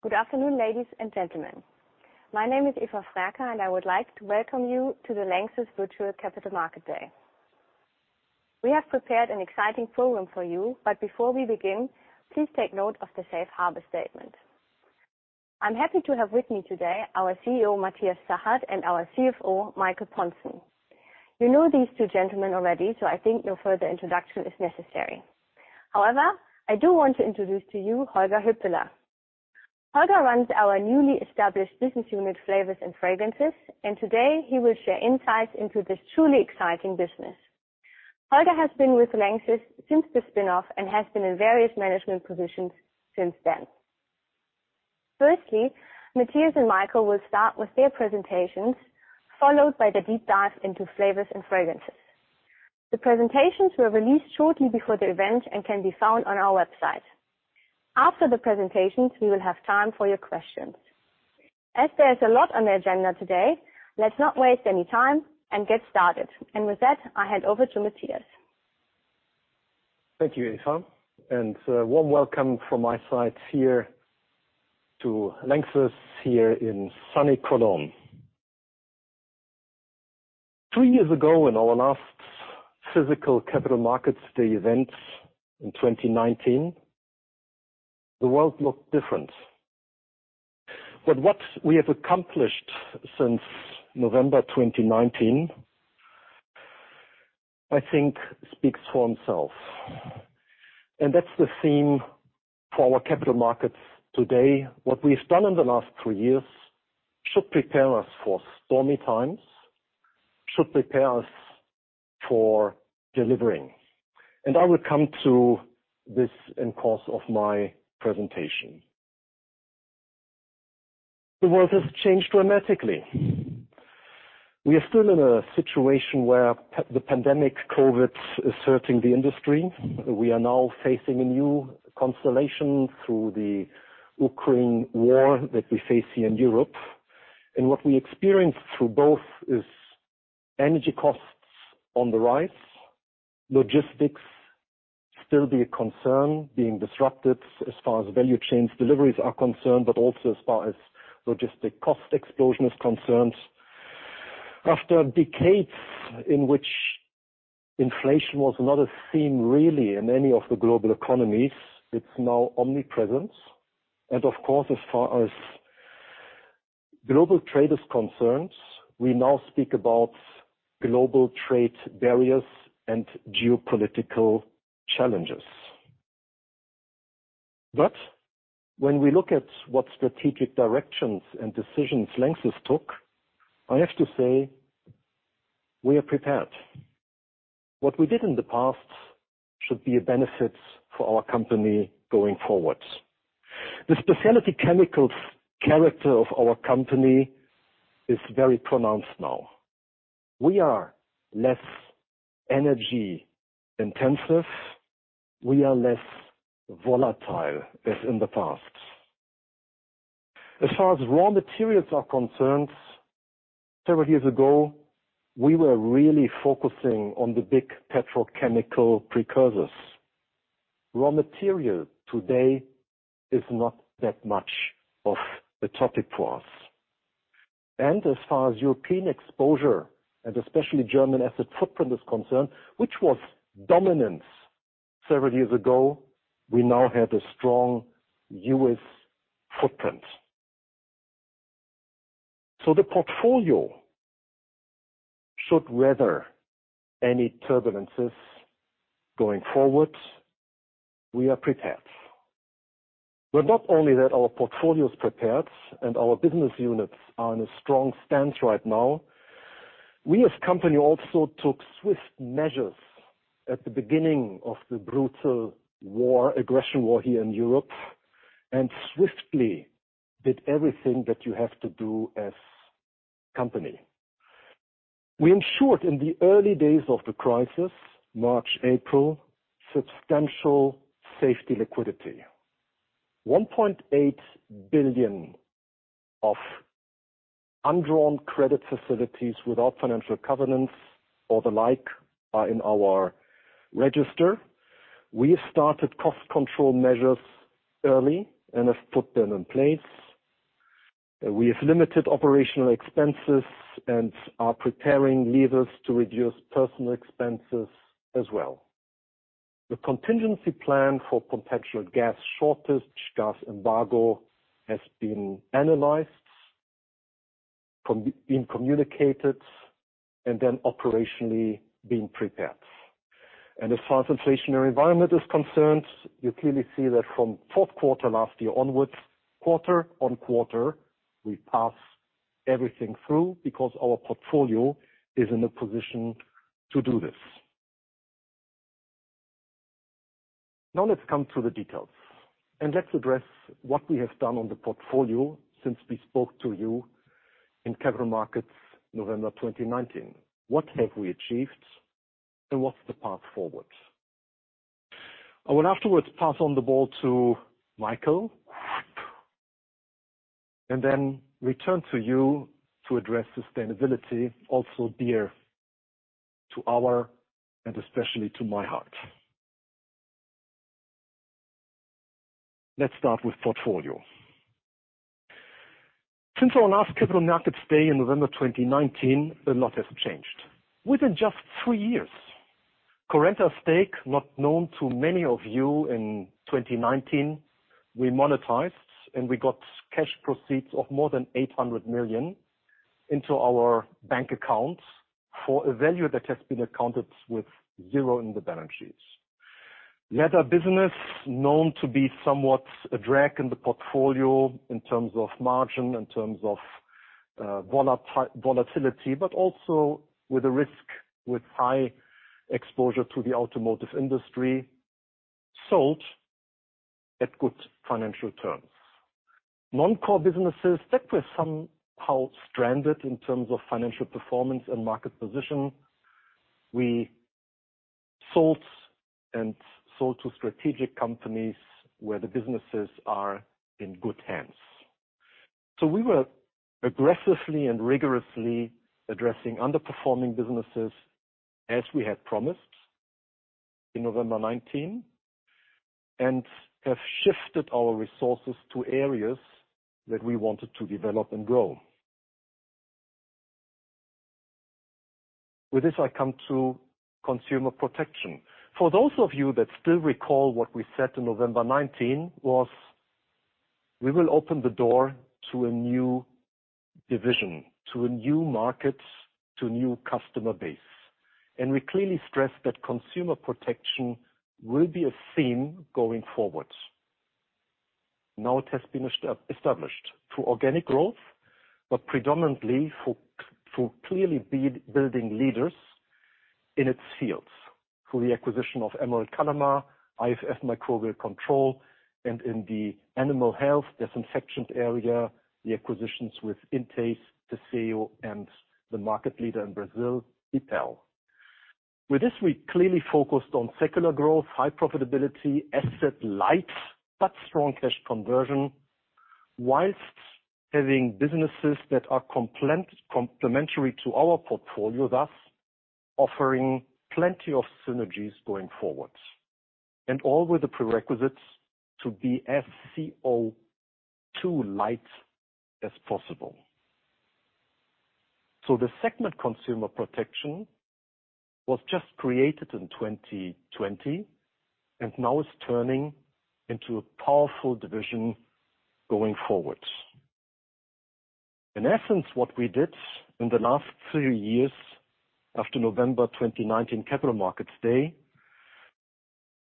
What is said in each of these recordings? Good afternoon, ladies and gentlemen. My name is Eva Frerker, and I would like to welcome you to the LANXESS Virtual Capital Market Day. We have prepared an exciting program for you, but before we begin, please take note of the safe harbor statement. I'm happy to have with me today our CEO, Matthias Zachert, and our CFO, Michael Pontzen. You know these two gentlemen already, so I think no further introduction is necessary. However, I do want to introduce to you Holger Hüppeler. Holger runs our newly established business unit, Flavors & Fragrances, and today he will share insights into this truly exciting business. Holger has been with LANXESS since the spin-off and has been in various management positions since then. Firstly, Matthias and Michael will start with their presentations, followed by the deep dive into flavors and fragrances. The presentations were released shortly before the event and can be found on our website. After the presentations, we will have time for your questions. As there is a lot on the agenda today, let's not waste any time and get started. With that, I hand over to Matthias. Thank you, Eva, and warm welcome from my side here to LANXESS here in sunny Cologne. Three years ago in our last physical Capital Markets Day event in 2019, the world looked different. What we have accomplished since November 2019, I think speaks for himself. That's the theme for our capital markets today. What we've done in the last three years should prepare us for stormy times, should prepare us for delivering. I will come to this in course of my presentation. The world has changed dramatically. We are still in a situation where the pandemic, COVID, is affecting the industry. We are now facing a new constellation through the Ukraine war that we face here in Europe. What we experience through both is energy costs on the rise, logistics still be a concern being disrupted as far as value chains deliveries are concerned, but also as far as logistic cost explosion is concerned. After decades in which inflation was not a theme really in any of the global economies, it's now omnipresent. Of course, as far as global trade is concerned, we now speak about global trade barriers and geopolitical challenges. When we look at what strategic directions and decisions LANXESS took, I have to say we are prepared. What we did in the past should be a benefit for our company going forward. The specialty chemicals character of our company is very pronounced now. We are less energy-intensive, we are less volatile as in the past. As far as raw materials are concerned, several years ago, we were really focusing on the big petrochemical precursors. Raw material today is not that much of a topic for us. As far as European exposure, and especially German asset footprint is concerned, which was dominant several years ago, we now have a strong U.S. footprint. The portfolio should weather any turbulences going forward. We are prepared. Not only that our portfolio is prepared and our business units are in a strong stance right now, we as a company also took swift measures at the beginning of the brutal war, aggression war here in Europe, and swiftly did everything that you have to do as company. We ensured in the early days of the crisis, March, April, substantial safety liquidity. 1.8 billion of undrawn credit facilities without financial covenants or the like are in our register. We have started cost control measures early and have put them in place. We have limited operational expenses and are preparing levers to reduce personal expenses as well. The contingency plan for potential gas shortage, gas embargo, has been analyzed, been communicated, and then operationally being prepared. As far as inflationary environment is concerned, you clearly see that from fourth quarter last year onwards, quarter-over-quarter, we pass everything through because our portfolio is in a position to do this. Now let's come to the details and let's address what we have done on the portfolio since we spoke to you in capital markets, November 2019. What have we achieved and what's the path forward? I will afterwards pass on the ball to Michael. Then return to you to address sustainability, also dear to our, and especially to my heart. Let's start with portfolio. Since our last Capital Markets Day in November 2019, a lot has changed. Within just three years, Currenta's stake, not known to many of you in 2019, we monetized and we got cash proceeds of more than 800 million into our bank accounts for a value that has been accounted with zero in the balance sheets. Leather business known to be somewhat a drag in the portfolio in terms of margin, in terms of volatility, but also with a risk with high exposure to the automotive industry, sold at good financial terms. Non-core businesses stuck with somehow stranded in terms of financial performance and market position. We sold and sold to strategic companies where the businesses are in good hands. We were aggressively and rigorously addressing underperforming businesses as we had promised in November 2019, and have shifted our resources to areas that we wanted to develop and grow. With this, I come to Consumer Protection. For those of you that still recall what we said in November 2019 was we will open the door to a new division, to a new market, to a new customer base. We clearly stress that Consumer Protection will be a theme going forward. Now it has been established through organic growth, but predominantly by clearly building leaders in its fields through the acquisition of Emerald Kalama Chemical, IFF Microbial Control and in the animal health disinfection area, the acquisitions with Intace, Theseo, and the market leader in Brazil, IPEL. With this, we clearly focused on secular growth, high profitability, asset-light, but strong cash conversion while having businesses that are complementary to our portfolio, thus offering plenty of synergies going forward. All with the prerequisites to be as CO2 light as possible. The segment Consumer Protection was just created in 2020 and now is turning into a powerful division going forward. In essence, what we did in the last three years after November 2019 Capital Markets Day,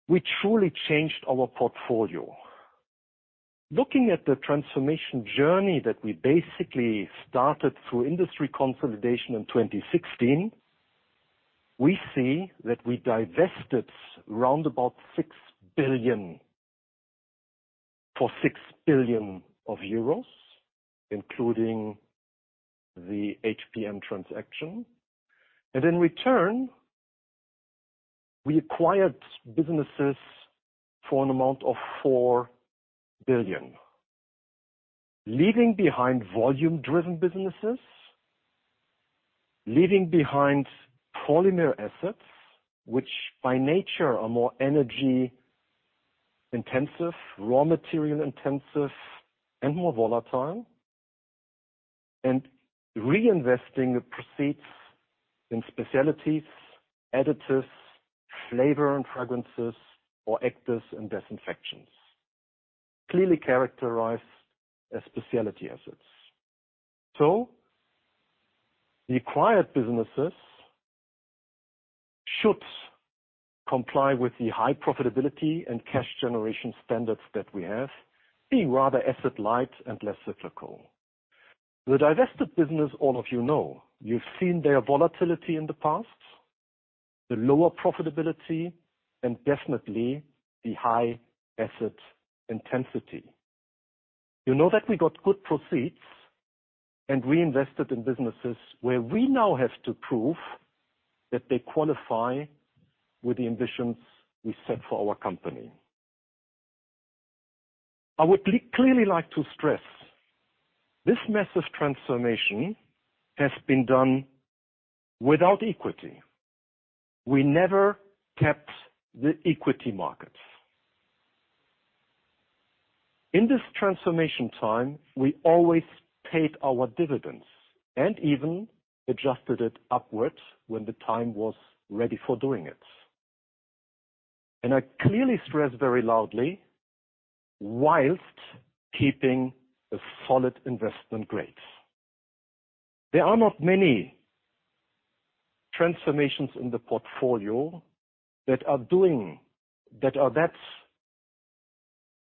we truly changed our portfolio. Looking at the transformation journey that we basically started through industry consolidation in 2016, we see that we divested round about 6 billion. For 6 billion of euros, including the HPM transaction. In return, we acquired businesses for an amount of 4 billion. Leaving behind volume-driven businesses, leaving behind polymer assets, which by nature are more energy-intensive, raw material intensive and more volatile, and reinvesting the proceeds in specialties, additives, flavor and fragrances or actives and disinfectants, clearly characterized as specialty assets. The acquired businesses should comply with the high profitability and cash generation standards that we have, being rather asset light and less cyclical. The divested business all of you know. You've seen their volatility in the past, the lower profitability and definitely the high asset intensity. You know that we got good proceeds and reinvested in businesses where we now have to prove that they qualify with the ambitions we set for our company. I would clearly like to stress this massive transformation has been done without equity. We never tapped the equity markets. In this transformation time, we always paid our dividends and even adjusted it upwards when the time was ready for doing it. I clearly stress very loudly, while keeping a solid investment grade. There are not many transformations in the portfolio that are that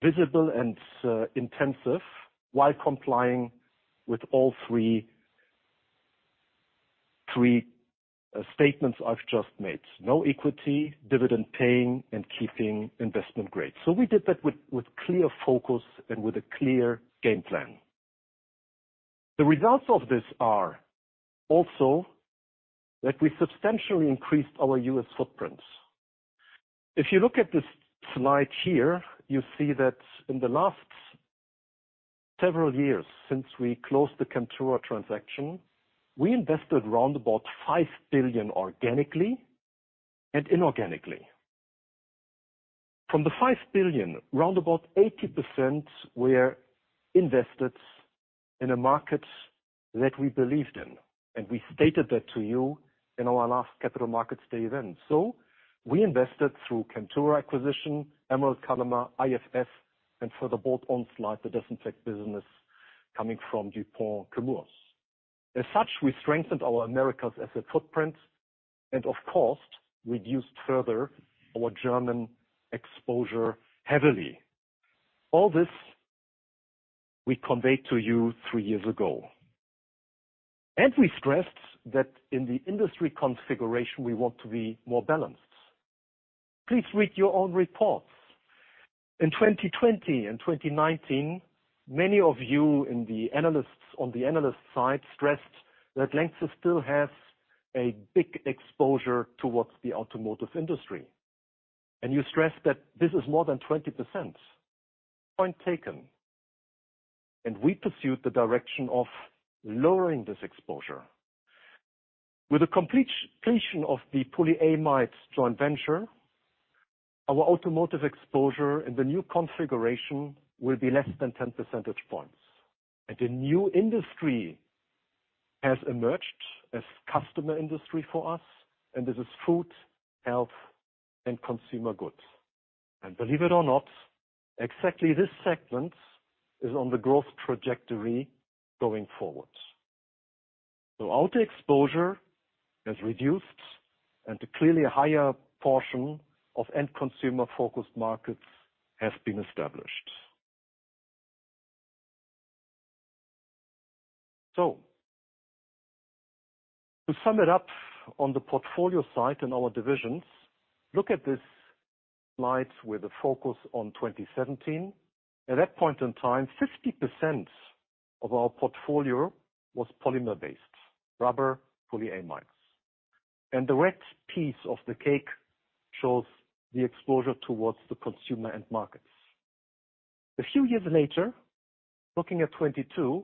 visible and intensive while complying with all three statements I've just made. No equity, dividend paying and keeping investment grade. We did that with clear focus and with a clear game plan. The results of this are also that we substantially increased our U.S. footprints. If you look at this slide here, you see that in the last several years since we closed the Chemtura transaction, we invested roundabout 5 billion organically and inorganically. From the 5 billion, about 80% were invested in a market that we believed in, and we stated that to you in our last Capital Markets Day event. We invested through Chemtura acquisition, Emerald Kalama, IFF, and for the bolt-on side, the disinfectant business coming from DuPont, Chemours. As such, we strengthened our Americas asset footprint and of course, reduced further our German exposure heavily. All this we conveyed to you three years ago. We stressed that in the industry configuration, we want to be more balanced. Please read your own reports. In 2020 and 2019, many of you on the analyst side stressed that LANXESS still has a big exposure towards the automotive industry. You stressed that this is more than 20%. Point taken. We pursued the direction of lowering this exposure. With the completion of the polyamides joint venture, our automotive exposure in the new configuration will be less than 10 percentage points. A new industry has emerged as customer industry for us, and this is food, health, and consumer goods. Believe it or not, exactly this segment is on the growth trajectory going forward. Auto exposure has reduced and clearly a higher portion of end consumer-focused markets has been established. To sum it up on the portfolio side and our divisions, look at this slide with a focus on 2017. At that point in time, 50% of our portfolio was polymer-based, rubber polyamides. The red piece of the cake shows the exposure towards the consumer end markets. A few years later, looking at 2022,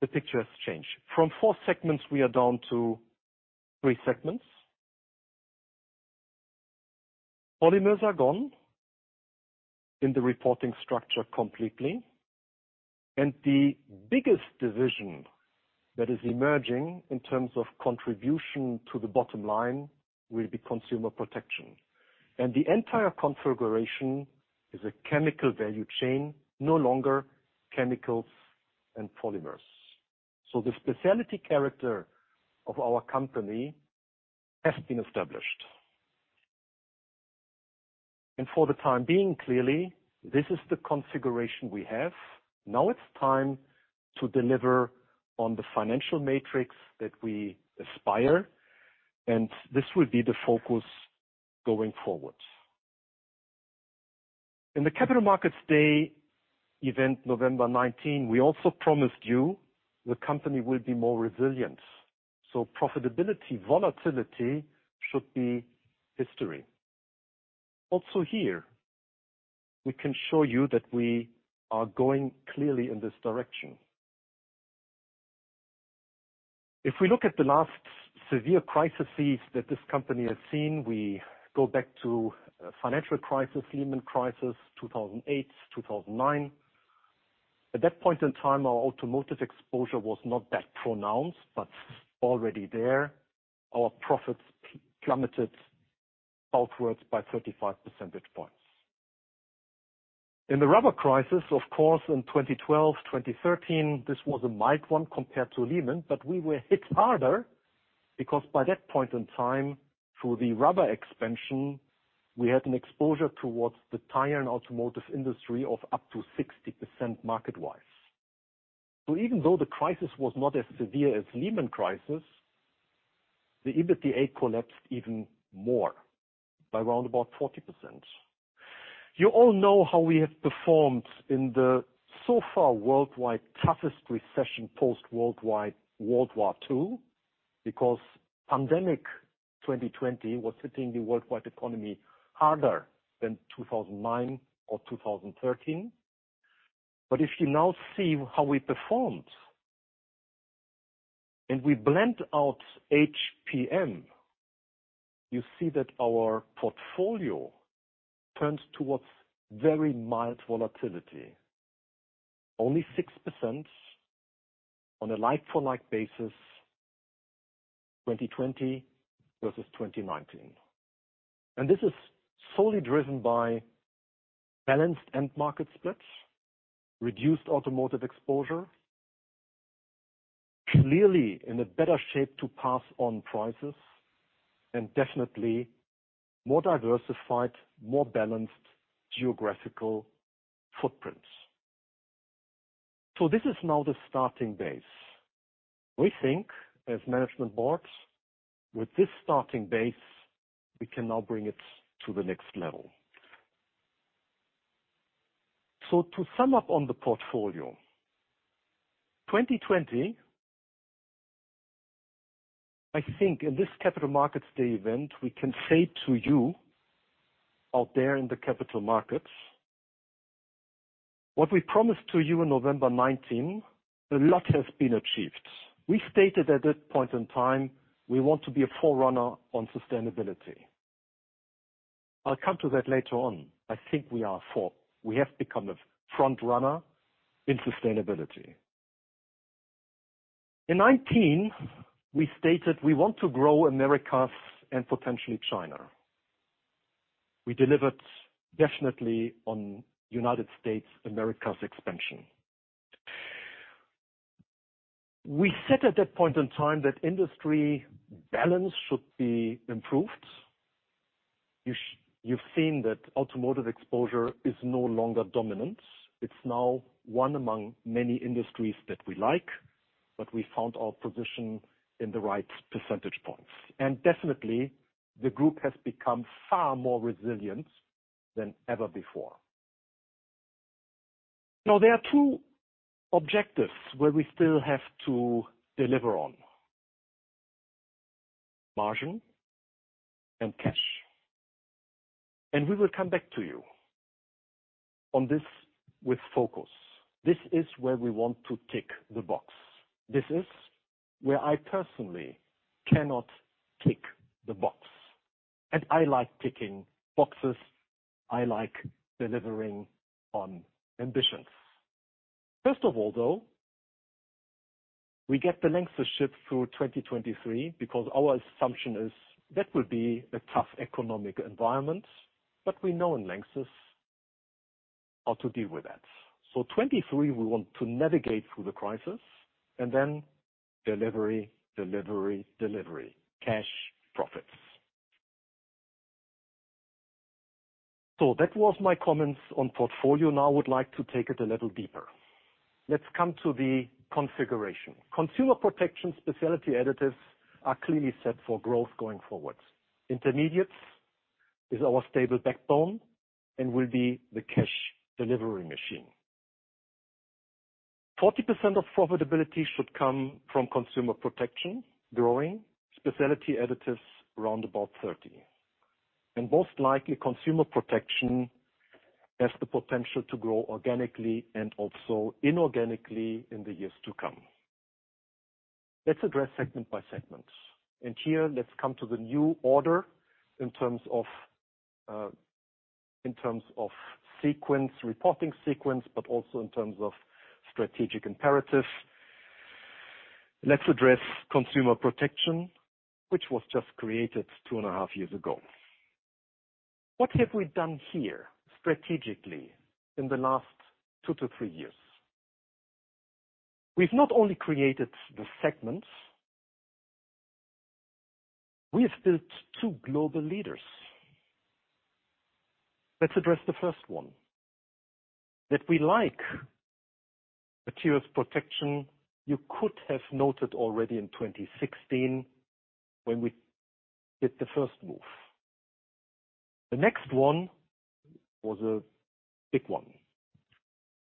the picture has changed. From four segments, we are down to three segments. Polymers are gone in the reporting structure completely. The biggest division that is emerging in terms of contribution to the bottom line will be Consumer Protection. The entire configuration is a chemical value chain, no longer chemicals and polymers. The specialty character of our company has been established. For the time being, clearly, this is the configuration we have. Now it's time to deliver on the financial matrix that we aspire, and this will be the focus going forward. In the Capital Markets Day event, November 19, we also promised you the company will be more resilient. Profitability, volatility should be history. Also here, we can show you that we are going clearly in this direction. If we look at the last severe crises that this company has seen, we go back to financial crisis, Lehman crisis, 2008, 2009. At that point in time, our automotive exposure was not that pronounced, but already there. Our profits plummeted outwards by 35 percentage points. In the rubber crisis, of course, in 2012, 2013, this was a mild one compared to Lehman, but we were hit harder because by that point in time, through the rubber expansion, we had an exposure towards the tire and automotive industry of up to 60% market-wise. Even though the crisis was not as severe as Lehman crisis, the EBITDA collapsed even more by roundabout 40%. You all know how we have performed in the so far worldwide toughest recession post worldwide World War II, because pandemic 2020 was hitting the worldwide economy harder than 2009 or 2013. If you now see how we performed and we blend out HPM, you see that our portfolio turns towards very mild volatility, only 6% on a like-for-like basis, 2020 versus 2019. This is solely driven by balanced end market splits, reduced automotive exposure, clearly in a better shape to pass on prices and definitely more diversified, more balanced geographical footprints. This is now the starting base. We think as management boards, with this starting base, we can now bring it to the next level. To sum up on the portfolio, 2020, I think in this capital markets day event, we can say to you out there in the capital markets what we promised to you in November 2019, a lot has been achieved. We stated at that point in time we want to be a forerunner on sustainability. I'll come to that later on. I think we are for. We have become a front-runner in sustainability. In 2019 we stated we want to grow Americas and potentially China. We delivered definitely on United States, Americas expansion. We said at that point in time that industry balance should be improved. You've seen that automotive exposure is no longer dominant. It's now one among many industries that we like, but we found our position in the right percentage points. Definitely the group has become far more resilient than ever before. Now, there are two objectives where we still have to deliver on. Margin and cash, and we will come back to you on this with focus. This is where we want to tick the box. This is where I personally cannot tick the box. I like ticking boxes. I like delivering on ambitions. First of all, though, we get the LANXESS ship through 2023 because our assumption is that will be a tough economic environment, but we know in LANXESS how to deal with that. 2023 we want to navigate through the crisis and then delivery, delivery, cash, profits. That was my comments on portfolio. Now I would like to take it a little deeper. Let's come to the configuration. Consumer Protection, Specialty Additives are clearly set for growth going forward. Intermediates is our stable backbone and will be the cash delivery machine. 40% of profitability should come from Consumer Protection, growing. Specialty Additives around about 30%. Most likely, Consumer Protection has the potential to grow organically and also inorganically in the years to come. Let's address segment by segment. Here let's come to the new order in terms of, in terms of sequence, reporting sequence, but also in terms of strategic imperatives. Let's address Consumer Protection, which was just created two and a half years ago. What have we done here strategically in the last two to three years? We've not only created the segments, we have built two global leaders. Let's address the first one. That we like materials protection you could have noted already in 2016 when we did the first move. The next one was a big one.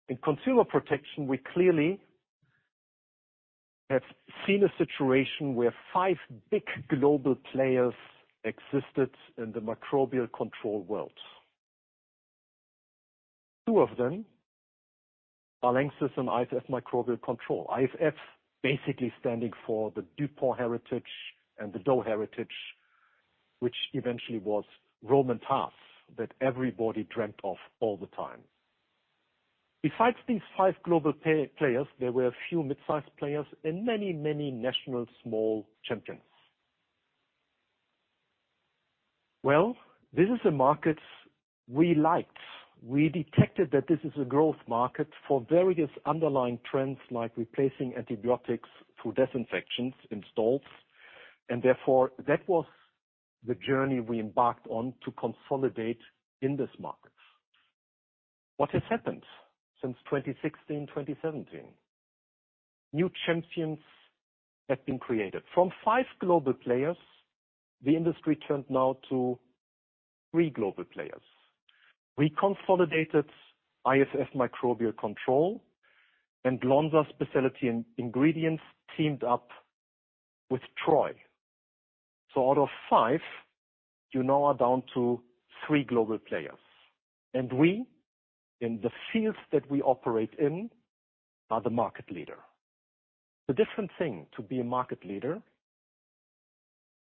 In Consumer Protection, we clearly have seen a situation where five big global players existed in the microbial control world. Two of them are LANXESS and IFF Microbial Control. IFF basically standing for the DuPont heritage and the Dow heritage, which eventually was Rohm and Haas that everybody dreamt of all the time. Besides these five global players, there were a few mid-sized players and many, many national small champions. Well, this is a market we liked. We detected that this is a growth market for various underlying trends, like replacing antibiotics through disinfectants in stalls. Therefore, that was the journey we embarked on to consolidate in this market. What has happened since 2016, 2017? New champions have been created. From five global players the industry turned now to three global players. We consolidated IFF Microbial Control and Lonza Specialty Ingredients teamed up with Troy. Out of five you now are down to three global players. We, in the fields that we operate in, are the market leader. It's a different thing to be a market leader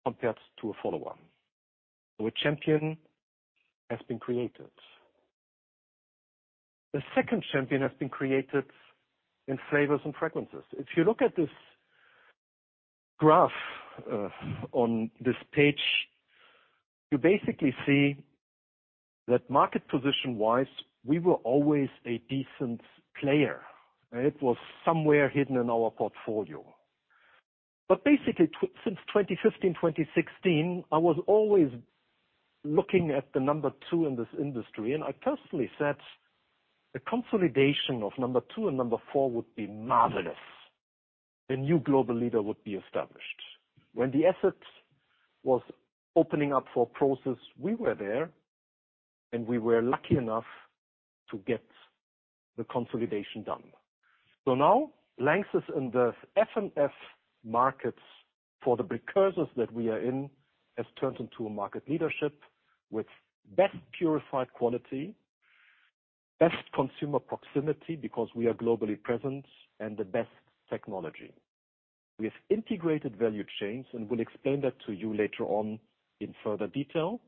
compared to a follower. A champion has been created. The second champion has been created in Flavors & fragrances. If you look at this graph on this page, you basically see that market position-wise, we were always a decent player. It was somewhere hidden in our portfolio. Basically since 2015, 2016, I was always looking at the number two in this industry, and I personally said the consolidation of number two and number four would be marvelous. A new global leader would be established. When the asset was opening up for process, we were there, and we were lucky enough to get the consolidation done. Now, LANXESS in the F&F markets for the precursors that we are in, has turned into a market leadership with best purified quality, best consumer proximity, because we are globally present, and the best technology. We have integrated value chains, and we'll explain that to you later on in further detail,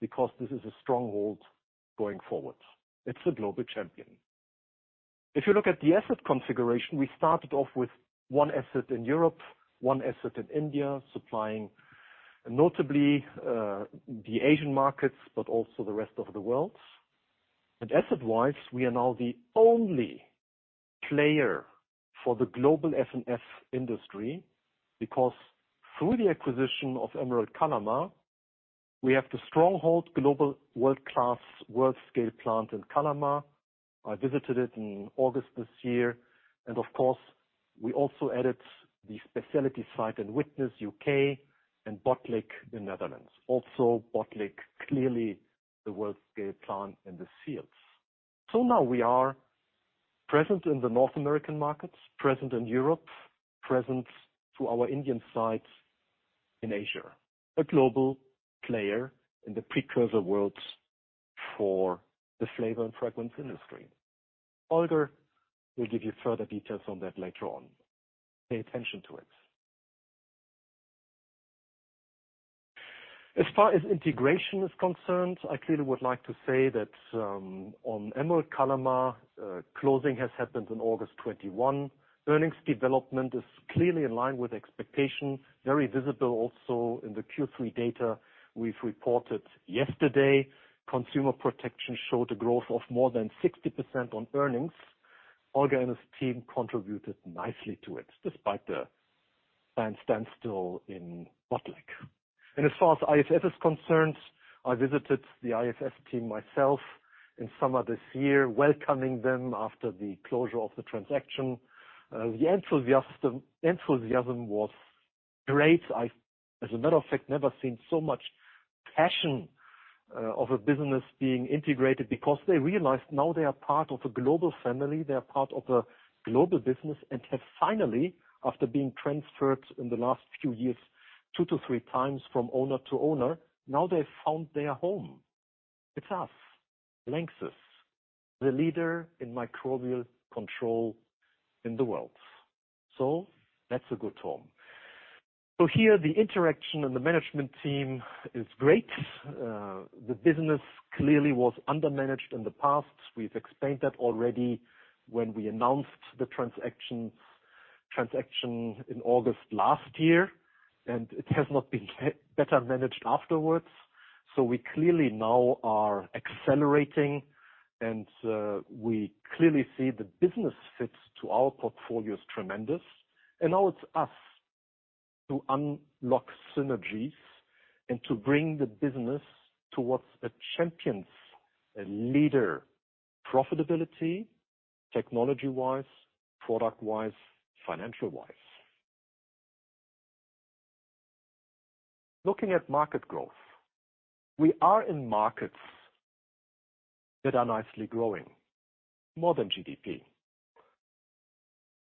because this is a stronghold going forward. It's a global champion. If you look at the asset configuration, we started off with one asset in Europe, one asset in India, supplying notably, the Asian markets, but also the rest of the world. Asset-wise, we are now the only player for the global F&F industry, because through the acquisition of Emerald Kalama, we have the stronghold global world-class, world-scale plant in Kalama. I visited it in August this year. Of course, we also added the specialty site in Widnes, U.K., and Botlek in Netherlands. Also, Botlek, clearly the world-scale plant in this fields. Now we are present in the North American markets, present in Europe, present through our Indian sites in Asia. A global player in the precursor worlds for the flavor and fragrance industry. Holger will give you further details on that later on. Pay attention to it. As far as integration is concerned, I clearly would like to say that, on Emerald Kalama Chemical, closing has happened in August 2021. Earnings development is clearly in line with expectation, very visible also in the Q3 data we've reported yesterday. Consumer Protection showed a growth of more than 60% on earnings. Holger and his team contributed nicely to it, despite the plant standstill in Botlek. As far as IFF is concerned, I visited the IFF team myself in summer this year, welcoming them after the closure of the transaction. The enthusiasm was great. I've, as a matter of fact, never seen so much passion, of a business being integrated because they realized now they are part of a global family, they are part of a global business, and have finally, after being transferred in the last few years, two to three times from owner to owner, now they found their home. It's us, LANXESS, the leader in microbial control in the world. That's a good home. Here the interaction and the management team is great. The business clearly was undermanaged in the past. We've explained that already when we announced the transaction in August last year, and it has not been better managed afterwards. We clearly now are accelerating and, we clearly see the business fits to our portfolio is tremendous. Now it's up to us to unlock synergies and to bring the business towards a champion, a leader, profitability, technology-wise, product-wise, financial-wise. Looking at market growth. We are in markets that are nicely growing, more than GDP.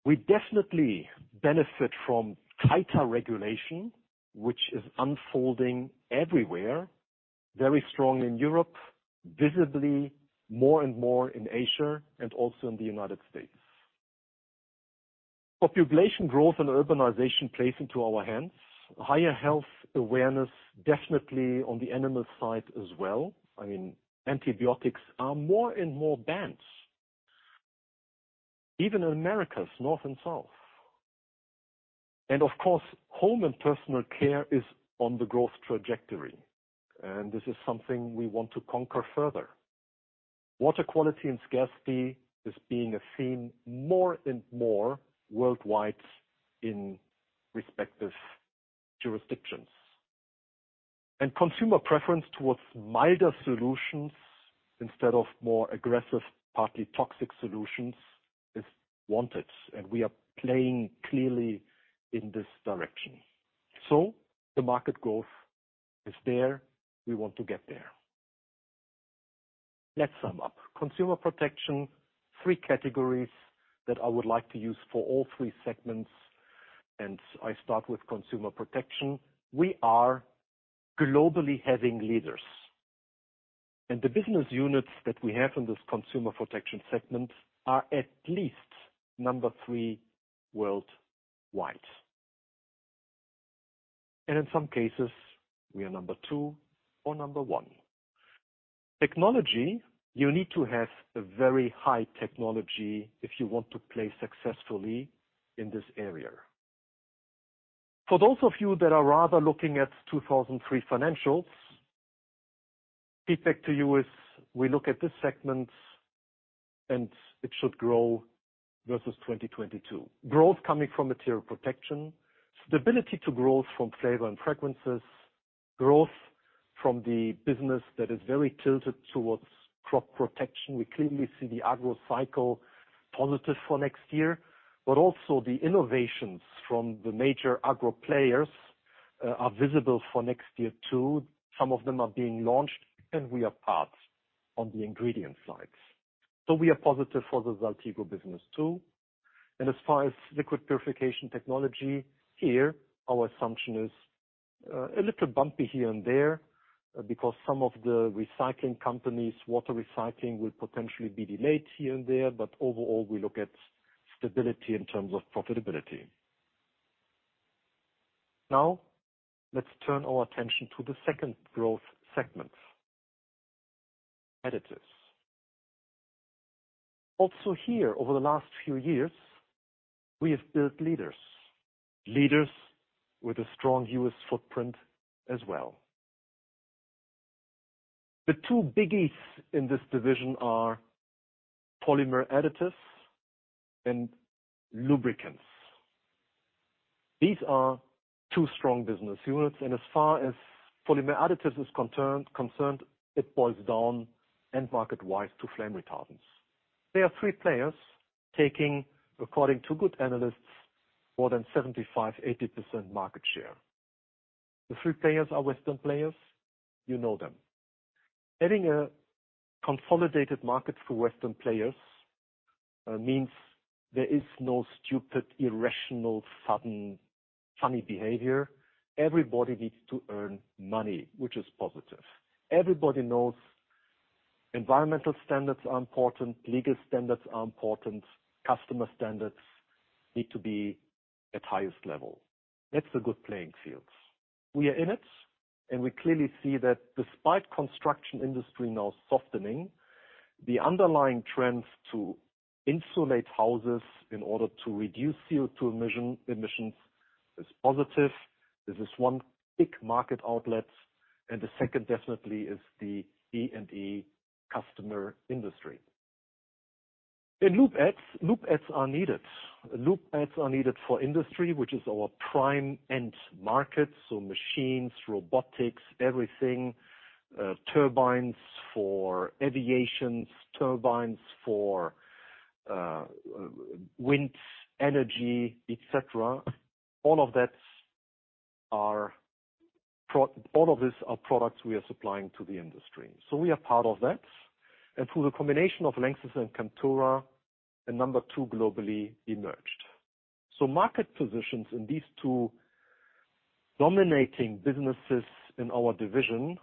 We definitely benefit from tighter regulation, which is unfolding everywhere, very strong in Europe, visibly more and more in Asia and also in the United States. Population growth and urbanization plays into our hands. Higher health awareness, definitely on the animal side as well. I mean, antibiotics are more and more banned, even in Americas, north and south. Of course, home and personal care is on the growth trajectory, and this is something we want to conquer further. Water quality and scarcity is being a theme more and more worldwide in respective jurisdictions. Consumer preference towards milder solutions instead of more aggressive, partly toxic solutions is wanted, and we are playing clearly in this direction. The market growth is there. We want to get there. Let's sum up. Consumer Protection, three categories that I would like to use for all three segments, and I start with Consumer Protection. We are globally having leaders. The business units that we have in this Consumer Protection segment are at least number three worldwide. In some cases, we are number two or number one. Technology, you need to have a very high technology if you want to play successfully in this area. For those of you that are rather looking at 2023 financials, feedback to you is, we look at this segment and it should grow versus 2022. Growth coming from material protection, stability to growth from flavors and fragrances. Growth from the business that is very tilted towards crop protection. We clearly see the Agro cycle positive for next year, but also the innovations from the major Agro players are visible for next year, too. Some of them are being launched, and we are part on the ingredient side. We are positive for the Saltigo business, too. As far as Liquid Purification Technologies, here our assumption is a little bumpy here and there because some of the recycling companies, water recycling will potentially be delayed here and there. Overall, we look at stability in terms of profitability. Now, let's turn our attention to the second growth segment, additives. Also here, over the last few years, we have built leaders. Leaders with a strong U.S. footprint as well. The two biggies in this division are polymer additives and lubricants. These are two strong business units. As far as polymer additives is concerned, it boils down end market-wise to flame retardants. There are three players taking, according to good analysts, more than 75-80% market share. The three players are Western players. You know them. Having a consolidated market for Western players means there is no stupid, irrational, sudden, funny behavior. Everybody needs to earn money, which is positive. Everybody knows environmental standards are important, legal standards are important, customer standards need to be at highest level. That's a good playing field. We are in it, and we clearly see that despite construction industry now softening, the underlying trends to insulate houses in order to reduce CO2 emissions is positive. This is one big market outlet, and the second definitely is the E&E customer industry. In lube adds, lube adds are needed. Lube adds are needed for industry, which is our prime end market, so machines, robotics, everything, turbines for aviation, turbines for wind energy, et cetera. All of these are products we are supplying to the industry. We are part of that. Through the combination of LANXESS and Chemtura, a number two globally emerged. Market positions in these two dominating businesses in our division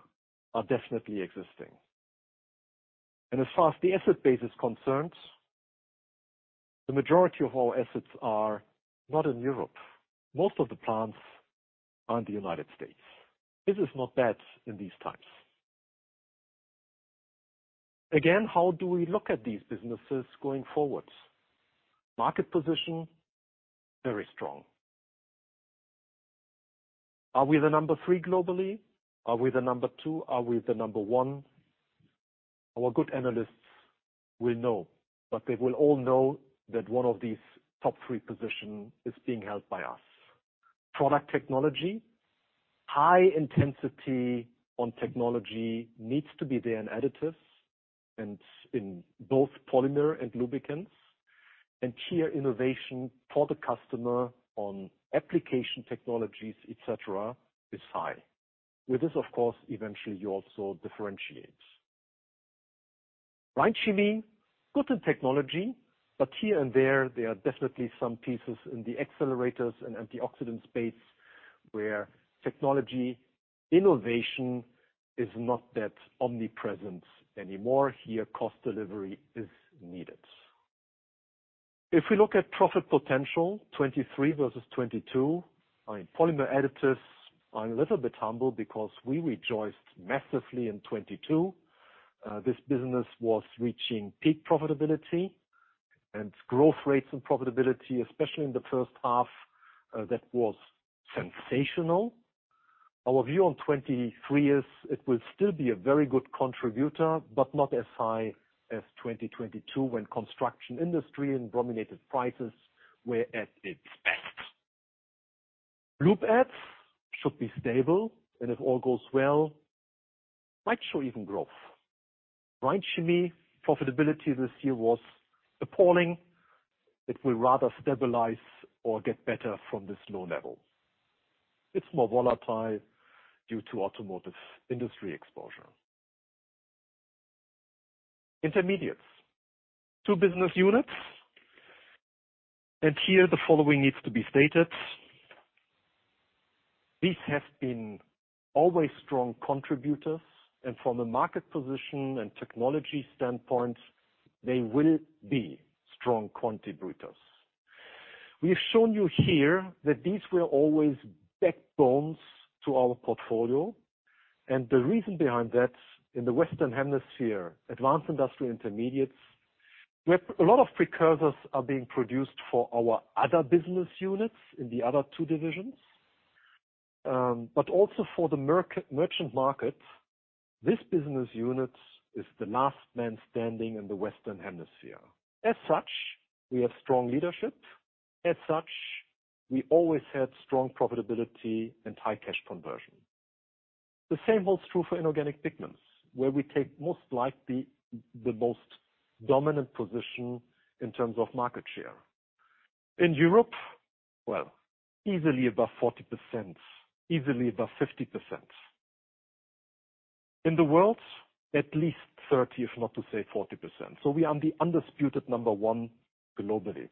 are definitely existing. As far as the asset base is concerned, the majority of our assets are not in Europe. Most of the plants are in the United States. This is not bad in these times. Again, how do we look at these businesses going forward? Market position, very strong. Are we the numberthree globally? Are we the number two? Are we the number one? Our good analysts will know, but they will all know that one of these top three position is being held by us. Product technology. High intensity on technology needs to be there in additives and in both polymer and lubricants. Here, innovation for the customer on application technologies, et cetera, is high. With this, of course, eventually you also differentiate. Rhein Chemie, good in technology, but here and there are definitely some pieces in the accelerators and antioxidants space where technology innovation is not that omnipresent anymore. Here, cost delivery is needed. If we look at profit potential 2023 versus 2022, I mean, polymer additives are a little bit humble because we rejoiced massively in 2022. This business was reaching peak profitability and growth rates and profitability, especially in the first half, that was sensational. Our view on 2023 is it will still be a very good contributor, but not as high as 2022 when construction industry and brominated prices were at its best. Lube Additives should be stable, and if all goes well, might show even growth. Rhein Chemie profitability this year was appalling. It will rather stabilize or get better from this low level. It's more volatile due to automotive industry exposure. Intermediates. Two business units. Here the following needs to be stated. These have been always strong contributors, and from a market position and technology standpoint, they will be strong contributors. We've shown you here that these were always backbones to our portfolio. The reason behind that, in the Western Hemisphere, Advanced Intermediates, we have a lot of precursors being produced for our other business units in the other two divisions, but also for the merchant market. This business unit is the last man standing in the Western Hemisphere. As such, we have strong leadership. As such, we always had strong profitability and high cash conversion. The same holds true for Inorganic Pigments, where we take most likely the most dominant position in terms of market share. In Europe, well, easily above 40%, easily above 50%. In the world, at least 30, if not to say 40%. We are the undisputed number one globally.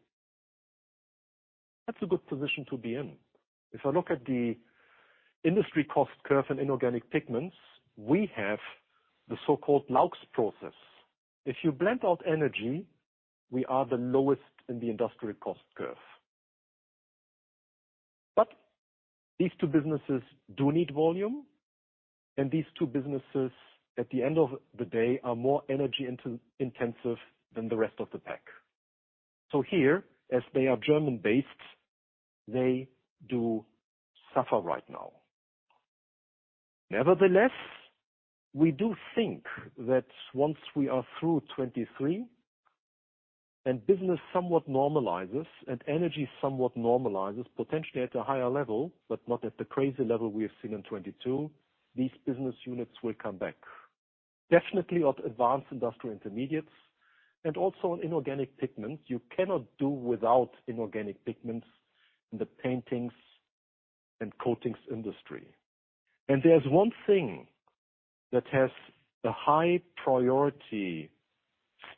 That's a good position to be in. If I look at the industry cost curve in Inorganic Pigments, we have the so-called Laux process. If you blend out energy, we are the lowest in the industrial cost curve. These two businesses do need volume, and these two businesses, at the end of the day, are more energy intensive than the rest of the pack. Here, as they are German-based, they do suffer right now. Nevertheless, we do think that once we are through 2023 and business somewhat normalizes and energy somewhat normalizes, potentially at a higher level, but not at the crazy level we have seen in 2022, these business units will come back. Definitely at Advanced Intermediates and also in Inorganic Pigments. You cannot do without Inorganic Pigments in the paints and coatings industry. There's one thing that has the high-priority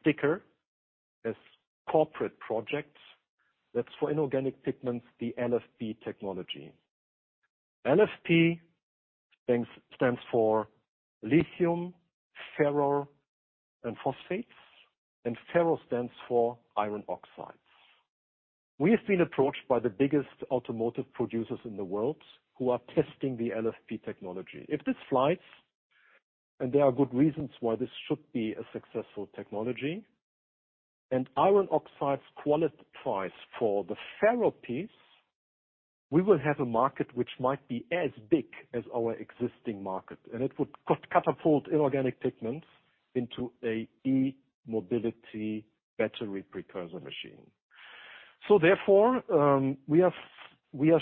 sticker as corporate projects. That's for Inorganic Pigments, the LFP technology. LFP stands for lithium, ferro, and phosphates, and ferro stands for iron oxides. We have been approached by the biggest automotive producers in the world who are testing the LFP technology. If this flies, and there are good reasons why this should be a successful technology, and iron oxides qualify for the ferro piece, we will have a market which might be as big as our existing market, and it would catapult inorganic pigments into a e-mobility battery precursor machine. We are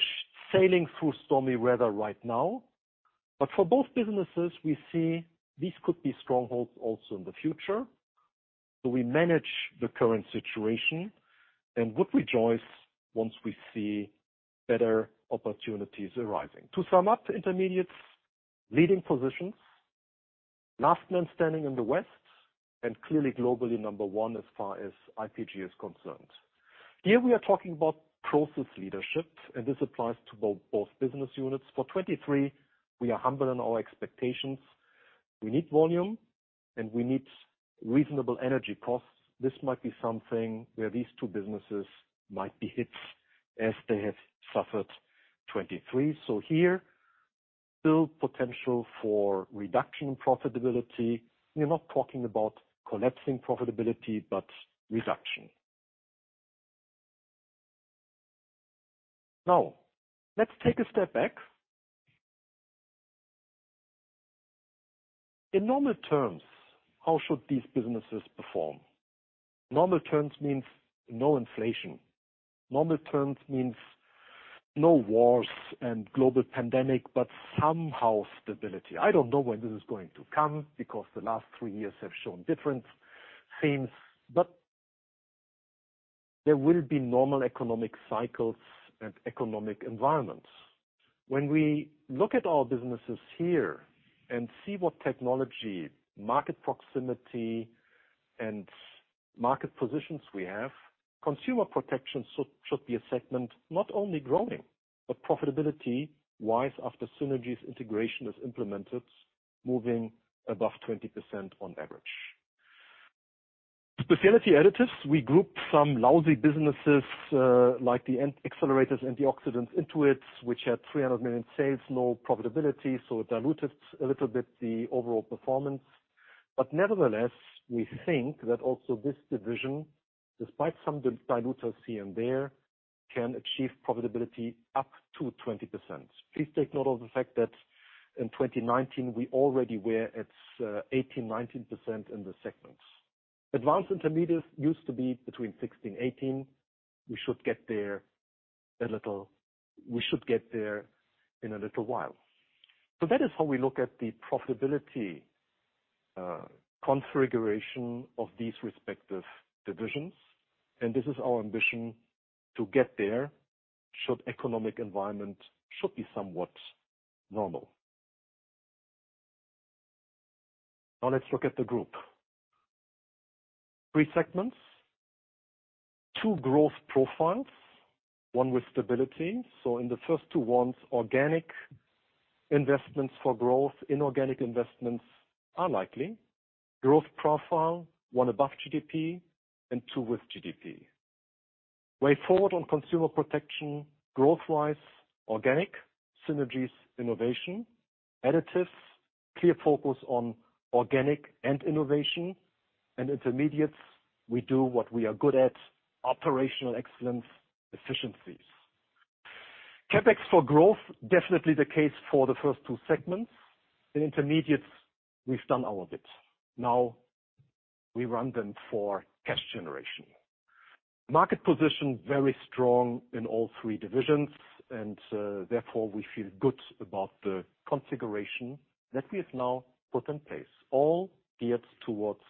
sailing through stormy weather right now. For both businesses, we see these could be strongholds also in the future. We manage the current situation and would rejoice once we see better opportunities arising. To sum up, intermediates, leading positions, last man standing in the West, and clearly globally number one as far as IPG is concerned. Here we are talking about process leadership, and this applies to both business units. For 2023, we are humble in our expectations. We need volume, and we need reasonable energy costs. This might be something where these two businesses might be hit as they have suffered 2023. Here, still potential for reduction in profitability. We're not talking about collapsing profitability, but reduction. Now, let's take a step back. In normal terms, how should these businesses perform? Normal terms means no inflation. Normal terms means no wars and global pandemic, but somehow stability. I don't know when this is going to come because the last three years have shown different things, but there will be normal economic cycles and economic environments. When we look at our businesses here and see what technology, market proximity, and market positions we have, Consumer Protection should be a segment not only growing, but profitability-wise after synergies integration is implemented, moving above 20% on average. Specialty Additives, we group some lousy businesses like the accelerators, antioxidants into it, which had 300 million sales, no profitability, so it diluted a little bit the overall performance. Nevertheless, we think that also this division, despite some diluters here and there, can achieve profitability up to 20%. Please take note of the fact that in 2019 we already were at 18%-19% in the segment. Advanced Intermediates used to be between 16%-18%. We should get there in a little while. That is how we look at the profitability configuration of these respective divisions, and this is our ambition to get there should economic environment should be somewhat normal. Now let's look at the group. Three segments, two growth profiles, one with stability. In the first two ones, organc investments for growth, inorganic investments are likely. Growth profile, one above GDP and two with GDP. Way forward on Consumer Protection, growth-wise, organic, synergies, innovation, additives, clear focus on organic and innovation, and intermediates, we do what we are good at, operational excellence, efficiencies. CapEx for growth, definitely the case for the first two segments. In intermediates, we've done our bit. Now we run them for cash generation. Market position, very strong in all three divisions and, therefore, we feel good about the configuration that we have now put in place, all geared towards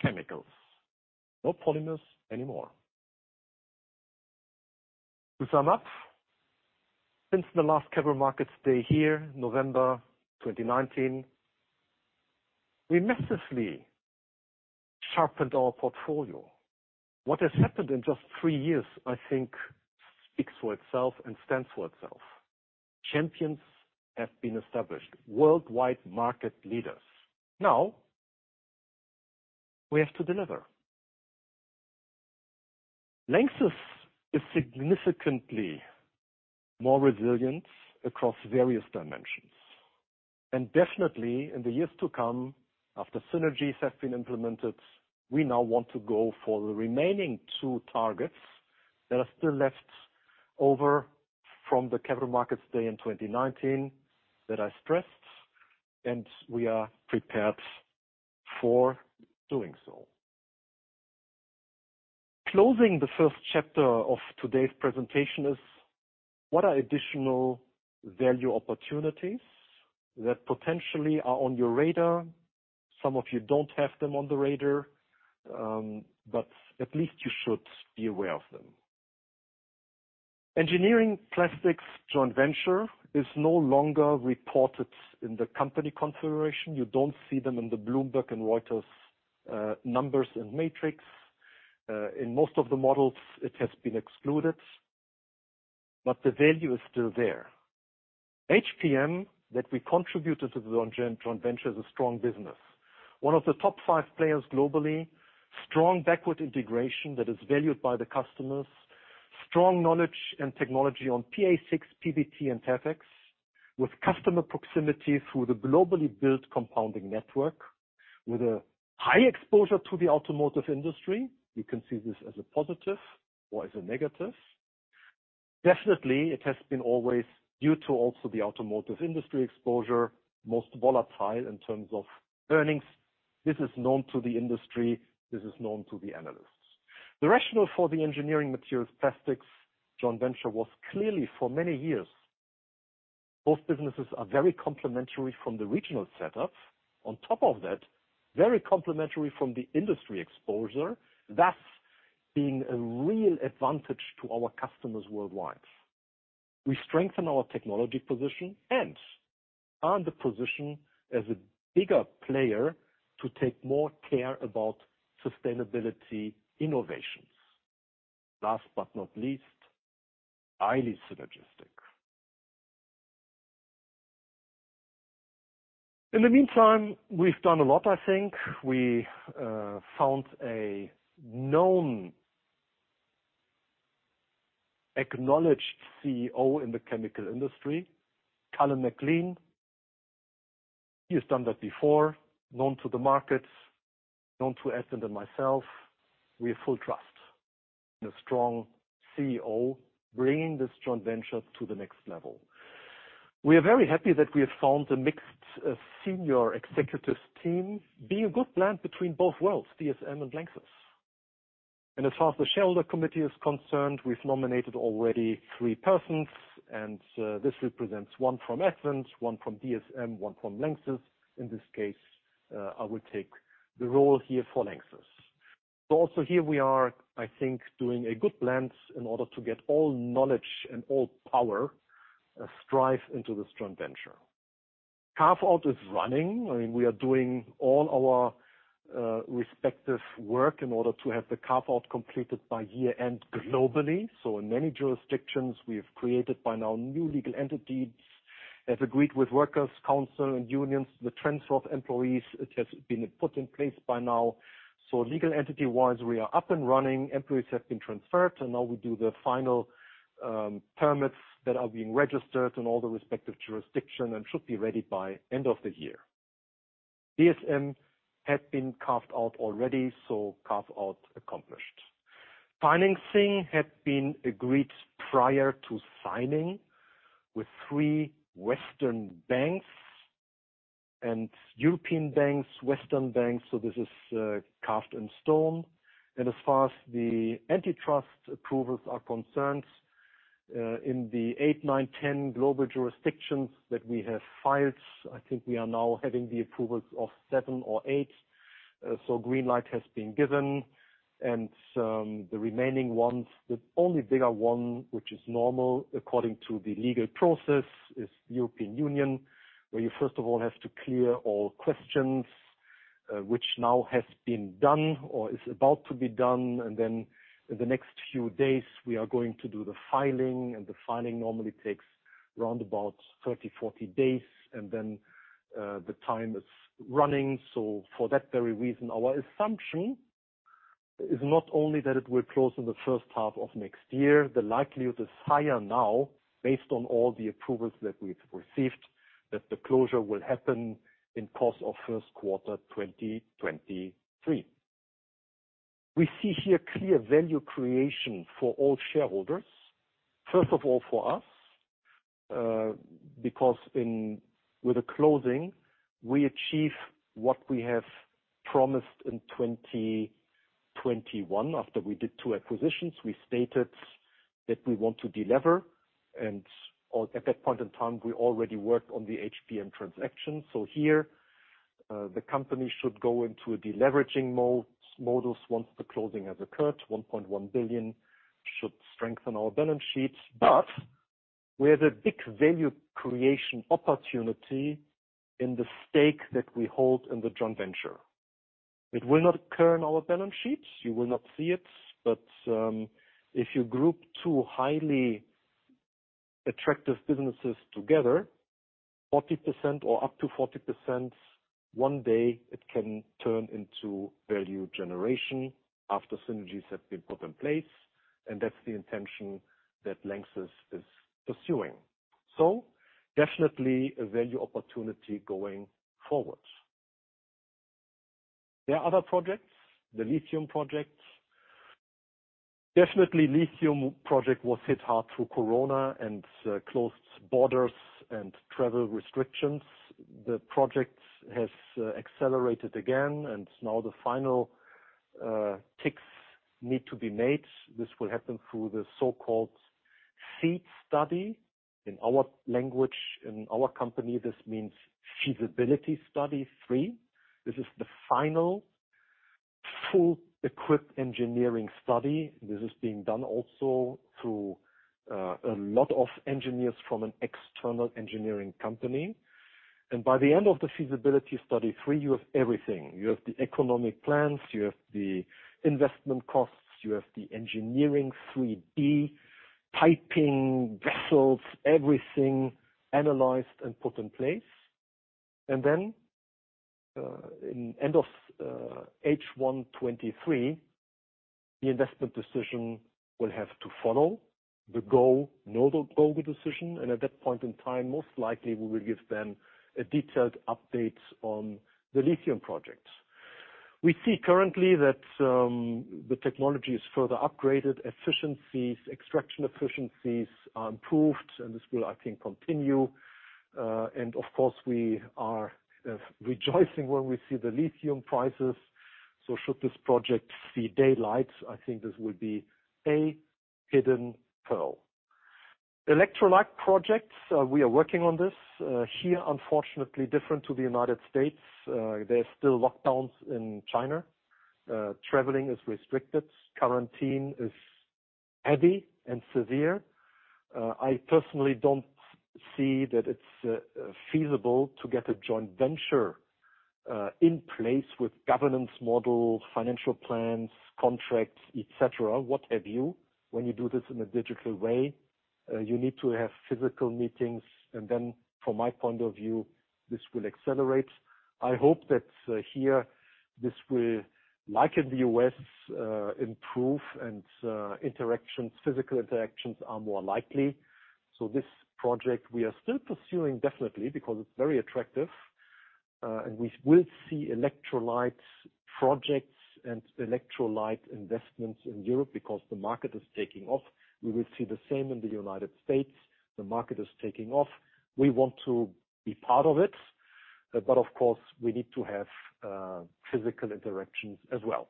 chemicals, not polymers anymore. To sum up, since the last Capital Markets Day here, November 2019, we massively sharpened our portfolio. What has happened in just three years, I think speaks for itself and stands for itself. Champions have been established, worldwide market leaders. Now we have to deliver. LANXESS is significantly more resilient across various dimensions and definitely in the years to come after synergies have been implemented. We now want to go for the remaining two targets that are still left over from the Capital Markets Day in 2019 that I stressed, and we are prepared for doing so. Closing the first chapter of today's presentation is what are additional value opportunities that potentially are on your radar. Some of you don't have them on the radar, but at least you should be aware of them. Engineering Plastics joint venture is no longer reported in the company configuration. You don't see them in the Bloomberg and Reuters numbers and matrix. In most of the models it has been excluded, but the value is still there. HPM that we contributed to the joint venture is a strong business. One of the top five players globally. Strong backward integration that is valued by the customers. Strong knowledge and technology on PA6, PBT, and Tepex, with customer proximity through the globally built compounding network, with a high exposure to the automotive industry. You can see this as a positive or as a negative. Definitely, it has been always due to also the automotive industry exposure, most volatile in terms of earnings. This is known to the industry, this is known to the analysts. The rationale for the Engineering Plastics joint venture was clearly for many years. Both businesses are very complementary from the regional setup. On top of that, very complementary from the industry exposure, thus being a real advantage to our customers worldwide. We strengthen our technology position and are in the position as a bigger player to take more care about sustainability innovations. Last but not least, highly synergistic. In the meantime, we've done a lot, I think. We found a known, acknowledged CEO in the chemical industry, Colin McLean. He has done that before. Known to the markets, known to Advent and myself. We have full trust in a strong CEO bringing this joint venture to the next level. We are very happy that we have found a mixed senior executive team, being a good blend between both worlds, DSM and LANXESS. As far as the shareholder committee is concerned, we've nominated already three persons and this represents one from Advent, one from DSM, one from LANXESS. In this case, I will take the role here for LANXESS. Also here we are, I think, doing a good blend in order to get all knowledge and all power drive into this joint venture. Carve-out is running. I mean, we are doing all our respective work in order to have the carve-out completed by year-end globally. In many jurisdictions we have created by now new legal entities. As agreed with works council and unions, the transfer of employees, it has been put in place by now. Legal entity-wise, we are up and running. Employees have been transferred and now we do the final permits that are being registered in all the respective jurisdictions and should be ready by end of the year. DSM had been carved out already, carve-out accomplished. Financing had been agreed prior to signing with three Western banks and European banks. Western banks, this is carved in stone. As far as the antitrust approvals are concerned, in the eight, nine, 10 global jurisdictions that we have filed, I think we are now having the approvals of seven or eight. So green light has been given and, the remaining ones, the only bigger one, which is normal according to the legal process, is European Union, where you first of all have to clear all questions, which now has been done or is about to be done. Then in the next few days we are going to do the filing. The filing normally takes round about 30, 40 days, and then, the time is running. For that very reason, our assumption is not only that it will close in the first half of next year, the likelihood is higher now based on all the approvals that we've received, that the closure will happen in course of first quarter 2023. We see here clear value creation for all shareholders. First of all, for us, because with the closing, we achieve what we have promised in 2021. After we did two acquisitions, we stated that we want to deliver, and at that point in time, we already worked on the HPM transaction. Here, the company should go into a deleveraging mode once the closing has occurred. 1.1 billion should strengthen our balance sheets. But we have a big value creation opportunity in the stake that we hold in the joint venture. It will not occur in our balance sheets. You will not see it. If you group two highly attractive businesses together, 40% or up to 40%, one day it can turn into value generation after synergies have been put in place, and that's the intention that LANXESS is pursuing. Definitely a value opportunity going forward. There are other projects, the lithium projects. Definitely lithium project was hit hard through Corona and closed borders and travel restrictions. The project has accelerated again, and now the final ticks need to be made. This will happen through the so-called FEED study. In our language, in our company, this means feasibility study three. This is the final full-equipped engineering study. This is being done also through a lot of engineers from an external engineering company. By the end of the feasibility study three, you have everything. You have the economic plans, you have the investment costs, you have the engineering, 3D, piping, vessels, everything analyzed and put in place. At the end of H1 2023, the investment decision will have to follow the go/no-go decision. At that point in time, most likely we will give them a detailed update on the lithium project. We see currently that the technology is further upgraded. Efficiencies, extraction efficiencies are improved, and this will, I think, continue. Of course, we are rejoicing when we see the lithium prices. Should this project see daylight, I think this will be a hidden pearl. Electrolyte projects, we are working on this. Here, unfortunately, different to the United States, there are still lockdowns in China. Traveling is restricted, quarantine is heavy and severe. I personally don't see that it's feasible to get a joint venture in place with governance model, financial plans, contracts, et cetera, what have you. When you do this in a digital way, you need to have physical meetings, and then from my point of view, this will accelerate. I hope that here this will, like in the U.S., improve and interactions, physical interactions are more likely. This project we are still pursuing definitely because it's very attractive, and we will see electrolytes projects and electrolyte investments in Europe because the market is taking off. We will see the same in the United States. The market is taking off. We want to be part of it, but of course, we need to have physical interactions as well.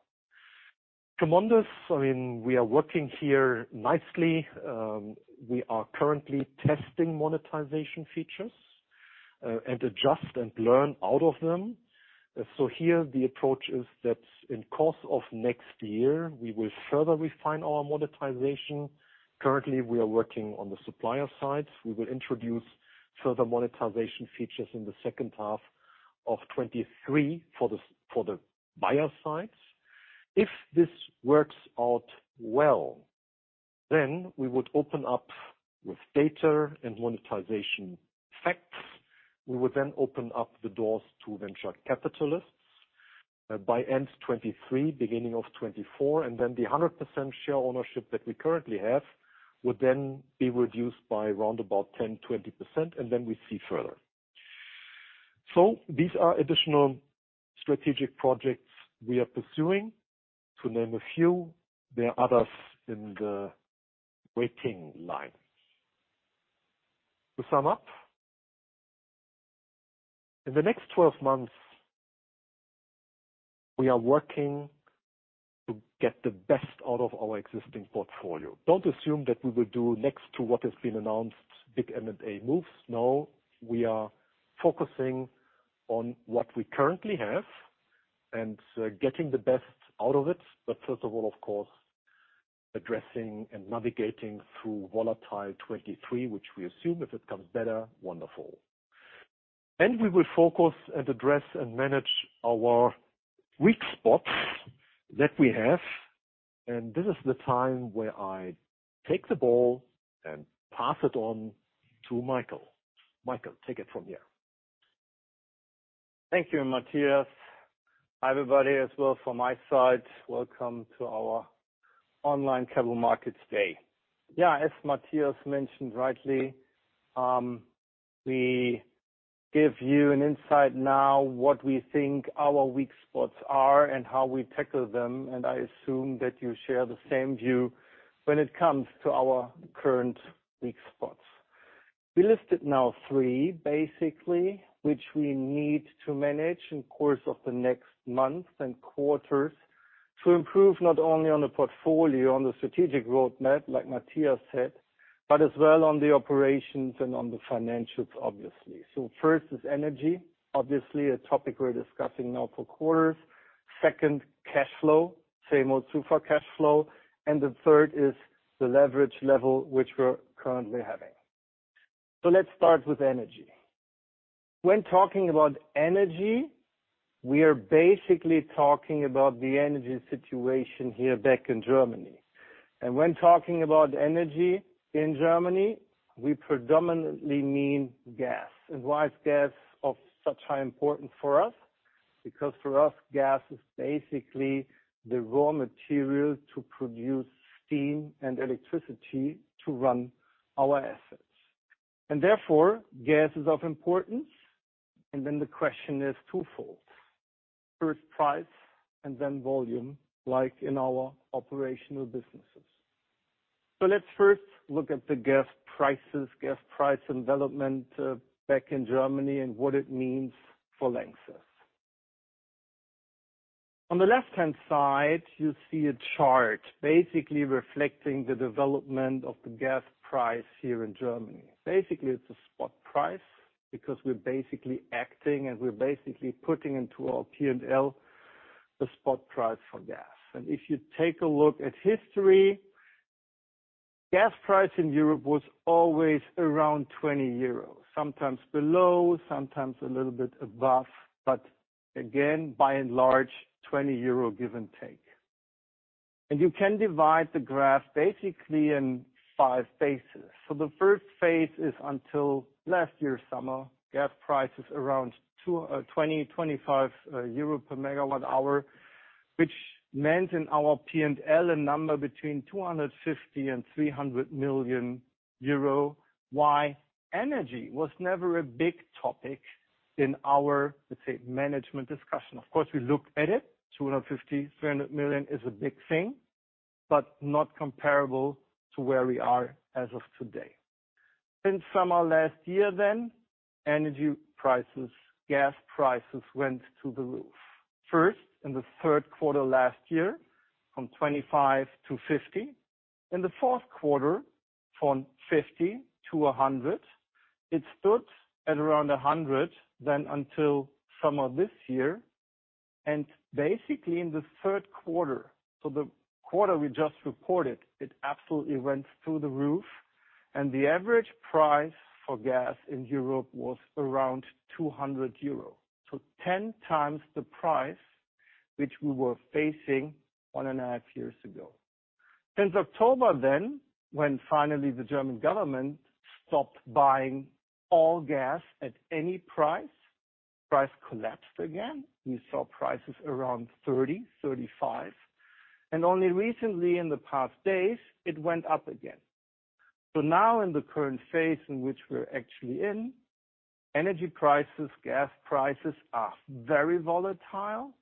Tremendous, I mean, we are working here nicely. We are currently testing monetization features and adjust and learn out of them. Here the approach is that in course of next year we will further refine our monetization. Currently, we are working on the supplier side. We will introduce further monetization features in the second half of 2023 for the buyer side. If this works out well, then we would open up with data and monetization facts. We would then open up the doors to venture capitalists by end of 2023, beginning of 2024, and then the 100% share ownership that we currently have would then be reduced by around about 10, 20%, and then we see further. These are additional strategic projects we are pursuing, to name a few. There are others in the waiting line. To sum up, in the next 12 months, we are working to get the best out of our existing portfolio. Don't assume that we will do next to what has been announced, big M&A moves. No, we are focusing on what we currently have and getting the best out of it. First of all, of course, addressing and navigating through volatile 2023, which we assume if it comes better, wonderful. We will focus and address and manage our weak spots that we have. This is the time where I take the ball and pass it on to Michael. Michael, take it from here. Thank you, Matthias. Hi, everybody as well. From my side, welcome to our online Capital Markets Day. Yeah, as Matthias mentioned rightly. We give you an insight now what we think our weak spots are and how we tackle them, and I assume that you share the same view when it comes to our current weak spots. We listed now three, basically, which we need to manage in course of the next months and quarters to improve not only on the portfolio, on the strategic roadmap, like Matthias said, but as well on the operations and on the financials, obviously. First is energy, obviously a topic we're discussing now for quarters. Second, cash flow, same old so far cash flow. The third is the leverage level, which we're currently having. Let's start with energy. When talking about energy, we are basically talking about the energy situation here back in Germany. When talking about energy in Germany, we predominantly mean gas. Why is gas of such high importance for us? Because for us, gas is basically the raw material to produce steam and electricity to run our assets. Therefore, gas is of importance. Then the question is twofold. First price and then volume, like in our operational businesses. Let's first look at the gas prices, gas price development back in Germany and what it means for LANXESS. On the left-hand side, you see a chart basically reflecting the development of the gas price here in Germany. Basically, it's a spot price because we're basically acting and we're basically putting into our P&L the spot price for gas. If you take a look at history, gas price in Europe was always around 20 euros, sometimes below, sometimes a little bit above, but again, by and large, 20 euro give and take. You can divide the graph basically in five phases. The first phase is until summer last year. Gas price is around 20-25 euro per MWh, which meant in our P&L a number between 250 million and 300 million euro. Why? Energy was never a big topic in our, let's say, management discussion. Of course, we looked at it. 250 million, 300 million is a big thing, but not comparable to where we are as of today. In summer last year, energy prices, gas prices went through the roof. First, in the third quarter last year, from 25 to 50. In the fourth quarter, from 50 to 100. It stood at around 100 then until summer this year. Basically in the third quarter, so the quarter we just reported, it absolutely went through the roof. The average price for gas in Europe was around 200 euros. Ten times the price which we were facing 1.5 years ago. Since October then, when finally the German government stopped buying all gas at any price collapsed again. We saw prices around 30, 35. Only recently in the past days, it went up again. Now in the current phase in which we're actually in, energy prices, gas prices are very volatile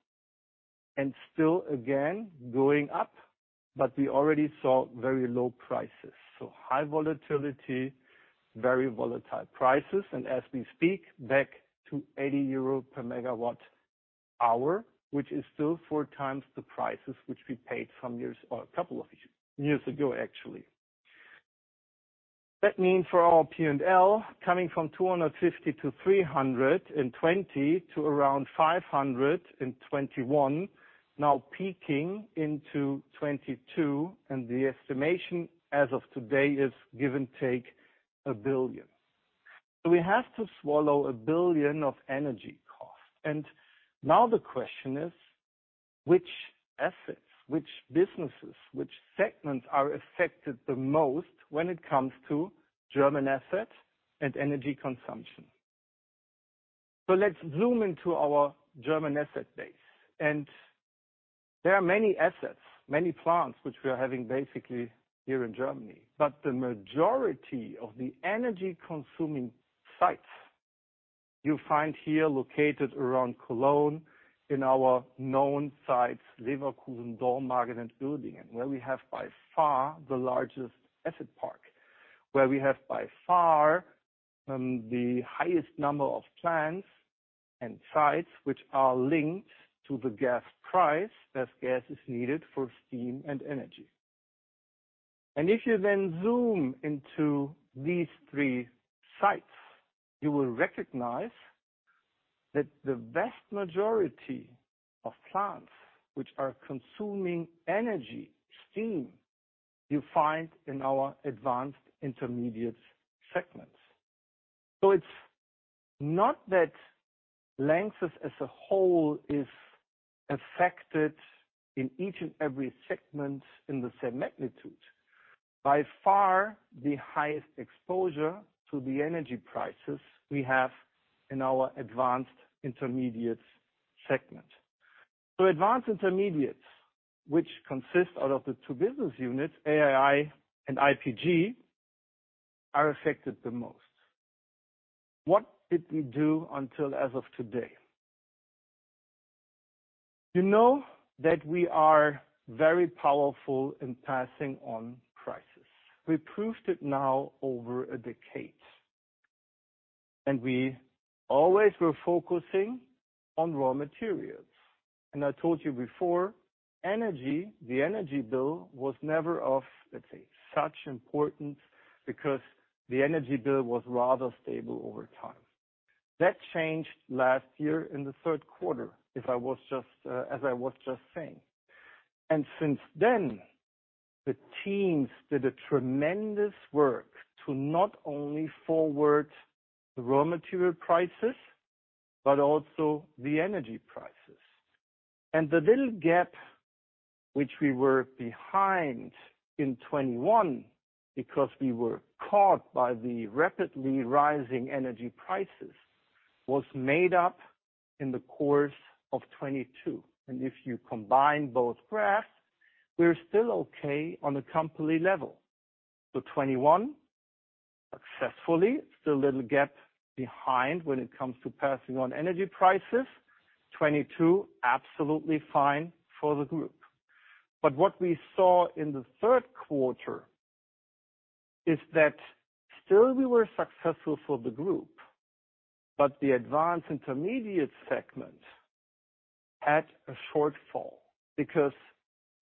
and still again going up, but we already saw very low prices. High volatility, very volatile prices, and as we speak, back to 80 euro per MWh, which is still 4x the prices which we paid a couple of years ago, actually. That means for our P&L coming from 250-300 in 2020 to around 500 in 2021, now peaking into 2022. The estimation as of today is give or take 1 billion. We have to swallow 1 billion of energy costs. Now the question is which assets, which businesses, which segments are affected the most when it comes to German assets and energy consumption? Let's zoom into our German asset base. There are many assets, many plants, which we are having basically here in Germany. The majority of the energy-consuming sites you find here located around Cologne in our known sites, Leverkusen, Dormagen, and Uerdingen, where we have by far the largest asset park. Where we have by far the highest number of plants and sites which are linked to the gas price, as gas is needed for steam and energy. If you then zoom into these three sites, you will recognize that the vast majority of plants which are consuming energy, steam, you find in our Advanced Intermediates segments. It's not thatLANXESS as a whole is affected in each and every segment in the same magnitude. By far, the highest exposure to the energy prices we have in our Advanced Intermediates segment. Advanced Intermediates, which consist out of the two business units, AII and IPG, are affected the most. What did we do until as of today? You know that we are very powerful in passing on prices. We proved it now over a decade. We always were focusing on raw materials. I told you before, energy, the energy bill was never of, let's say, such importance because the energy bill was rather stable over time. That changed last year in the third quarter, if I was just as I was just saying. Since then, the teams did a tremendous work to not only forward the raw material prices, but also the energy prices. The little gap which we were behind in 2021 because we were caught by the rapidly rising energy prices, was made up in the course of 2022. If you combine both graphs, we're still okay on a company level. 2021 successfully, still a little gap behind when it comes to passing on energy prices. 2022, absolutely fine for the group. What we saw in the third quarter is that still we were successful for the group, but the Advanced Intermediates segment had a shortfall. Because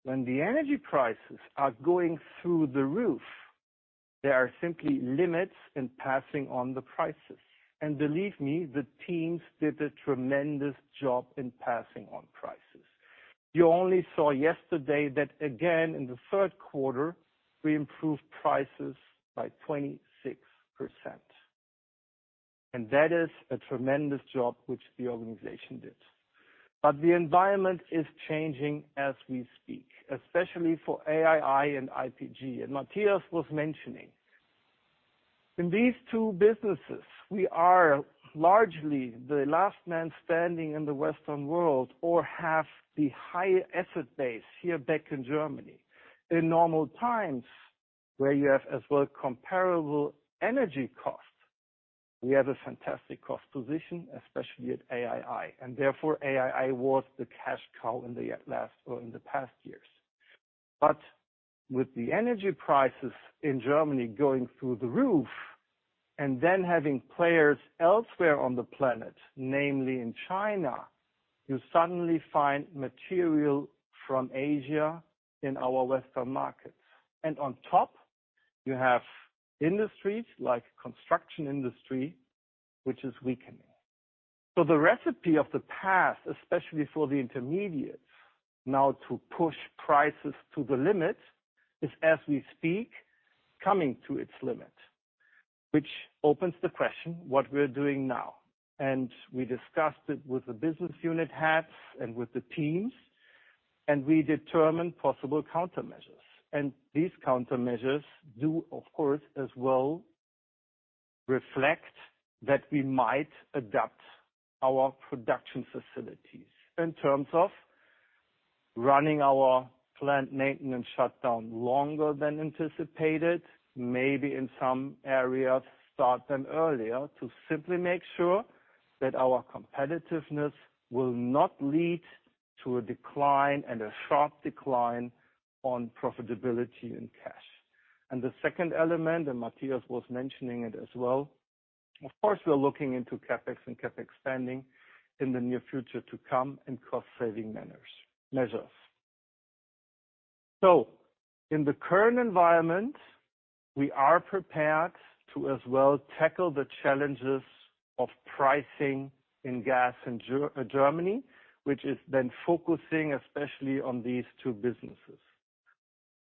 when the energy prices are going through the roof, there are simply limits in passing on the prices. Believe me, the teams did a tremendous job in passing on prices. You only saw yesterday that, again, in the third quarter, we improved prices by 26%. That is a tremendous job which the organization did. The environment is changing as we speak, especially for AII and IPG. Matthias was mentioning. In these two businesses, we are largely the last man standing in the Western world or have the high asset base here back in Germany. In normal times, where you have as well comparable energy costs, we have a fantastic cost position, especially at AII, and therefore, AII was the cash cow in the last or in the past years. With the energy prices in Germany going through the roof and then having players elsewhere on the planet, namely in China, you suddenly find material from Asia in our Western markets. On top, you have industries like construction industry, which is weakening. The recipe of the past, especially for the intermediates, now to push prices to the limit is as we speak, coming to its limit, which opens the question, what we're doing now? We discussed it with the business unit heads and with the teams, and we determined possible countermeasures. These countermeasures do, of course, as well reflect that we might adapt our production facilities in terms of running our plant maintenance shutdown longer than anticipated, maybe in some areas, start them earlier to simply make sure that our competitiveness will not lead to a decline and a sharp decline on profitability and cash. The second element, and Matthias was mentioning it as well, of course, we are looking into CapEx spending in the near future to come and cost-saving measures. In the current environment, we are prepared to as well tackle the challenges of pricing in gas in Germany, which is then focusing especially on these two businesses.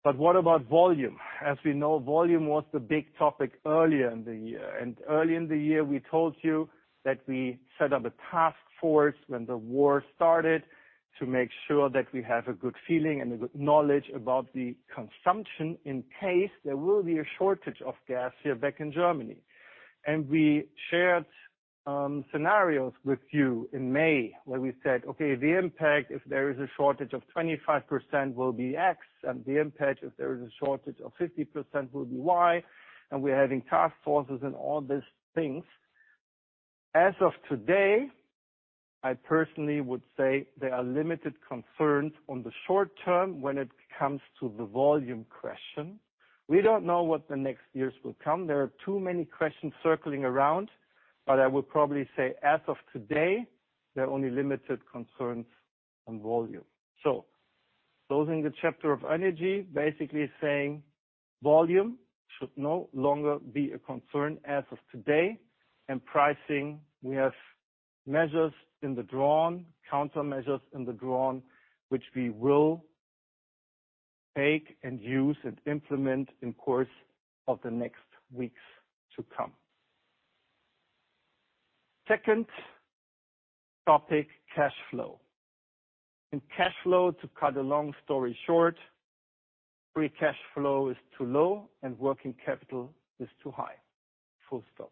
What about volume? As we know, volume was the big topic earlier in the year. Early in the year, we told you that we set up a task force when the war started to make sure that we have a good feeling and a good knowledge about the consumption in case there will be a shortage of gas here back in Germany. We shared scenarios with you in May, where we said, "Okay, the impact, if there is a shortage of 25%, will be X, and the impact, if there is a shortage of 50%, will be Y. We're having task forces and all these things." As of today, I personally would say there are limited concerns on the short term when it comes to the volume question. We don't know what the next years will come. There are too many questions circling around, but I would probably say as of today, there are only limited concerns on volume. Closing the chapter of energy, basically saying volume should no longer be a concern as of today. Pricing, we have measures in the drawer, countermeasures in the drawer, which we will take and use and implement in course of the next weeks to come. Second topic, cash flow. In cash flow, to cut a long story short, free cash flow is too low and working capital is too high. Full stop.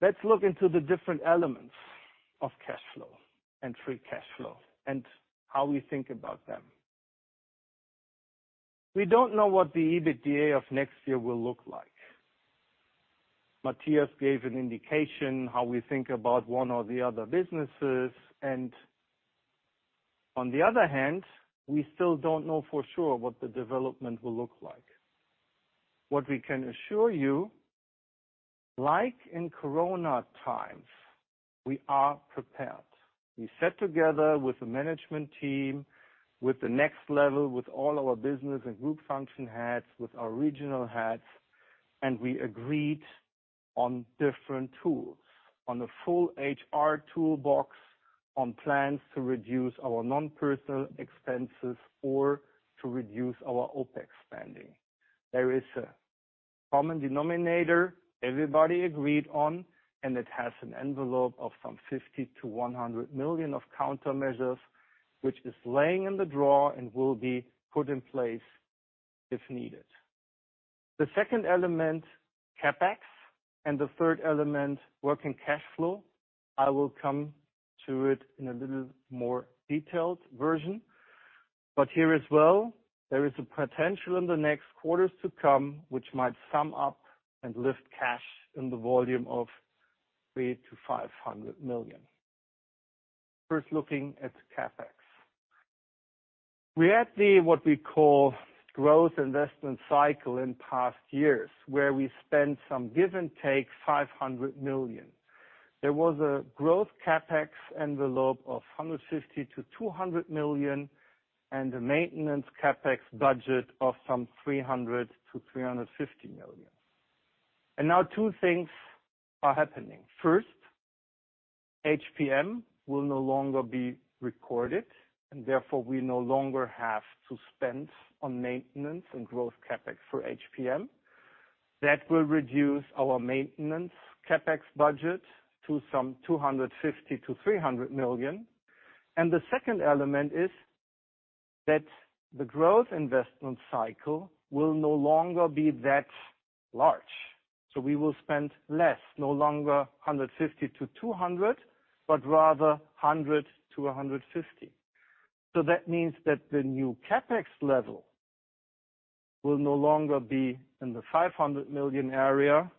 Let's look into the different elements of cash flow and free cash flow and how we think about them. We don't know what the EBITDA of next year will look like. Matthias gave an indication how we think about one or the other businesses and, on the other hand, we still don't know for sure what the development will look like. What we can assure you, like in corona times, we are prepared. We sat together with the management team, with the next level, with all our business and group function heads, with our regional heads, and we agreed on different tools on the full HR toolbox, on plans to reduce our non-personnel expenss or to reduce our OpEX spending. There is a common denominator everybody agreed on, and it has an envelope of some 50 million-100 million of countermeasures, which is lying in the drawer and will be put in place if needed. The second element, CapEx, and the third element, working cash flow, I will come to it in a little more detailed version. Here as well, there is a potential in the next quarters to come, which might sum up and lift cash in the volume of 300 million-500 million. First, looking at CapEx. We had the, what we call growth investment cycle in past years, where we spent some give or take 500 million. There was a growth CapEx envelope of 150 million-200 million and a maintenance CapEx budget of some 300-350 million. Now two things are happening. First, HPM will no longer be recorded and therefore we no longer have to spend on maintenance and growth CapEx for HPM. That will reduce our maintenance CapEx budget to some 250-300 million. The second element is that the growth investment cycle will no longer be that large. We will spend less, no longer 150 million-200 million, but rather 100 million-150 million. That means that the new CapEx level will no longer be in the 500 million area,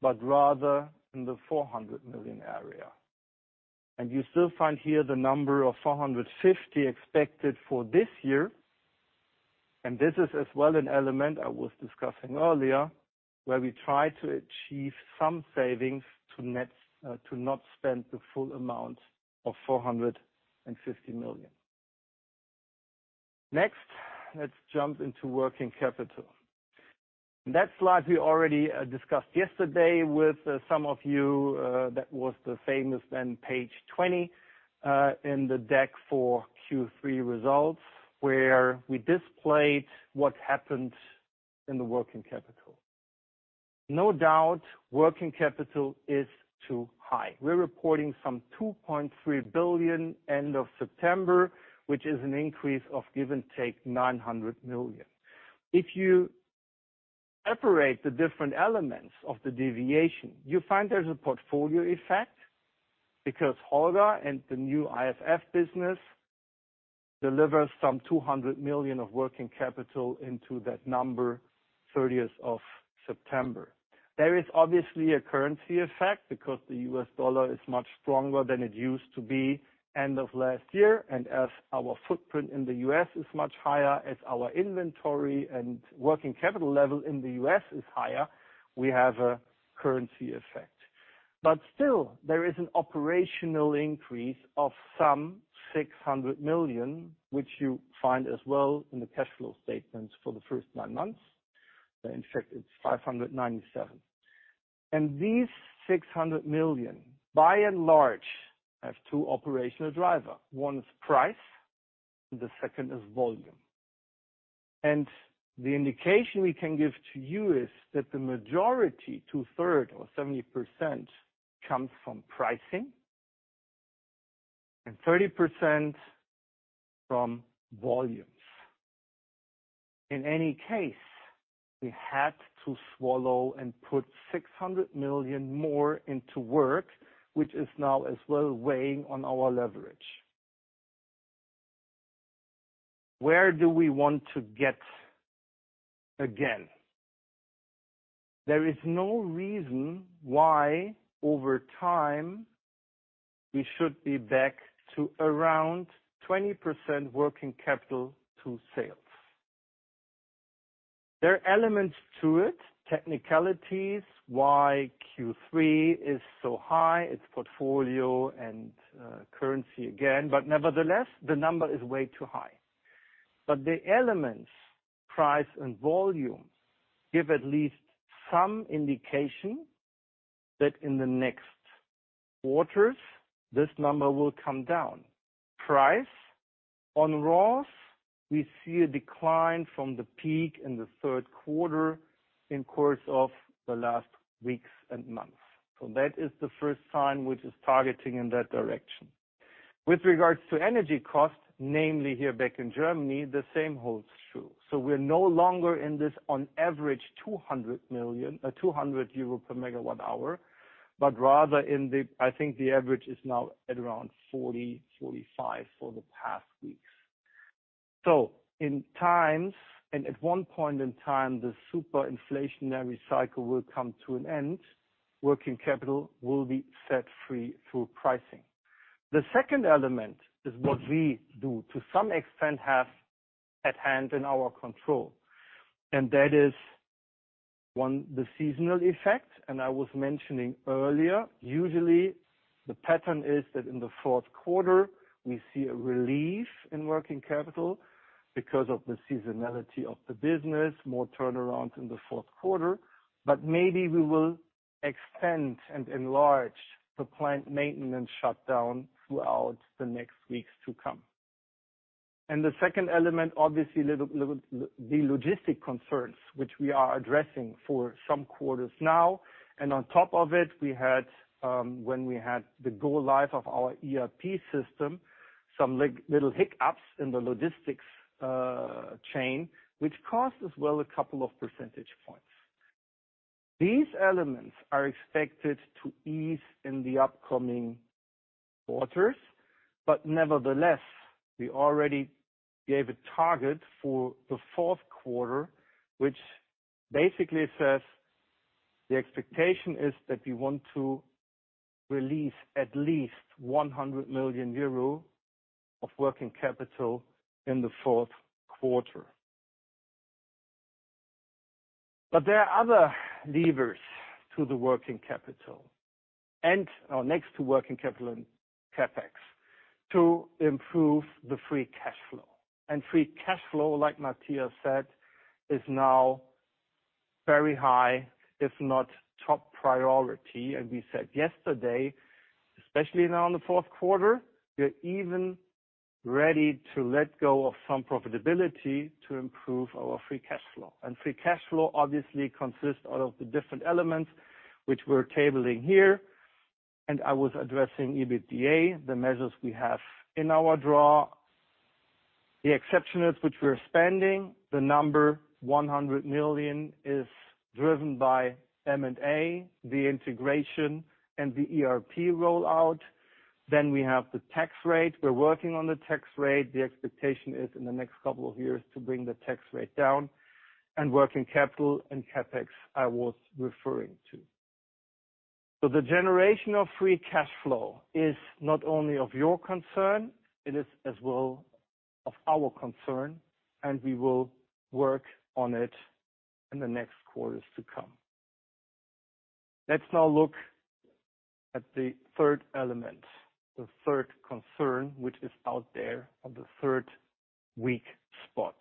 but rather in the 400 million area. You still find here the number of 450 expected for this year. This is as well an element I was discussing earlier, where we try to achieve some savings to not spend the full amount of 450 million. Next, let's jump into working capital. That slide we already discussed yesterday with some of you, that was the famous then page 20 in the deck for Q3 results, where we displayed what happened in the working capital. No doubt, working capital is too high. We're reporting some 2.3 billion end of September, which is an increase of give and take 900 million. If you separate the different elements of the deviation, you find there's a portfolio effect because Holger and the new IFF business deliver some 200 million of working capital into that number 30th of September. There is obviously a currency effect because the US dollar is much stronger than it used to be end of last year. As our footprint in the U.S. is much higher, as our inventory and working capital level in the U.S. is higher, we have a currency effect. Still, there is an operational increase of some 600 million, which you find as well in the cash flow statements for the first 9 months. In fact, it's 597. These 600 million, by and large, have two operational driver. One is price, the second is volume. The indication we can give to you is that the majority, two-thirds or 70%, comes from pricing and 30% from volumes. In any case, we had to swallow and put 600 million more into work, which is now as well weighing on our leverage. Where do we want to get again? There is no reason why over time we should be back to around 20% working capital to sales. There are elements to it, technicalities, why Q3 is so high, it's portfolio and, currency again, but nevertheless, the number is way too high. The elements, price and volume, give at least some indication that in the next quarters, this number will come down. Price on raws, we see a decline from the peak in the third quarter in course of the last weeks and months. That is the first sign which is targeting in that direction. With regards to energy costs, namely here back in Germany, the same holds true. We're no longer in this on average 200 euro per megawatt hour, but rather in the, I think the average is now at around 40-45 for the past weeks. In times, and at one point in time, the super inflationary cycle will come to an end, working capital will be set free through pricing. The second element is what we do to some extent have at hand in our control. That is, one, the seasonal effect, and I was mentioning earlier, usually the pattern is that in the fourth quarter we see a relief in working capital because of the seasonality of the business, more turnaround in the fourth quarter, but maybe we will extend and enlarge the plant maintenance shutdown throughout the next weeks to come. The second element, obviously, the logistic concerns, which we are addressing for some quarters now. On top of it, we had, when we had the go live of our ERP system, some little hiccups in the logistics chain, which cost as well a couple of percentage points. These elements are expected to ease in the upcoming quarters, but nevertheless, we already gave a target for the fourth quarter, which basically says the expectation is that we want to release at least 100 million euro of working capital in the fourth quarter. There are other levers to the working capital or next to working capital and CapEx to improve the free cash flow. Free cash flow, like Matthias said, is now very high, if not top priority. We said yesterday, especially now in the fourth quarter, we're even ready to let go of some profitability to improve our free cash flow. Free cash flow obviously consists out of the different elements which we're tabling here. I was addressing EBITDA, the measures we have in our drawer. The exception is which we're spending, the number 100 million is driven by M&A, the integration and the ERP rollout. We have the tax rate. We're working on the tax rate. The expectation is in the next couple of years to bring the tax rate down and working capital and CapEx I was referring to. The generation of free cash flow is not only of your concern, it is as well of our concern, and we will work on it in the next quarters to come. Let's now look at the third element, the third concern, which is out there on the third weak spot.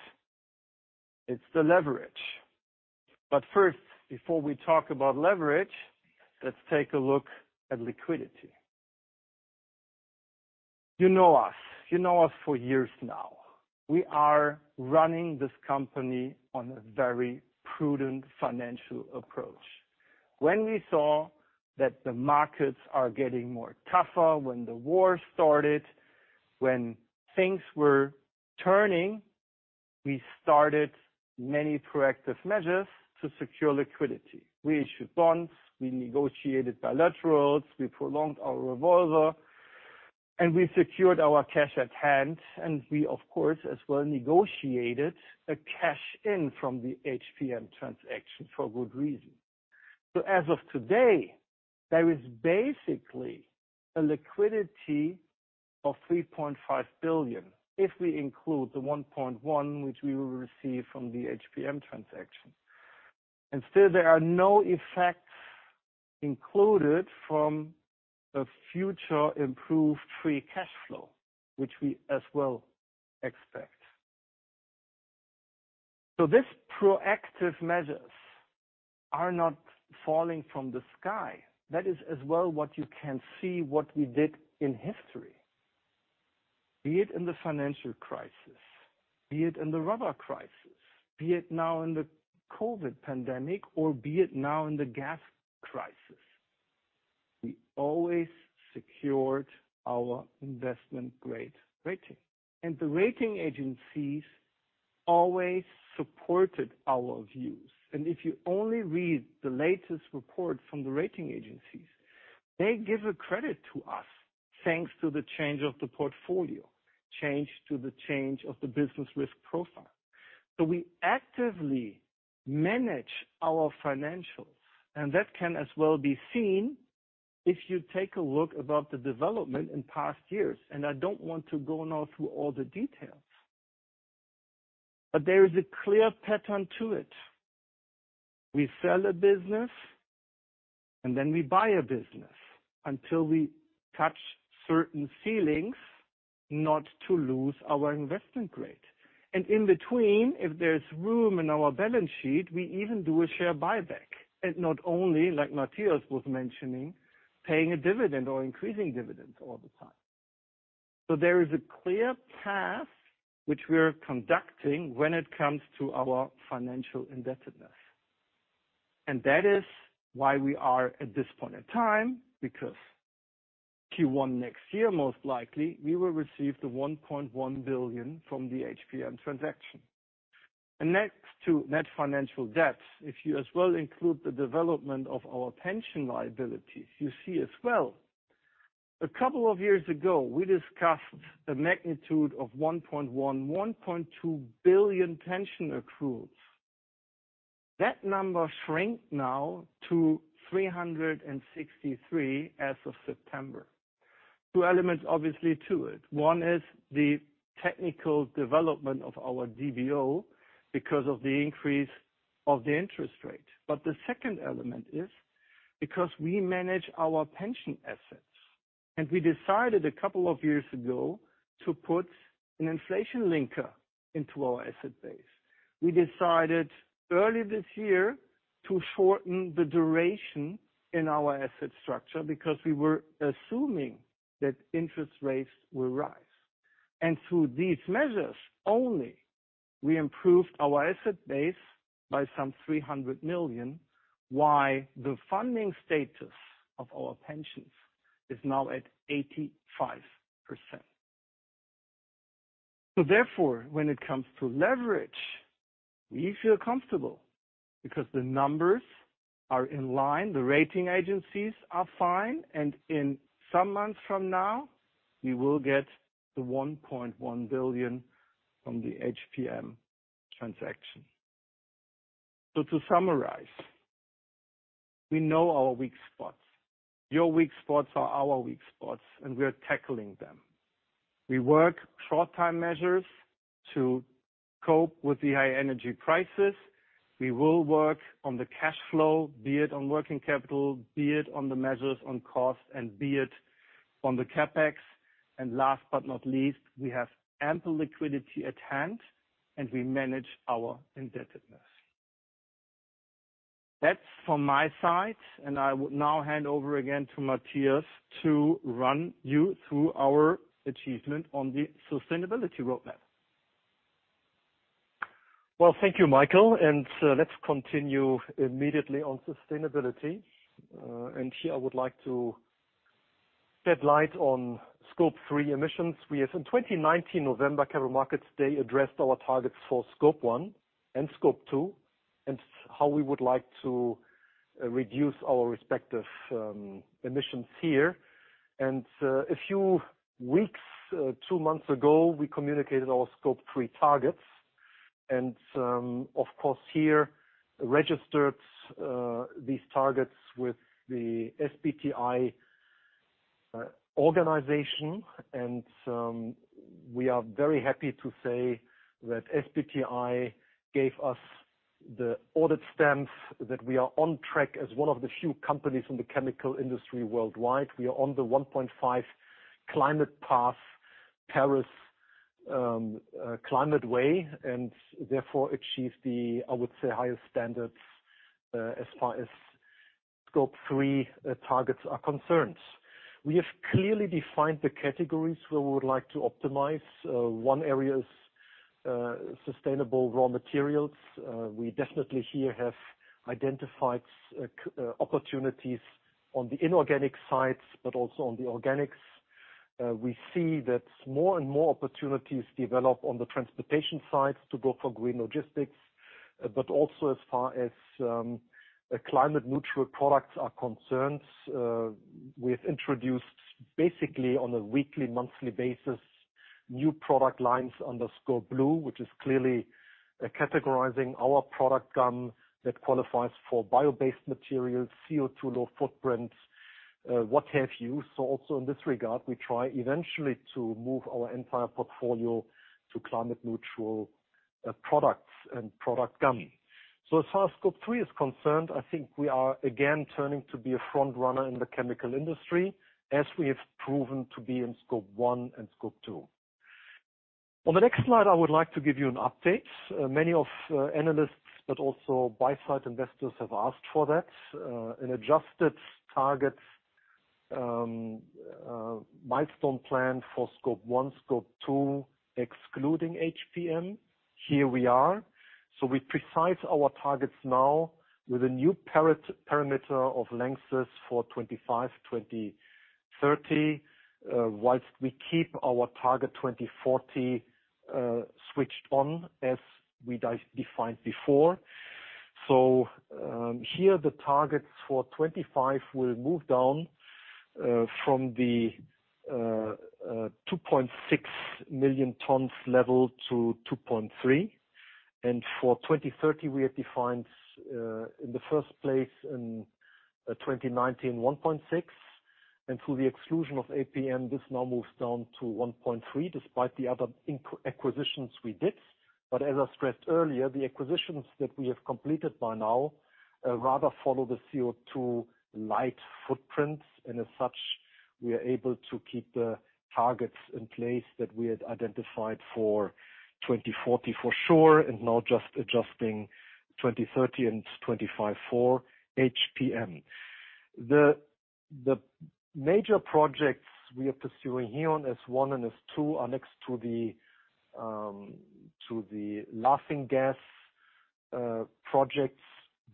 It's the leverage. First, before we talk about leverage, let's take a look at liquidity. You know us. You know us for years now. We are running this company on a very prudent financial approach. When we saw that the markets are getting more tougher, when the war started, when things were turning, we started many proactive measures to secure liquidity. We issued bonds, we negotiated bilaterals, we prolonged our revolver, and we secured our cash at hand, and we, of course, as well negotiated a cash in from the HPM transaction for a good reason. As of today, there is basically a liquidity of 3.5 billion, if we include the 1.1 which we will receive from the HPM transaction. Still, there are no effects included from the future improved free cash flow, which we as well expect. This proactive measures are not falling from the sky. That is as well what you can see what we did in history. Be it in the financial crisis, be it in the rubber crisis, be it now in the COVID pandemic or be it now in the gas crisis, we always secured our investment-grade rating. The rating agencies always supported our views. If you only read the latest report from the rating agencies, they give a credit to us thanks to the change of the portfolio, change of the business risk profile. We actively manage our financials, and that can as well be seen if you take a look above the development in past years. I don't want to go now through all the details, but there is a clear pattern to it. We sell a business and then we buy a business until we touch certain ceilings not to lose our investment grade. In between, if there's room in our balance sheet, we even do a share buyback. Not only, like Matthias was mentioning, paying a dividend or increasing dividends all the time. There is a clear path which we are conducting when it comes to our financial indebtedness. That is why we are at this point in time, because Q1 next year, most likely, we will receive the 1.1 billion from the HPM transaction. Next to net financial debt, if you as well include the development of our pension liabilities, you see as well. A couple of years ago, we discussed the magnitude of 1.1-1.2 billion pension accruals. That number shrank now to 363 million as of September. Two elements obviously to it. One is the technical development of our DBO because of the increase of the interest rate. The second element is because we manage our pension assets, and we decided a couple of years ago to put an inflation linker into our asset base. We decided early this year to shorten the duration in our asset structure because we were assuming that interest rates will rise. Through these measures only, we improved our asset base by 300 million, with the funding status of our pensions is now at 85%. Therefore, when it comes to leverage, we feel comfortable because the numbers are in line, the rating agencies are fine, and in some months from now, we will get the 1.1 billion from the HPM transaction. To summarize, we know our weak spots. Your weak spots are our weak spots, and we are tackling them. We work short-term measures to cope with the high energy prices. We will work on the cash flow, be it on working capital, be it on the measures on cost and be it on the CapEx. Last but not least, we have ample liquidity at hand, and we manage our indebtedness. That's from my side. I would now hand over again to Matthias to run you through our achievement on the sustainability roadmap. Well, thank you, Michael, and let's continue immediately on sustainability. Here I would like to shed light on Scope 3 emissions. We have, in November 2019 Capital Markets Day, addressed our targets for Scope 1 and Scope 2, and how we would like to reduce our respective emissions here. Two months ago, we communicated our Scope 3 targets. Of course, we registered these targets with the SBTi organization. We are very happy to say that SBTi gave us the audit stamp that we are on track as one of the few companies in the chemical industry worldwide. We are on the 1.5 climate path, Paris climate way, and therefore achieve the highest standards, I would say, as far as Scope 3 targets are concerned. We have clearly defined the categories where we would like to optimize. One area is sustainable raw materials. We definitely here have identified opportunities on the inorganic side, but also on the organics. We see that more and more opportunities develop on the transportation side to go for green logistics, but also as far as climate neutral products are concerned. We've introduced basically on a weekly, monthly basis, new product lines under Scopeblue, which is clearly categorizing our product group that qualifies for bio-based materials, low CO2 footprints, what have you. Also in this regard, we try eventually to move our entire portfolio to climate neutral products and product group. As far as Scope 3 is concerned, I think we are again turning to be a front runner in the chemical industry as we have proven to be in Scope 1 and Scope 2. On the next slide, I would like to give you an update. Many analysts, but also buy-side investors have asked for that. An adjusted target milestone plan for Scope 1, Scope 2, excluding HPM. Here we are. We precise our targets now with a new parameter of Lanxess for 2025, 2030, while we keep our target 2040 switched on as we defined before. Here the targets for 2025 will move down from the 2.6 million tons level to 2.3. For 2030, we have defined, in the first place in 2019, 1.6. Through the exclusion of HPM, this now moves down to 1.3, despite the other acquisitions we did. As I stressed earlier, the acquisitions that we have completed by now rather follow the CO2-light footprints, and as such, we are able to keep the targets in place that we had identified for 2040 for sure, and now just adjusting 2030 and 2025 for HPM. The major projects we are pursuing here on S1 and S2 are next to the laughing gas projects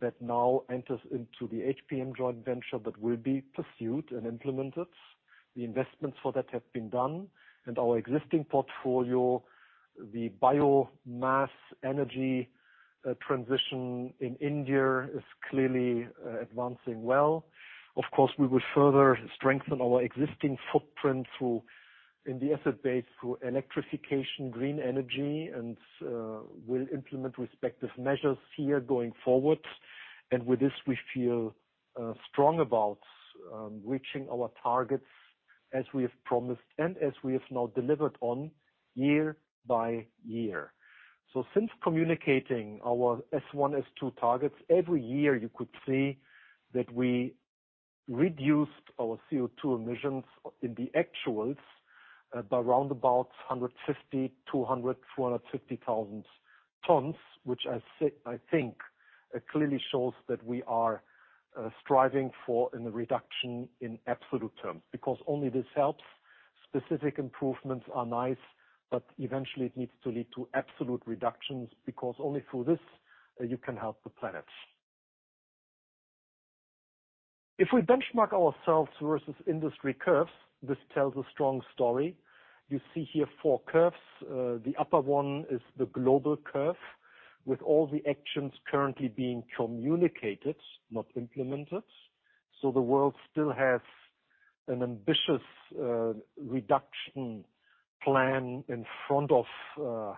that now enters into the HPM joint venture that will be pursued and implemented. The investments for that have been done. Our existing portfolio, the biomass energy transition in India is clearly advancing well. Of course, we will further strengthen our existing footprint in the asset base through electrification, green energy, and we'll implement respective measures here going forward. With this, we feel strong about reaching our targets as we have promised and as we have now delivered on year by year. Since communicating our S1, S2 targets, every year you could see that we reduced our CO2 emissions in the actuals by around 150,000, 200,000, 450,000 tons, which I think clearly shows that we are striving for a reduction in absolute terms, because only this helps. Specific improvements are nice, but eventually it needs to lead to absolute reductions, because only through this you can help the planet. If we benchmark ourselves versus industry curves, this tells a strong story. You see here four curves. The upper one is the global curve, with all the actions currently being communicated, not implemented. The world still has an ambitious reduction plan in front of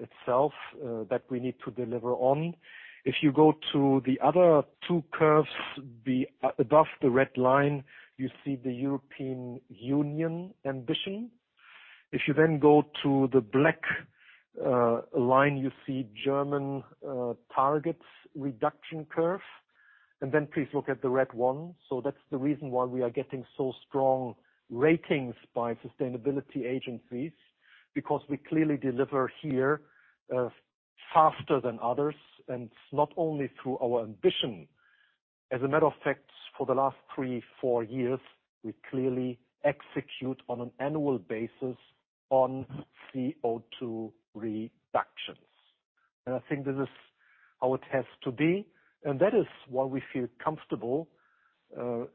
itself that we need to deliver on. If you go to the other two curves, above the red line, you see the European Union ambition. If you then go to the black line, you see German targets reduction curve. Please look at the red one. That's the reason why we are getting so strong ratings by sustainability agencies, because we clearly deliver here faster than others, and it's not only through our ambition. As a matter of fact, for the last three, four years, we clearly execute on an annual basis on CO2 reductions. I think this is how it has to be, and that is why we feel comfortable to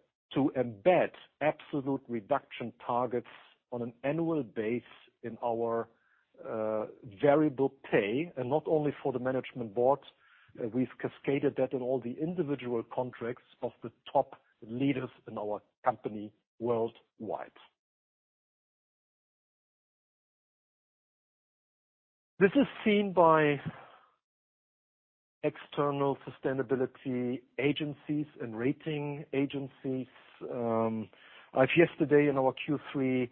embed absolute reduction targets on an annual basis in our variable pay, and not only for the management board. We've cascaded that in all the individual contracts of the top leaders in our company worldwide. This is seen by external sustainability agencies and rating agencies. I've yesterday in our Q3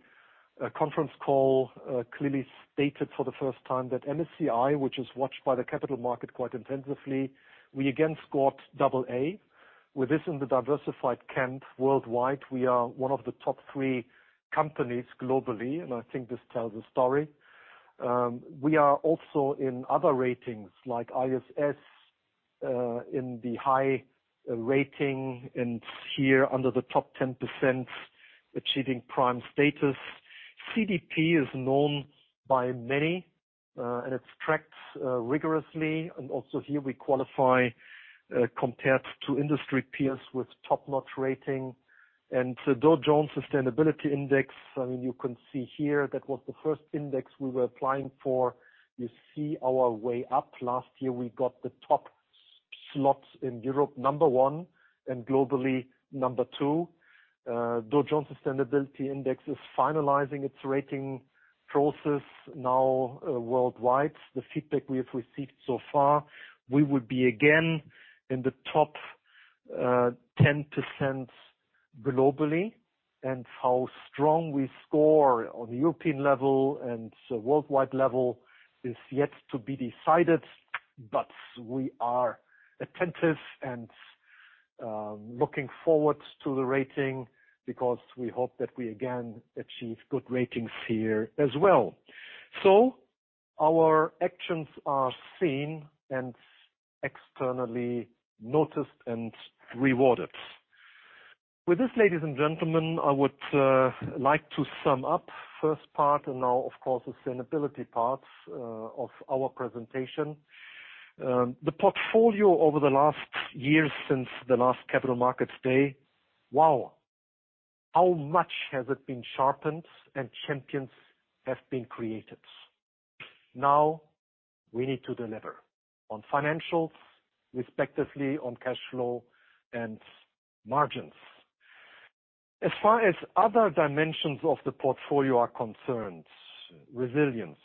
conference call clearly stated for the first time that MSCI, which is watched by the capital market quite intensively, we again scored double A. With this in the diversified camp worldwide, we are one of the top three companies globally, and I think this tells a story. We are also in other ratings like ISS, in the high rating and here under the top 10% achieving prime status. CDP is known by many, and it's tracked rigorously and also here we qualify compared to industry peers with top-notch rating. The Dow Jones Sustainability Index, I mean, you can see here that was the first index we were applying for. You see our way up. Last year, we got the top slots in Europe, number one, and globally, number two. Dow Jones Sustainability Index is finalizing its rating process now, worldwide. The feedback we have received so far, we will be again in the top 10% globally, and how strong we score on the European level and so worldwide level is yet to be decided, but we are attentive and looking forward to the rating because we hope that we again achieve good ratings here as well. Our actions are seen and externally noticed and rewarded. With this, ladies and gentlemen, I would like to sum up first part and now of course, sustainability part, of our presentation. The portfolio over the last years since the last Capital Markets Day, wow, how much has it been sharpened and champions have been created. Now, we need to deliver on financials, respectively on cash flow and margins. As far as other dimensions of the portfolio are concerned, resilience,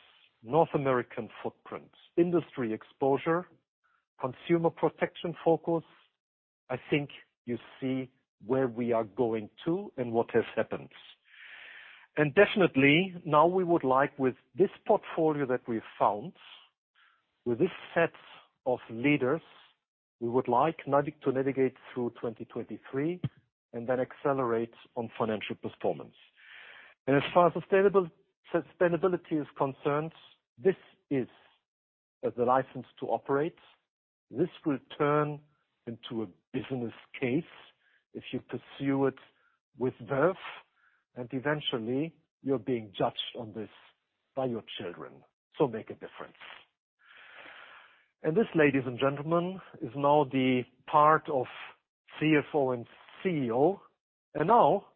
North American footprint, industry exposure, Consumer Protection focus, I think you see where we are going to and what has happened. Definitely, now we would like with this portfolio that we've found, with this set of leaders, we would like to navigate through 2023 and then accelerate on financial performance. As far as sustainability is concerned, as a license to operate, this will turn into a business case if you pursue it with verve, and eventually you're being judged on this by your children, so make a difference. This, ladies and gentlemen, is now the part of CFO and CEO. Now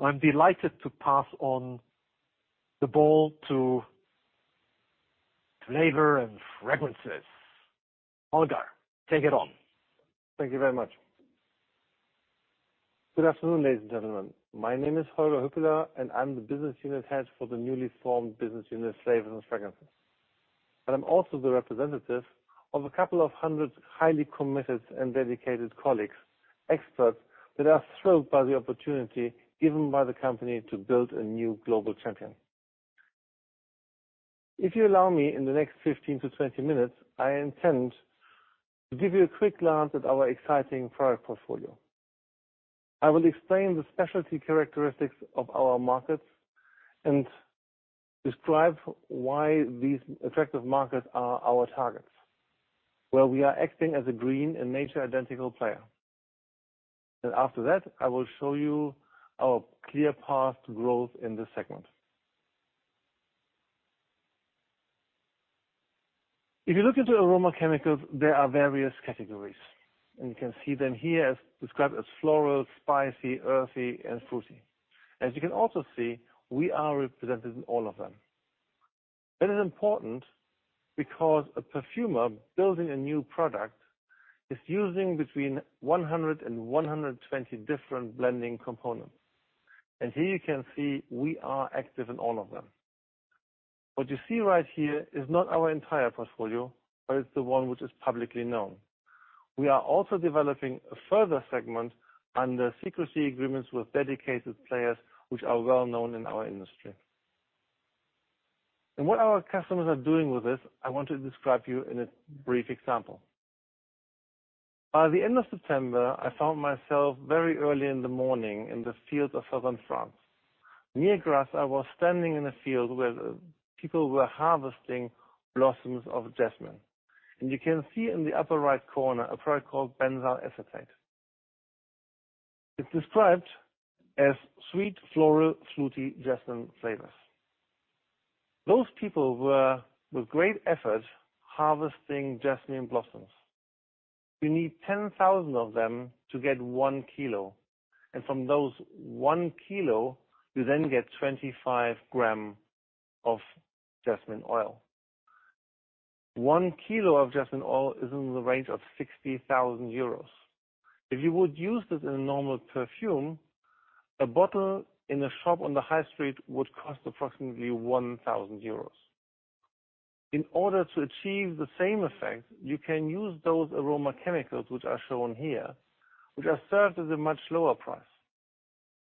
I'm delighted to pass on the ball to Flavors & Fragrances. Holger, take it on. Thank you very much. Good afternoon, ladies and gentlemen. My name is Holger Hüppeler, and I'm the Business Unit Head for the newly formed business unit, Flavors and Fragrances. I'm also the representative of a couple of hundred highly committed and dedicated colleagues, experts that are thrilled by the opportunity given by the company to build a new global champion. If you allow me, in the next 15-20 minutes, I intend to give you a quick glance at our exciting product portfolio. I will explain the specialty characteristics of our markets and describe why these attractive markets are our targets, where we are acting as a green and nature identical player. After that, I will show you our clear path to growth in this segment. If you look into aroma chemicals, there are various categories, and you can see them here described as floral, spicy, earthy, and fruity. As you can also see, we are represented in all of them. It is important because a perfumer building a new product is using between 100 and 120 different blending components. Here you can see we are active in all of them. What you see right here is not our entire portfolio, but it's the one which is publicly known. We are also developing a further segment under secrecy agreements with dedicated players which are well-known in our industry. What our customers are doing with this, I want to describe to you in a brief example. By the end of September, I found myself very early in the morning in the fields of southern France. Near Grasse, I was standing in a field where the people were harvesting blossoms of jasmine. You can see in the upper right corner a product called benzyl bcetate. It's described as sweet, floral, fruity jasmine flavors. Those people were, with great effort, harvesting jasmine blossoms. You need 10,000 of them to get one kilo. From those one kilo, you then get 25 grams of jasmine oil. One kilo of jasmine oil is in the range of 60,000 euros. If you would use this in a normal perfume, a bottle in a shop on the high street would cost approximately 1,000 euros. In order to achieve the same effect, you can use those aroma chemicals which are shown here, which are sold at a much lower price.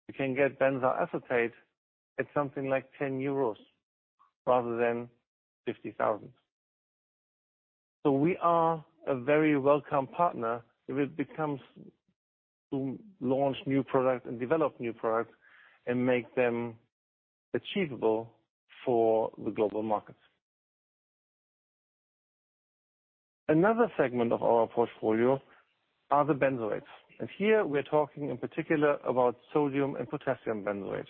You can get benzyl acetate at something like 10 euros rather than 50,000. We are a very welcome partner if it comes to launch new products and develop new products and make them available for the global markets. Another segment of our portfolio are the benzoates. Here we're talking in particular about sodium and potassium benzoate.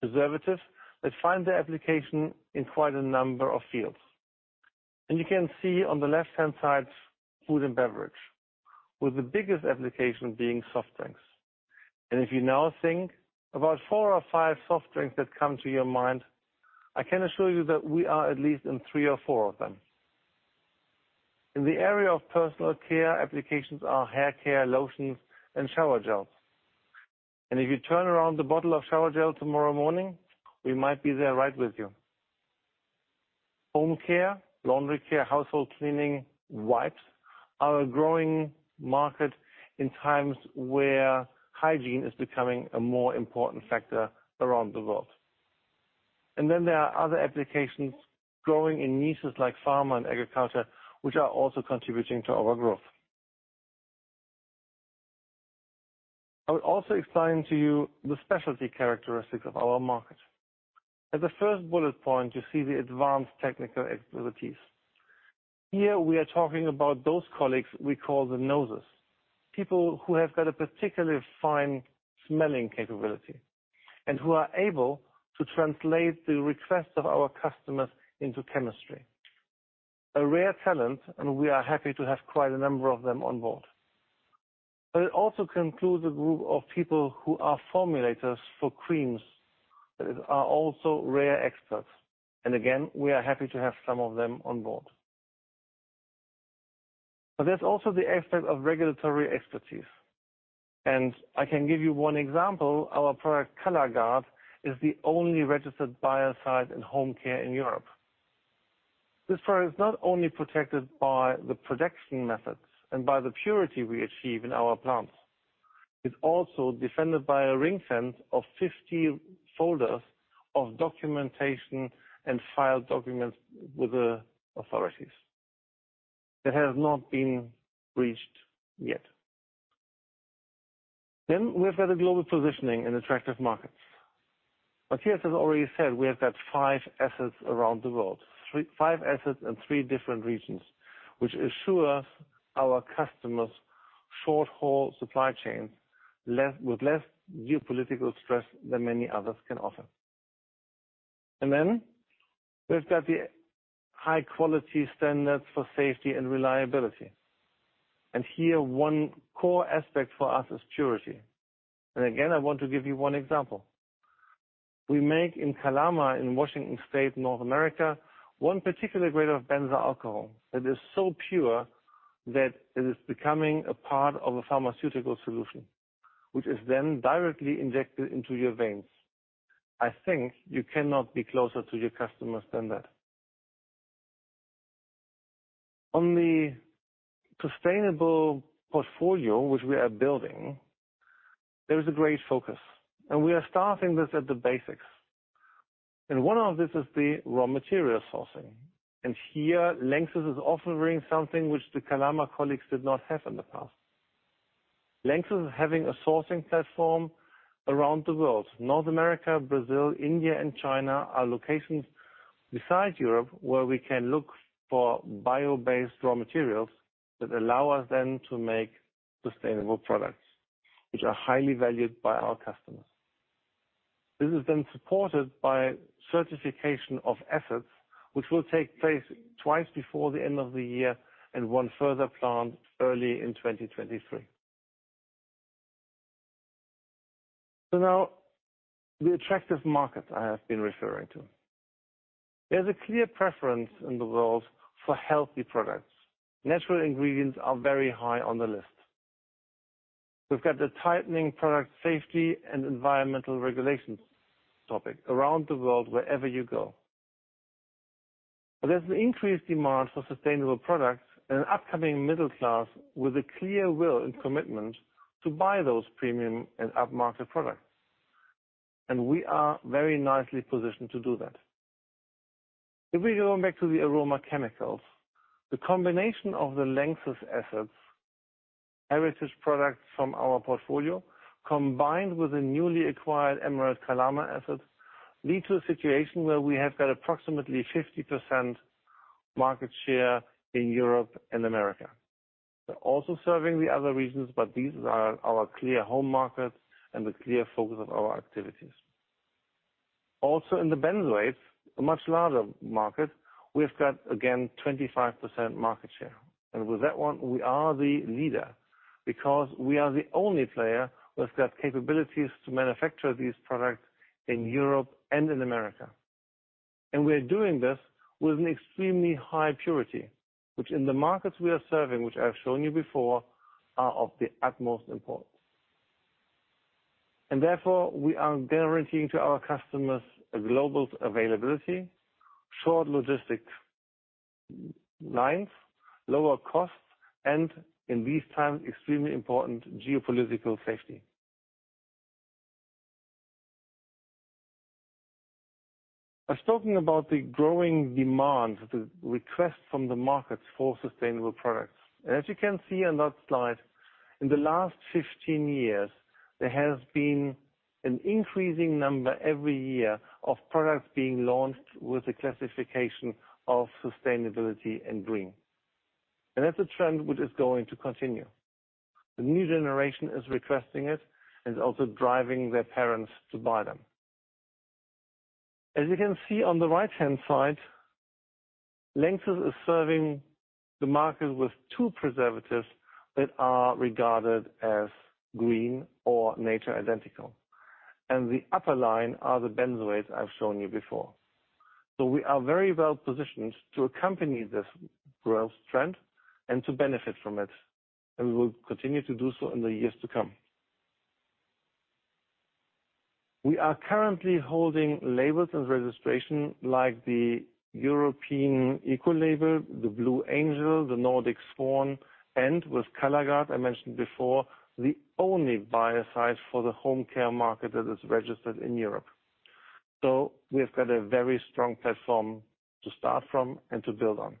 Preservatives that find their application in quite a number of fields. You can see on the left-hand side, food and beverage, with the biggest application being soft drinks. If you now think about four or five soft drinks that come to your mind, I can assure you that we are at least in three or four of them. In the area of personal care, applications are hair care, lotions, and shower gels. If you turn around the bottle of shower gel tomorrow morning, we might be there right with you. Home care, laundry care, household cleaning, wipes are a growing market in times where hygiene is becoming a more important factor around the world. Then there are other applications growing in niches like pharma and agriculture, which are also contributing to our growth. I will also explain to you the specialty characteristics of our market. As the first bullet point, you see the advanced technical activities. Here, we are talking about those colleagues we call the noses, people who have got a particularly fine smelling capability and who are able to translate the requests of our customers into chemistry. A rare talent, and we are happy to have quite a number of them on board. It also concludes a group of people who are formulators for creams that are also rare experts. Again, we are happy to have some of them on board. There's also the aspect of regulatory expertise. I can give you one example. Our product, Kalaguard, is the only registered biocide in home care in Europe. This product is not only protected by the production methods and by the purity we achieve in our plants, it's also defended by a ring fence of 50 folders of documentation and file documents with the authorities that have not been breached yet. We have got a global positioning in attractive markets. Matthias has already said we have got five assets around the world. Five assets in three different regions, which assures our customers short-haul supply chains with less geopolitical stress than many others can offer. We've got the high-quality standards for safety and reliability. Here one core aspect for us is purity. Again, I want to give you one example. We make in Kalama, in Washington state, North America, one particular grade of benzyl alcohol that is so pure that it is becoming a part of a pharmaceutical solution, which is then directly injected into your veins. I think you cannot be closer to your customers than that. On the sustainable portfolio which we are building, there is a great focus, and we are starting this at the basics. One of this is the raw material sourcing. Here, LANXESS is offering something which the Kalama colleagues did not have in the past. LANXESS is having a sourcing platform around the world. North America, Brazil, India and China are locations besides Europe, where we can look for bio-based raw materials that allow us then to make sustainable products which are highly valued by our customers. This is then supported by certification of assets, which will take place twice before the end of the year and one further plant early in 2023. Now the attractive market I have been referring to. There's a clear preference in the world for healthy products. Natural ingredients are very high on the list. We've got the tightening product safety and environmental regulations topic around the world, wherever you go. There's an increased demand for sustainable products and an upcoming middle class with a clear will and commitment to buy those premium and upmarket products. We are very nicely positioned to do that. If we go back to the aroma chemicals, the combination of the LANXESS assets, heritage products from our portfolio, combined with the newly acquired Emerald Kalama Chemical assets, lead to a situation where we have got approximately 50% market share in Europe and America. We're also serving the other regions, but these are our clear home markets and the clear focus of our activities. Also in the benzoates, a much larger market, we've got again 25% market share. With that one we are the leader because we are the only player who has got capabilities to manufacture these products in Europe and in America. We are doing this with an extremely high purity, which in the markets we are serving, which I have shown you before, are of the utmost importance. Therefore we are guaranteeing to our customers a global availability, short logistics lines, lower costs, and in these times, extremely important geopolitical safety. I was talking about the growing demand, the request from the markets for sustainable products. As you can see on that slide, in the last 15 years, there has been an increasing number every year of products being launched with the classification of sustainability and green. That's a trend which is going to continue. The new generation is requesting it and is also driving their parents to buy them. As you can see on the right-hand side, LANXESS is serving the market with two preservatives that are regarded as green or nature identical, and the upper line are the benzoates I've shown you before. We are very well positioned to accompany this growth trend and to benefit from it, and we will continue to do so in the years to come. We are currently holding labels and registration like the EU Ecolabel, the Blue Angel, the Nordic Swan Ecolabel, and with Kalaguard, I mentioned before, the only biocide for the home care market that is registered in Europe. We've got a very strong platform to start from and to build on.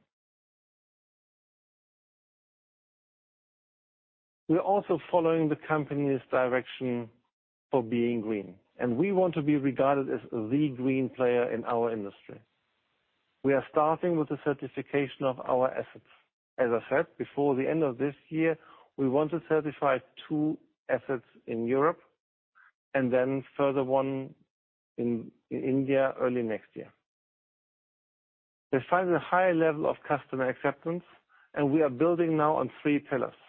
We are also following the company's direction for being green, and we want to be regarded as the green player in our industry. We are starting with the certification of our assets. As I said before, the end of this year, we want to certify two assets in Europe and then further one in India early next year. They find a high level of customer acceptance and we are building now on three pillars.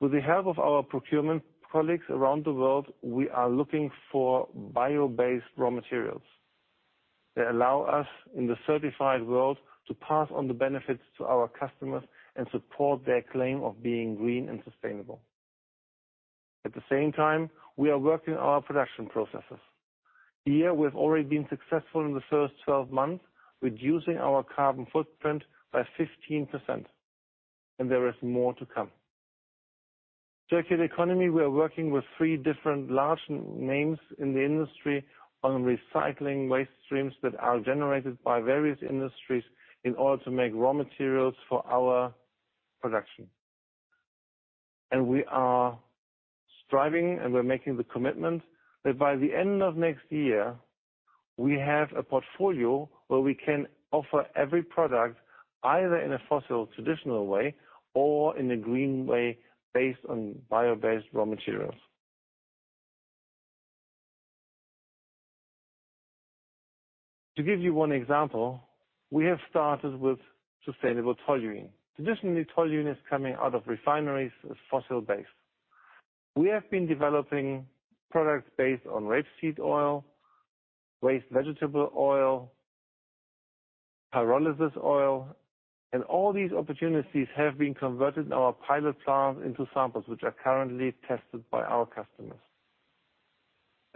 With the help of our procurement colleagues around the world, we are looking for bio-based raw materials that allow us in the certified world to pass on the benefits to our customers and support their claim of being green and sustainable. At the same time, we are working on our production processes. Here we've already been successful in the first 12 months, reducing our carbon footprint by 15%, and there is more to come. Circular economy. We are working with three different large names in the industry on recycling waste streams that are generated by various industries in order to make raw materials for our production. We are striving and we're making the commitment that by the end of next year, we have a portfolio where we can offer every product, either in a fossil traditional way or in a green way based on bio-based raw materials. To give you one example, we have started with sustainable toluene. Traditionally, toluene is coming out of refineries as fossil-based. We have been developing products based on rapeseed oil, waste vegetable oil, pyrolysis oil, and all these opportunities have been converted in our pilot plant into samples which are currently tested by our customers.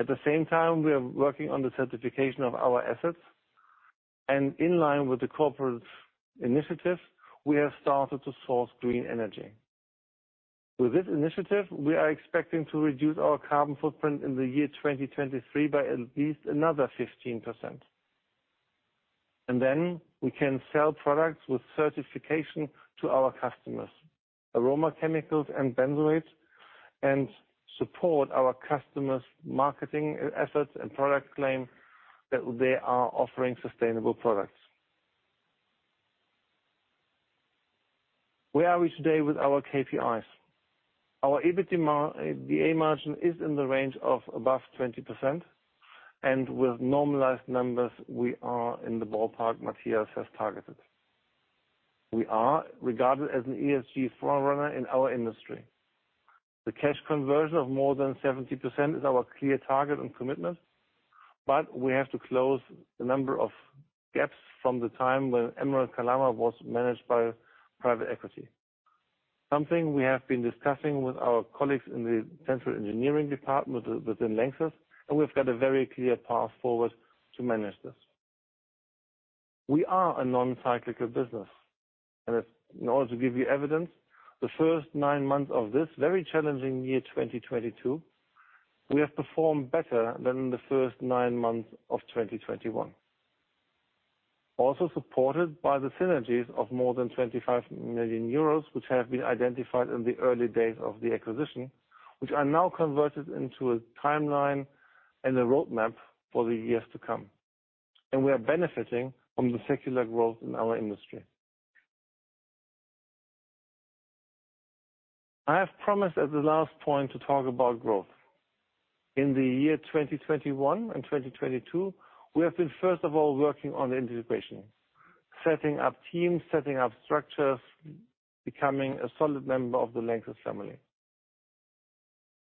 At the same time, we are working on the certification of our assets, and in line with the corporate initiative, we have started to source green energy. With this initiative, we are expecting to reduce our carbon footprint in the year 2023 by at least another 15%. We can sell products with certification to our customers, aroma chemicals and benzoates, and support our customers' marketing assets and product claim that they are offering sustainable products. Where are we today with our KPIs? Our EBITDA margin is in the range of above 20%, and with normalized numbers, we are in the ballpark Matthias has targeted. We are regarded as an ESG forerunner in our industry. The cash conversion of more than 70% is our clear target and commitment, but we have to close the number of gaps from the time when Emerald Kalama was managed by private equity. Something we have been discussing with our colleagues in the central engineering department within LANXESS, and we've got a very clear path forward to manage this. We are a non-cyclical business. In order to give you evidence, the first nine months of this very challenging year, 2022, we have performed better than the first nine months of 2021. Also supported by the synergies of more than 25 million euros, which have been identified in the early days of the acquisition, which are now converted into a timeline and a roadmap for the years to come. We are benefiting from the secular growth in our industry. I have promised at the last point to talk about growth. In the year 2021 and 2022, we have been, first of all, working on the integration, setting up teams, setting up structures, becoming a solid member of the LANXESS family.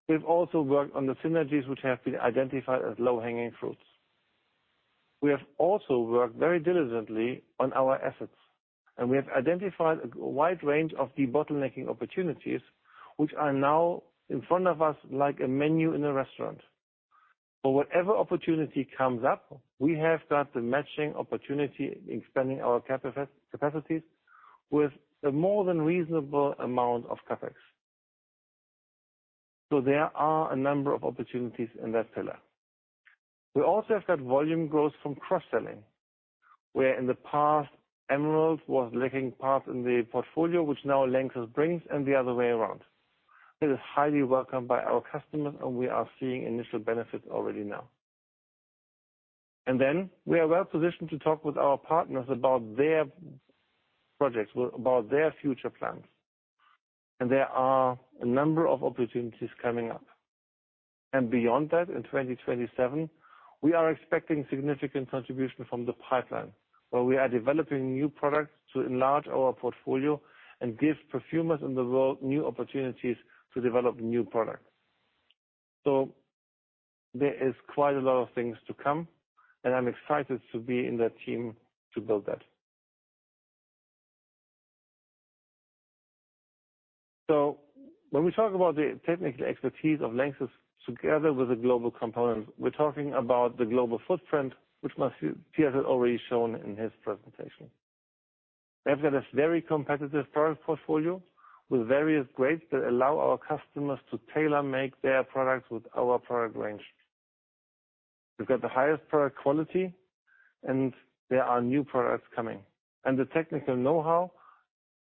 We've also worked on the synergies which have been identified as low-hanging fruits. We have also worked very diligently on our assets, and we have identified a wide range of debottlenecking opportunities which are now in front of us like a menu in a restaurant. For whatever opportunity comes up, we have got the matching opportunity in expanding our capacities with a more than reasonable amount of CapEx. There are a number of opportunities in that pillar. We also have got volume growth from cross-selling, where in the past, Emerald was lacking parts in the portfolio, which now LANXESS brings and the other way around. It is highly welcomed by our customers, and we are seeing initial benefits already now. We are well-positioned to talk with our partners about their projects, about their future plans. There are a number of opportunities coming up. Beyond that, in 2027, we are expecting significant contribution from the pipeline, where we are developing new products to enlarge our portfolio and give perfumers in the world new opportunities to develop new products. There is quite a lot of things to come, and I'm excited to be in that team to build that. When we talk about the technical expertise of LANXESS together with the global components, we're talking about the global footprint, which Matthias has already shown in his presentation. We have got a very competitive product portfolio with various grades that allow our customers to tailor-make their products with our product range. We've got the highest product quality, and there are new products coming. The technical know-how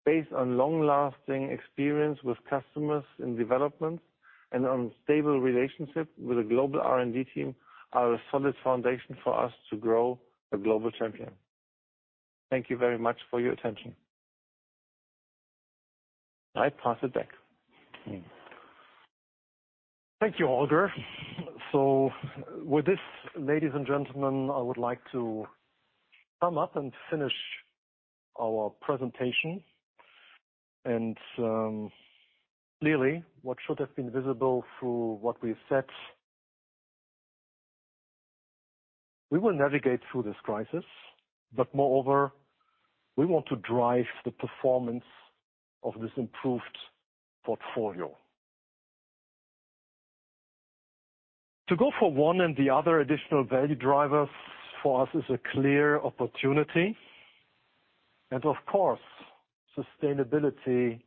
based on long-lasting experience with customers in development and on stable relationship with a global R&D team are a solid foundation for us to grow a global champion. Thank you very much for your attention. I pass it back. Thank you, Holger. With this, ladies and gentlemen, I would like to sum up and finish our presentation. Clearly, what should have been visible through what we've said, we will navigate through this crisis, but moreover, we want to drive the performance of this improved portfolio. To go for one and the other additional value drivers for us is a clear opportunity. Of course, sustainability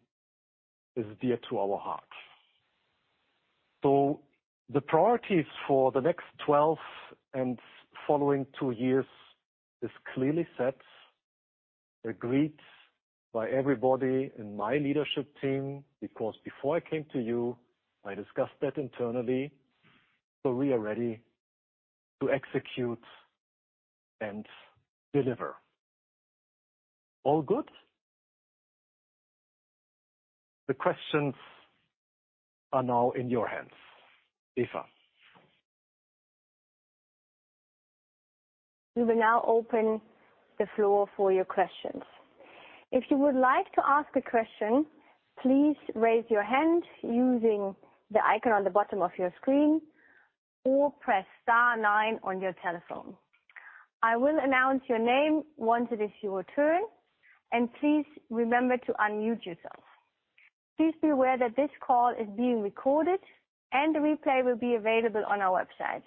is dear to our heart. The priorities for the next 12 and following two years is clearly set, agreed by everybody in my leadership team, because before I came to you, I discussed that internally. We are ready to execute and deliver. All good? The questions are now in your hands, Eva. We will now open the floor for your questions. If you would like to ask a question, please raise your hand using the icon on the bottom of your screen or press star nine on your telephone. I will announce your name once it is your turn, and please remember to unmute yourself. Please be aware that this call is being recorded and the replay will be available on our website.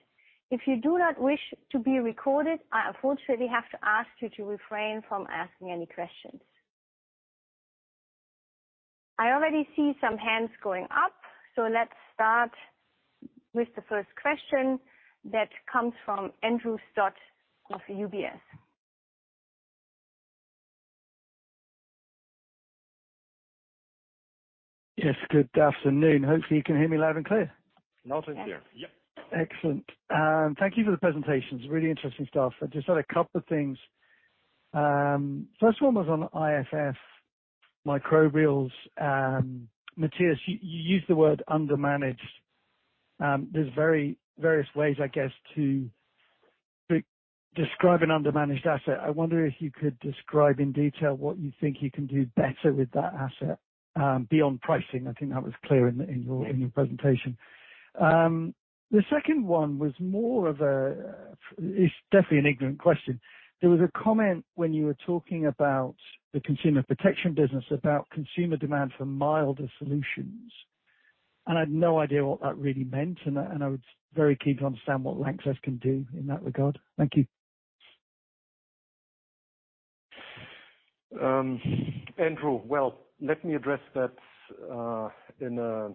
If you do not wish to be recorded, I unfortunately have to ask you to refrain from asking any questions. I already see some hands going up, so let's start with the first question that comes from Andrew Stott of UBS. Yes, good afternoon. Hopefully, you can hear me loud and clear. Loud and clear. Yep. Excellent. Thank you for the presentations. Really interesting stuff. I just had a couple of things. First one was on IFF Microbial Control. Matthias, you used the word undermanaged. There's various ways, I guess, to describe an undermanaged asset. I wonder if you could describe in detail what you think you can do better with that asset, beyond pricing. I think that was clear in your presentation. The second one was more of a... It's definitely an ignorant question. There was a comment when you were talking about the consumer protection business, about consumer demand for milder solutions, and I had no idea what that really meant, and I was very keen to understand what LANXESS can do in that regard. Thank you. Andrew. Well, let me address that in a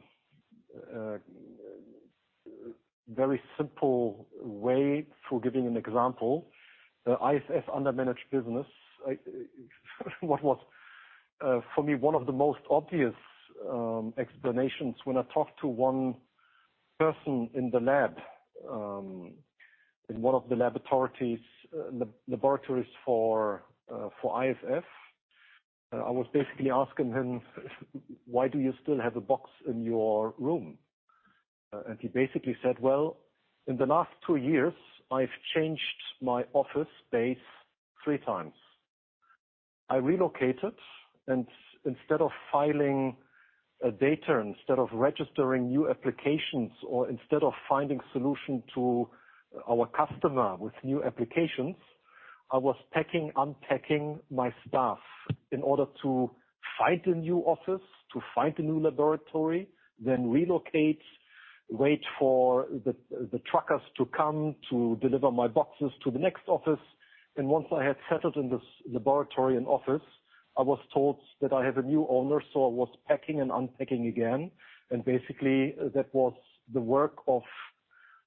very simple way through giving an example. The IFF undermanaged business, what was for me one of the most obvious explanations when I talked to one person in the lab in one of the laboratories for IFF, I was basically asking him, "Why do you still have a box in your room?" And he basically said, "Well, in the last two years, I've changed my office space three times. I relocated, and instead of filing data, instead of registering new applications or instead of finding solution to our customer with new applications, I was packing, unpacking my stuff in order to find a new office, to find a new laboratory, then relocate, wait for the truckers to come to deliver my boxes to the next office. Once I had settled in this laboratory and office, I was told that I have a new owner, so I was packing and unpacking again. Basically, that was the work of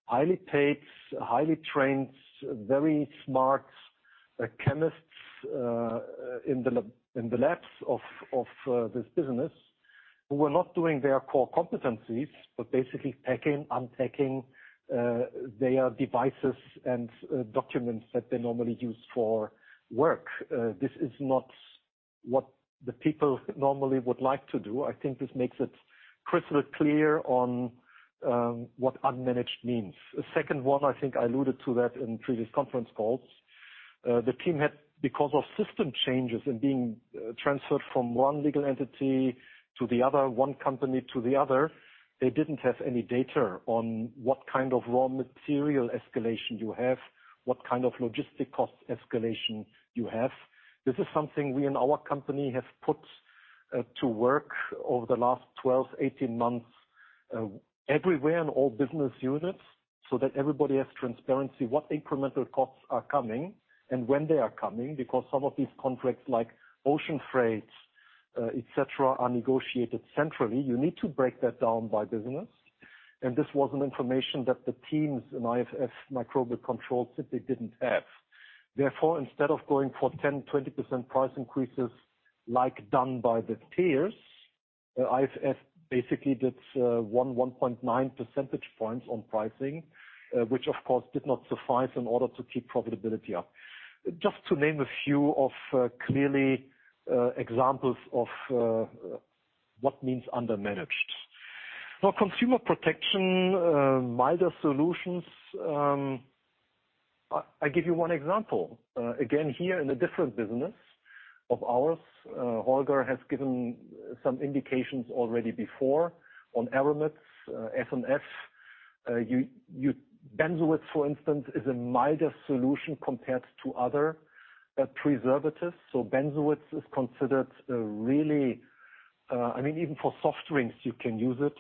highly paid, highly trained, very smart chemists in the labs of this business, who were not doing their core competencies, but basically packing, unpacking their devices and documents that they normally use for work. This is not what the people normally would like to do. I think this makes it crystal clear on what unmanaged means. The second one, I think I alluded to that in previous conference calls. The team had, because of system changes and being transferred from one legal entity to the other, one company to the other, they didn't have any data on what kind of raw material escalation you have, what kind of logistic cost escalation you have. This is something we in our company have put to work over the last 12-18 months, everywhere in all business units, so that everybody has transparency, what incremental costs are coming and when they are coming, because some of these contracts, like ocean freights, et cetera, are negotiated centrally. You need to break that down by business. This wasn't information that the teams in IFF Microbial Control simply didn't have. Therefore, instead of going for 10%-20% price increases like done by the peers, IFF basically did 1.9 percentage points on pricing, which of course did not suffice in order to keep profitability up. Just to name a few of clearly examples of what means undermanaged. Now, Consumer Protection, milder solutions, I give you one example. Again, here in a different business of ours, Holger has given some indications already before on aromatics, F&F. You benzoates, for instance, is a milder solution compared to other preservatives. So benzoates is considered a really. I mean, even for soft drinks, you can use it,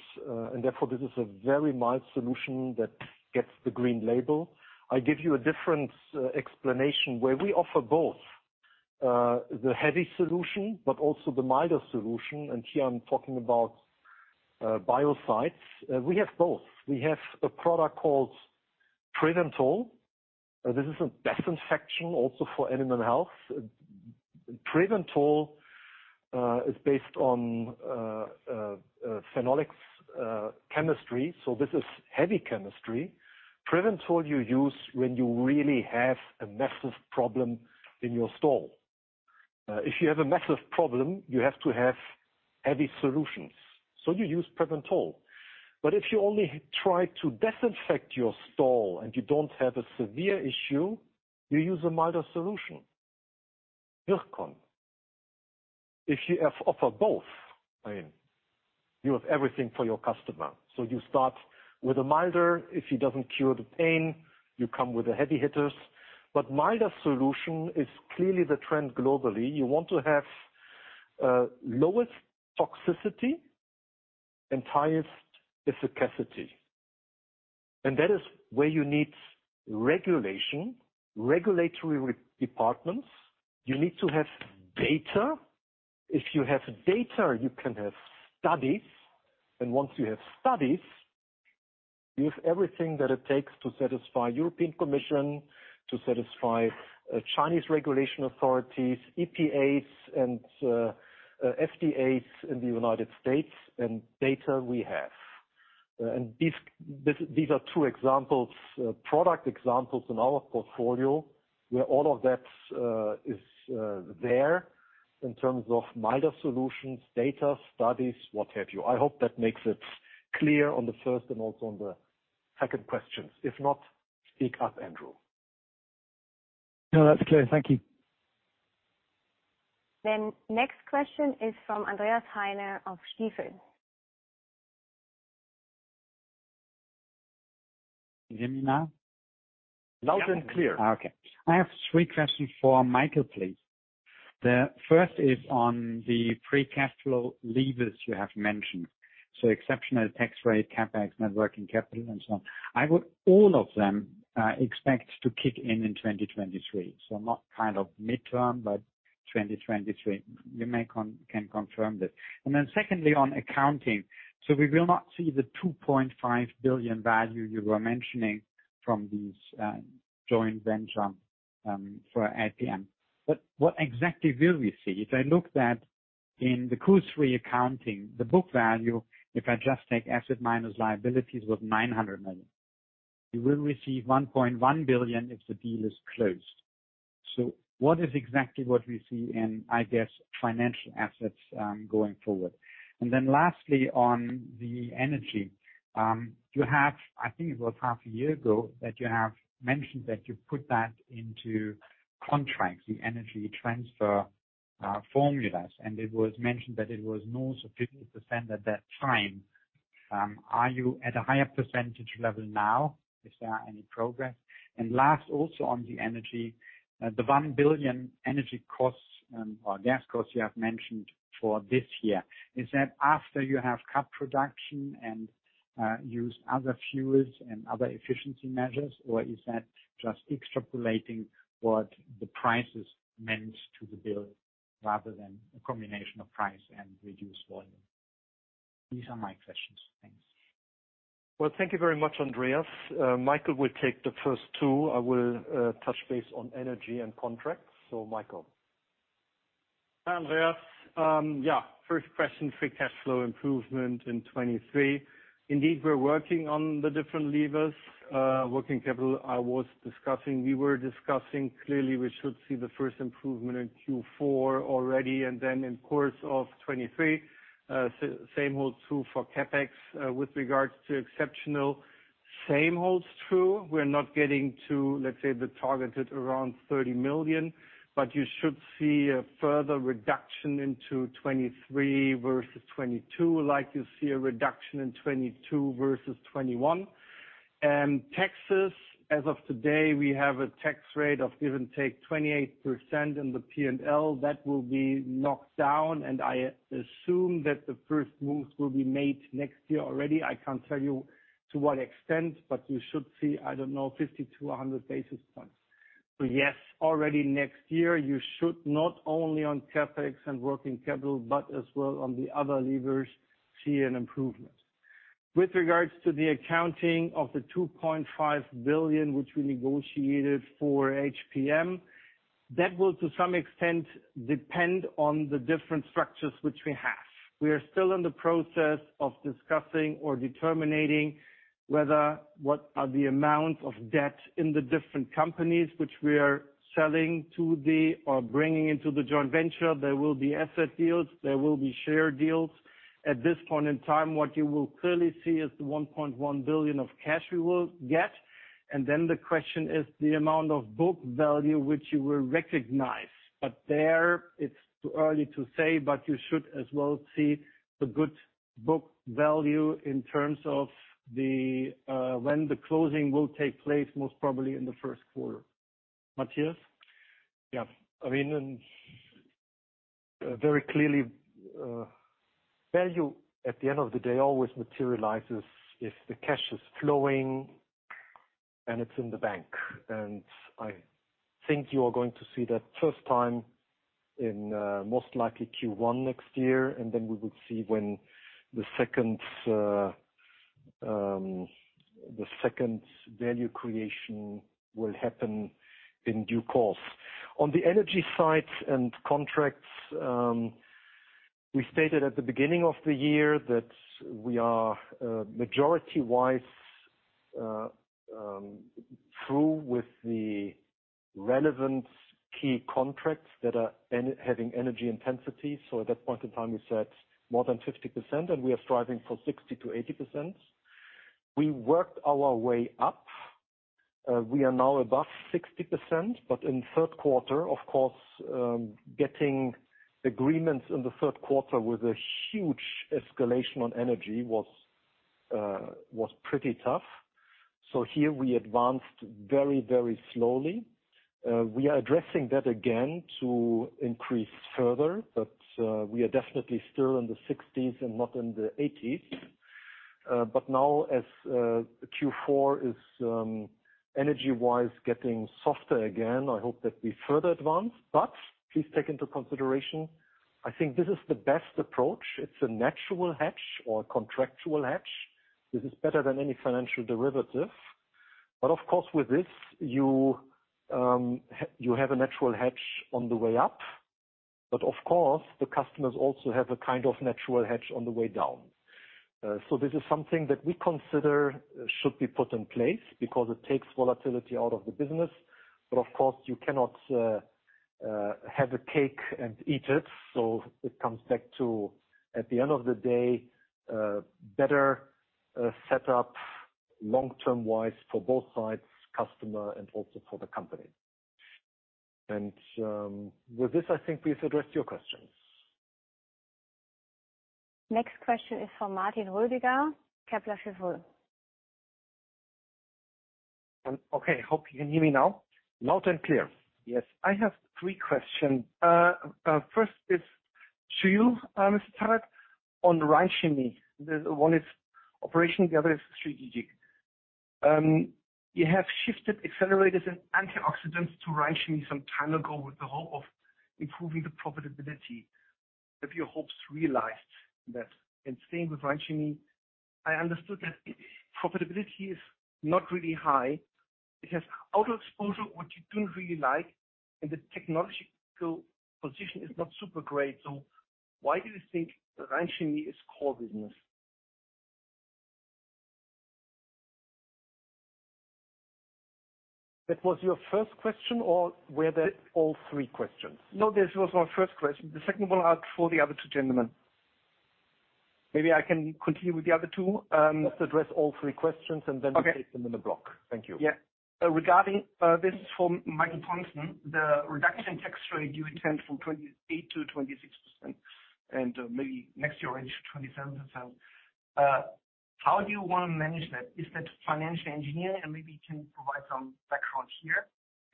and therefore this is a very mild solution that gets the green label. I give you a different explanation where we offer both. The heavy solution, but also the milder solution, and here I'm talking about biocides. We have both. We have a product called Preventol. This is a disinfectant also for animal health. Preventol is based on phenolics chemistry, so this is heavy chemistry. Preventol you use when you really have a massive problem in your stall. If you have a massive problem, you have to have heavy solutions, so you use Preventol. If you only try to disinfect your stall and you don't have a severe issue, you use a milder solution, Virkon. If you offer both, I mean, you have everything for your customer. You start with a milder. If it doesn't cure the pain, you come with the heavy hitters. Milder solution is clearly the trend globally. You want to have lowest toxicity, highest efficacy. That is where you need regulation, regulatory departments. You need to have data. If you have data, you can have studies. Once you have studies, you have everything that it takes to satisfy European Commission, to satisfy Chinese regulatory authorities, EPAs, and FDAs in the United States. Data we have. These are two examples, product examples in our portfolio, where all of that is there in terms of milder solutions, data, studies, what have you. I hope that makes it clear on the first and also on the second questions. If not, speak up, Andrew. No, that's clear. Thank you. Next question is from Andreas Heine of Stifel. Can you hear me now? Loud and clear. Okay. I have three questions for Michael, please. The first is on the free cash flow levers you have mentioned, so exceptional tax rate, CapEx, net working capital and so on. I would expect all of them to kick in in 2023, so not kind of midterm, but 2023. Can you confirm that. Then secondly, on accounting, we will not see the 2.5 billion value you were mentioning from this joint venture for HPM. But what exactly will we see? If I look at that in the current reaccounting, the book value, if I just take asset minus liabilities, was 900 million. You will receive 1.1 billion if the deal is closed. What exactly will we see in, I guess, financial assets going forward? Lastly, on the energy, you have—I think it was half a year ago that you have mentioned that you put that into contracts, the energy transfer formulas, and it was mentioned that it was now at 50% at that time. Are you at a higher percentage level now? Is there any progress? Last, also on the energy, the 1 billion energy costs or gas costs you have mentioned for this year, is that after you have cut production and used other fuels and other efficiency measures, or is that just extrapolating what the prices meant to the bill rather than a combination of price and reduced volume? These are my questions. Thanks. Well, thank you very much, Andreas. Michael will take the first two. I will touch base on energy and contracts. Michael. Hi, Andreas. First question, free cash flow improvement in 2023. Indeed, we're working on the different levers. Working capital, I was discussing, we were discussing. Clearly, we should see the first improvement in Q4 already and then in course of 2023. Same holds true for CapEx. With regards to exceptional, same holds true. We're not getting to, let's say, the target at around 30 million, but you should see a further reduction into 2023 versus 2022, like you see a reduction in 2022 versus 2021. Taxes, as of today, we have a tax rate of give or take 28% in the P&L. That will be knocked down, and I assume that the first move will be made next year already. I can't tell you to what extent, but you should see, I don't know, 50 to 100 basis points. Yes, already next year, you should not only on CapEx and working capital, but as well on the other levers see an improvement. With regards to the accounting of the 2.5 billion which we negotiated for HPM, that will to some extent depend on the different structures which we have. We are still in the process of discussing or determining whether what are the amounts of debt in the different companies which we are selling to the or bringing into the joint venture. There will be asset deals, there will be share deals. At this point in time, what you will clearly see is the 1.1 billion of cash we will get. The question is the amount of book value which you will recognize. There it's too early to say, but you should as well see the good book value in terms of the, when the closing will take place, most probably in the first quarter. Matthias? Yes. I mean, and. Very clearly, value at the end of the day always materializes if the cash is flowing and it's in the bank. I think you are going to see that first time in, most likely Q1 next year, and then we will see when the second value creation will happen in due course. On the energy side and contracts, we stated at the beginning of the year that we are majority-wise through with the relevant key contracts that are having energy intensity. So at that point in time, we said more than 50%, and we are striving for 60%-80%. We worked our way up. We are now above 60%, but in third quarter, of course, getting agreements in the third quarter with a huge escalation on energy was pretty tough. Here we advanced very, very slowly. We are addressing that again to increase further, but we are definitely still in the 60s% and not in the 80s%. Now as Q4 is energy-wise getting softer again, I hope that we further advance. Please take into consideration, I think this is the best approach. It's a natural hedge or a contractual hedge. This is better than any financial derivative. Of course, with this, you have a natural hedge on the way up. Of course, the customers also have a kind of natural hedge on the way down. This is something that we consider should be put in place because it takes volatility out of the business. Of course, you cannot have your cake and eat it. It comes back to, at the end of the day, a better set up long-term wise for both sides, customer and also for the company. With this, I think we've addressed your questions. Next question is from Martin Rödiger, Kepler Cheuvreux. Okay. Hope you can hear me now. Loud and clear. Yes. I have three questions. First is to you, Mr. Zachert, on Rhein Chemie. One is operational, the other is strategic. You have shifted accelerators and antioxidants to Rhein Chemie some time ago with the hope of improving the profitability. Have your hopes realized that? And same with Rhein Chemie, I understood that profitability is not really high. It has cyclical exposure what you don't really like, and the technological position is not super great. Why do you think Rhein Chemie is core business? That was your first question or were there all three questions? No, this was my first question. The second one are for the other two gentlemen. Maybe I can continue with the other two. Let's address all three questions and then we take them in a block. Thank you. Yeah. Regarding, this is from Martin Rödiger, the reduction tax rate you intend from 28% to 26%, and maybe next year it is 27%. How do you wanna manage that? Is that financial engineering? Maybe you can provide some background here.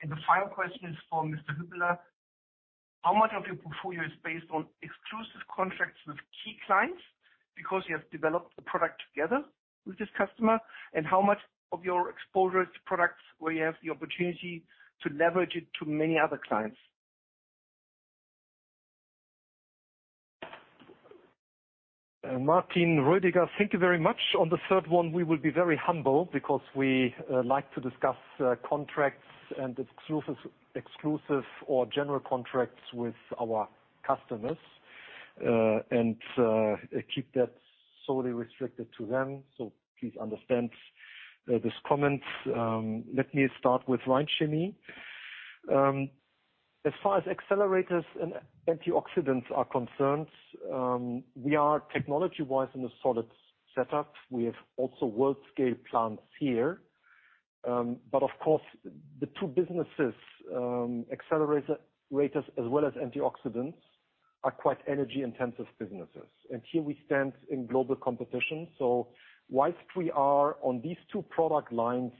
The final question is for Mr. Hüppeler. How much of your portfolio is based on exclusive contracts with key clients because you have developed the product together with this customer? How much of your exposure to products where you have the opportunity to leverage it to many other clients? Martin Rödiger, thank you very much. On the third one, we will be very humble because we like to discuss contracts and exclusive or general contracts with our customers and keep that solely restricted to them. Please understand this comment. Let me start with Rhein Chemie. As far as accelerators and antioxidants are concerned, we are technology-wise in a solid setup. We have also world-scale plants here. Of course, the two businesses, accelerators as well as antioxidants, are quite energy-intensive businesses. Here we stand in global competition. Whilst we are on these two product lines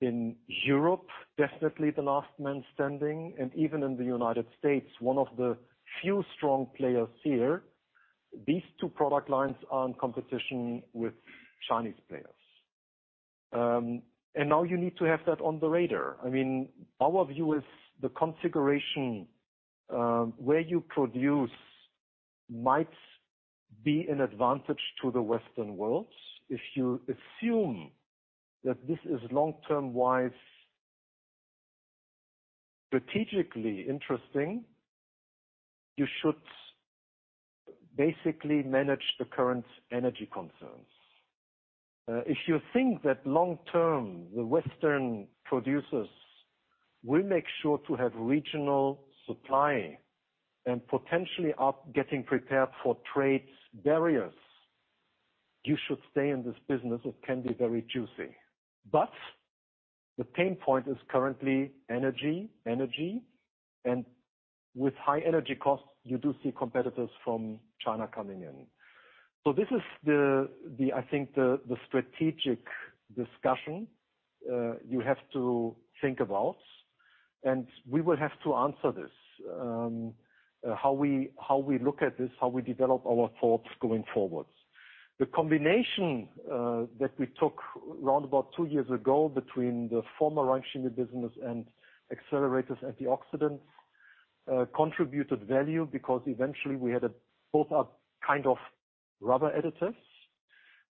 in Europe, definitely the last man standing, and even in the United States, one of the few strong players here, these two product lines are in competition with Chinese players. Now you need to have that on the radar. I mean, our view is the configuration where you produce might be an advantage to the Western world. If you assume that this is long-term wise, strategically interesting, you should basically manage the current energy concerns. If you think that long-term, the Western producers will make sure to have regional supply and potentially are getting prepared for trade barriers, you should stay in this business. It can be very juicy. The pain point is currently energy, and with high energy costs, you do see competitors from China coming in. This is the strategic discussion you have to think about, and we will have to answer this. How we look at this, how we develop our thoughts going forward. The combination that we took round about two years ago between the former Rhein Chemie business and accelerators, antioxidants contributed value because eventually we had both are kind of rubber additives.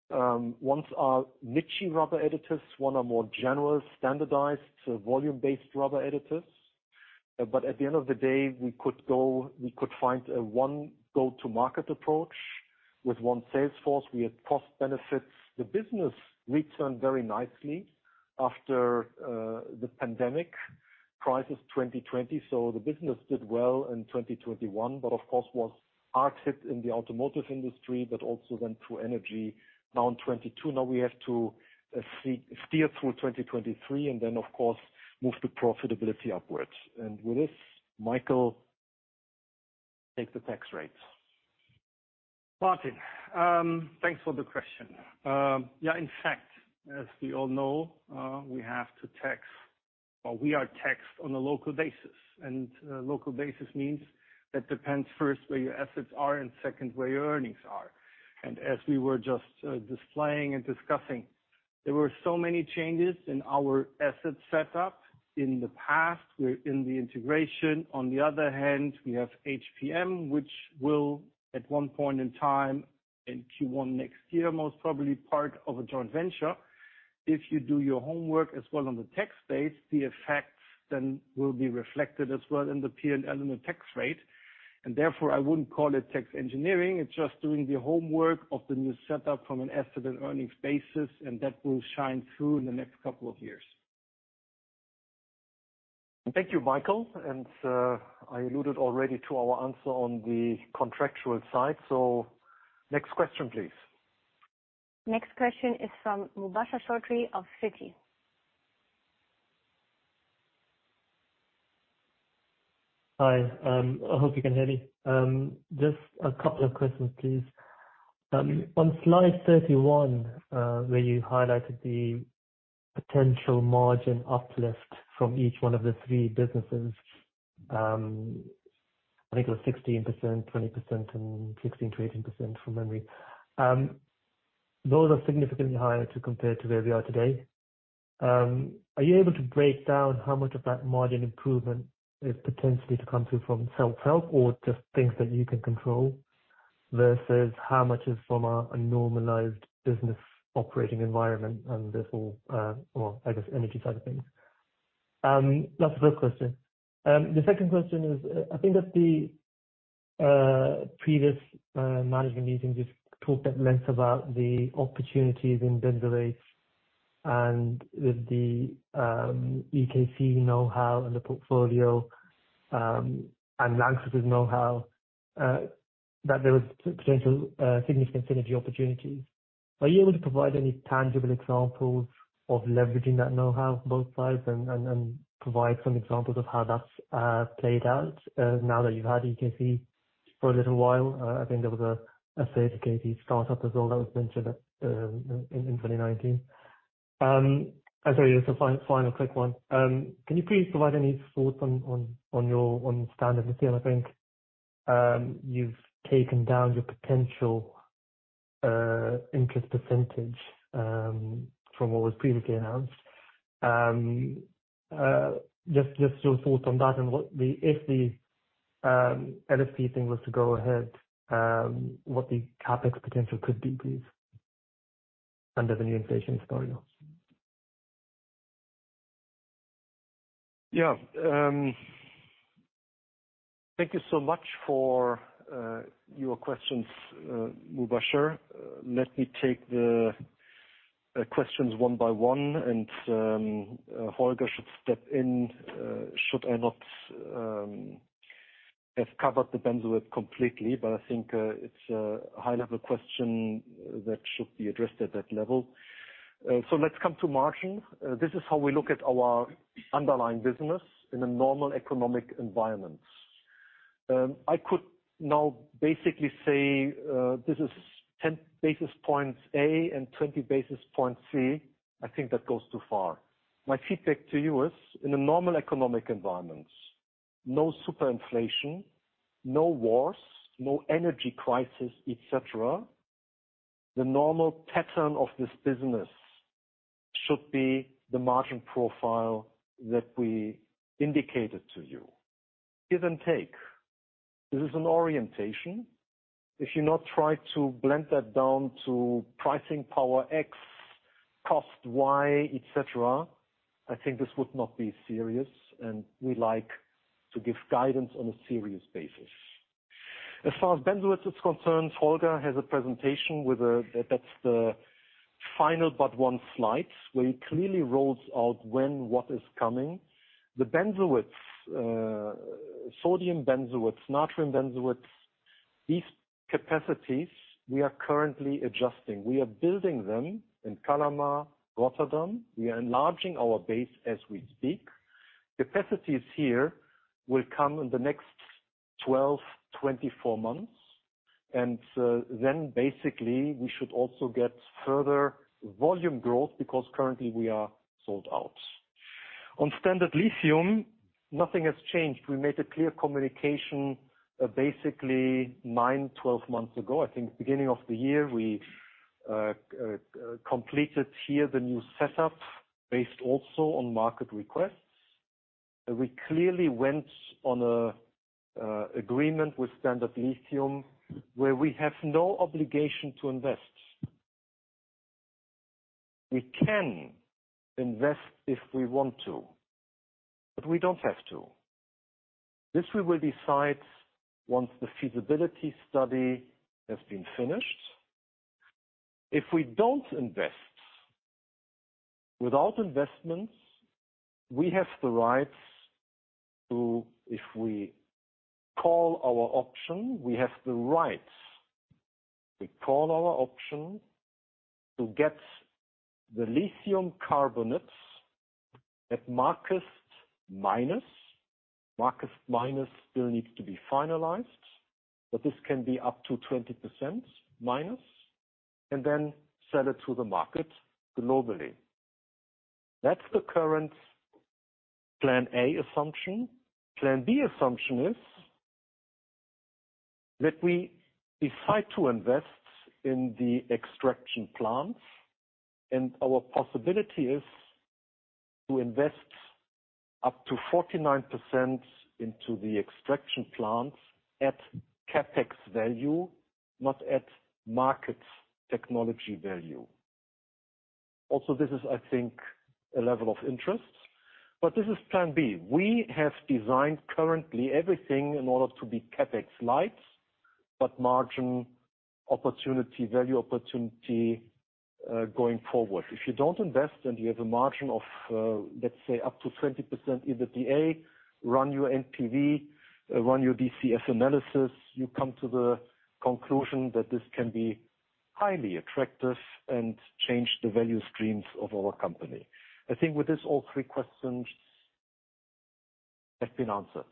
Ones are niche rubber additives, one are more general standardized volume-based rubber additives. But at the end of the day, we could go, we could find a one go-to-market approach. With one sales force, we had cost benefits. The business returned very nicely after the pandemic crisis 2020, so the business did well in 2021, but of course, was hard hit in the automotive industry, but also then through energy. Now in 2022, now we have to steer through 2023 and then, of course, move the profitability upwards. With this, Michael, take the tax rates. Martin, thanks for the question. Yeah, in fact, as we all know, we have to tax or we are taxed on a local basis. Local basis means that depends first, where your assets are and second, where your earnings are. As we were just displaying and discussing, there were so many changes in our asset set up in the past, we're in the integration. On the other hand, we have HPM, which will, at one point in time, in Q1 next year, most probably part of a joint venture. If you do your homework as well on the tax base, the effects then will be reflected as well in the P&L and the tax rate. Therefore, I wouldn't call it tax engineering. It's just doing the homework of the new setup from an asset and earnings basis, and that will shine through in the next couple of years. Thank you, Michael. I alluded already to our answer on the contractual side. Next question, please. Next question is from Mubasher Chaudhry of Citi. Hi, I hope you can hear me. Just a couple of questions, please. On slide 31, where you highlighted the potential margin uplift from each one of the three businesses, I think it was 16%, 20%, and 16%-18% from memory. Those are significantly higher to compare to where we are today. Are you able to break down how much of that margin improvement is potentially to come through from self-help or just things that you can control, versus how much is from a normalized business operating environment and therefore, or I guess, energy side of things? That's the first question. The second question is, I think at the previous management meeting, you talked at length about the opportunities in benzoates and with the EKC know-how and the portfolio, and LANXESS know-how, that there was potential significant synergy opportunities. Are you able to provide any tangible examples of leveraging that know-how from both sides and provide some examples of how that's played out now that you've had EKC for a little while? I think there was a phase of EKC start-up as well that was mentioned in 2019. I tell you, just a final quick one. Can you please provide any thoughts on your Standard Lithium? I think you've taken down your potential interest percentage from what was previously announced. Just your thoughts on that and, if the NSP thing was to go ahead, what the CapEx potential could be, please, under the new inflation scenario. Thank you so much for your questions, Mubasher. Let me take the questions one by one, and Holger Hüppeler should step in should I not have covered the benzoate completely. I think it's a high-level question that should be addressed at that level. Let's come to margin. This is how we look at our underlying business in a normal economic environment. I could now basically say this is 10 basis points A and 20 basis points C. I think that goes too far. My feedback to you is in a normal economic environment, no super inflation, no wars, no energy crisis, et cetera, the normal pattern of this business should be the margin profile that we indicated to you. Give and take. This is an orientation. If you now try to blend that down to pricing power X, cost Y, et cetera, I think this would not be serious, and we like to give guidance on a serious basis. As far as benzoate is concerned, Holger has a presentation with that's the final but one slide, where he clearly rolls out when what is coming. The benzoate, sodium benzoate, natrium benzoate, these capacities we are currently adjusting. We are building them in Kalama, Rotterdam. We are enlarging our base as we speak. Capacities here will come in the next 12-24 months. Then basically, we should also get further volume growth because currently we are sold out. On Standard Lithium, nothing has changed. We made a clear communication, basically nine-12 months ago. I think beginning of the year, we completed here the new setup based also on market requests. We clearly went on an agreement with Standard Lithium where we have no obligation to invest. We can invest if we want to, but we don't have to. This we will decide once the feasibility study has been finished. If we don't invest, without investments, we have the rights. If we call our option, we have the rights. We call our option to get the lithium carbonate at market minus. Market minus still needs to be finalized, but this can be up to 20% minus, and then sell it to the market globally. That's the current plan A assumption. Plan B assumption is that we decide to invest in the extraction plants, and our possibility is to invest up to 49% into the extraction plants at CapEx value, not at market technology value. Also, this is, I think, a level of interest. This is plan B. We have designed currently everything in order to be CapEx-lite, but margin opportunity, value opportunity, going forward. If you don't invest and you have a margin of, let's say up to 20% EBITDA, run your NPV, run your DCF analysis, you come to the conclusion that this can be highly attractive and change the value streams of our company. I think with this, all three questions have been answered.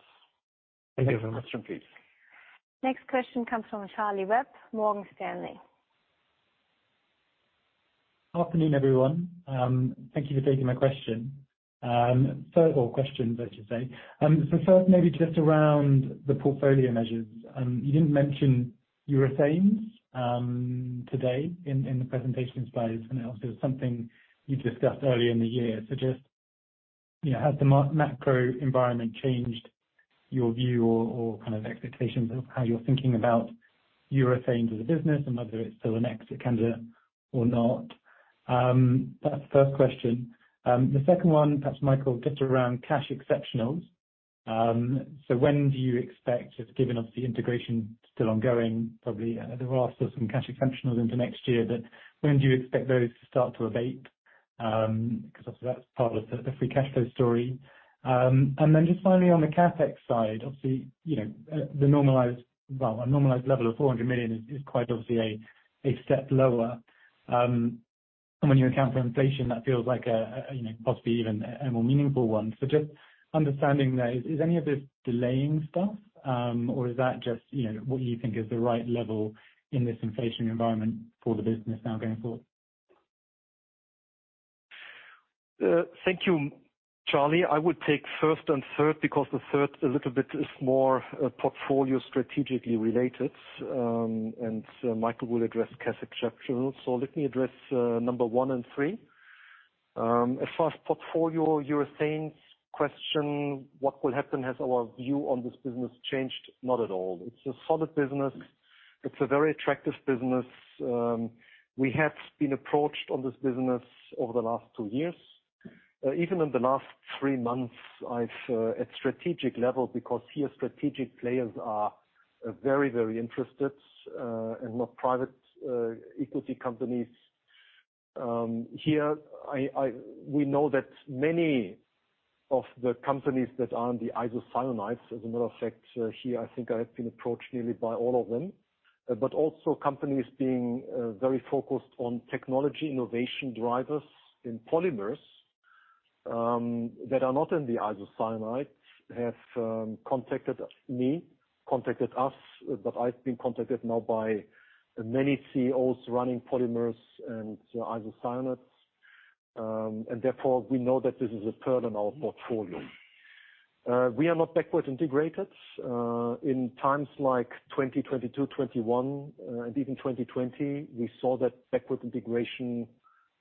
Thank you. Next question, please. Next question comes from Charlie Webb, Morgan Stanley. Afternoon, everyone. Thank you for taking my question or questions, I should say. First, maybe just around the portfolio measures. You didn't mention urethanes today in the presentation slide. I know it was something you discussed earlier in the year. Just, you know, has the macro environment changed your view or kind of expectations of how you're thinking about urethanes as a business and whether it's still an exit candidate or not? That's the first question. The second one, perhaps Michael, just around cash exceptional. When do you expect, just given obviously integration still ongoing, probably there are still some cash exceptional into next year, but when do you expect those to start to abate? 'Cause obviously that's part of the free cash flow story. Just finally on the CapEx side, obviously, you know, a normalized level of 400 million is quite obviously a step lower. When you account for inflation, that feels like a you know, possibly even a more meaningful one. Just understanding that, is any of this delaying stuff, or is that just, you know, what you think is the right level in this inflation environment for the business now going forward? Thank you, Charlie. I would take first and third because the third a little bit is more portfolio strategically related, and Michael will address cash exceptional. Let me address number one and three. As far as portfolio urethanes question, what will happen? Has our view on this business changed? Not at all. It's a solid business. It's a very attractive business. We have been approached on this business over the last two years. Even in the last three months at strategic level, because here strategic players are very, very interested, and not private equity companies. Here we know that many of the companies that are on the isocyanates. As a matter of fact, here, I think I have been approached nearly by all of them. Companies being very focused on technology innovation drivers in polymers that are not in the isocyanates have contacted us. I've been contacted now by many CEOs running polymers and isocyanates, and therefore we know that this is a pearl in our portfolio. We are not backward integrated. In times like 2022, 2021, and even 2020, we saw that backward integration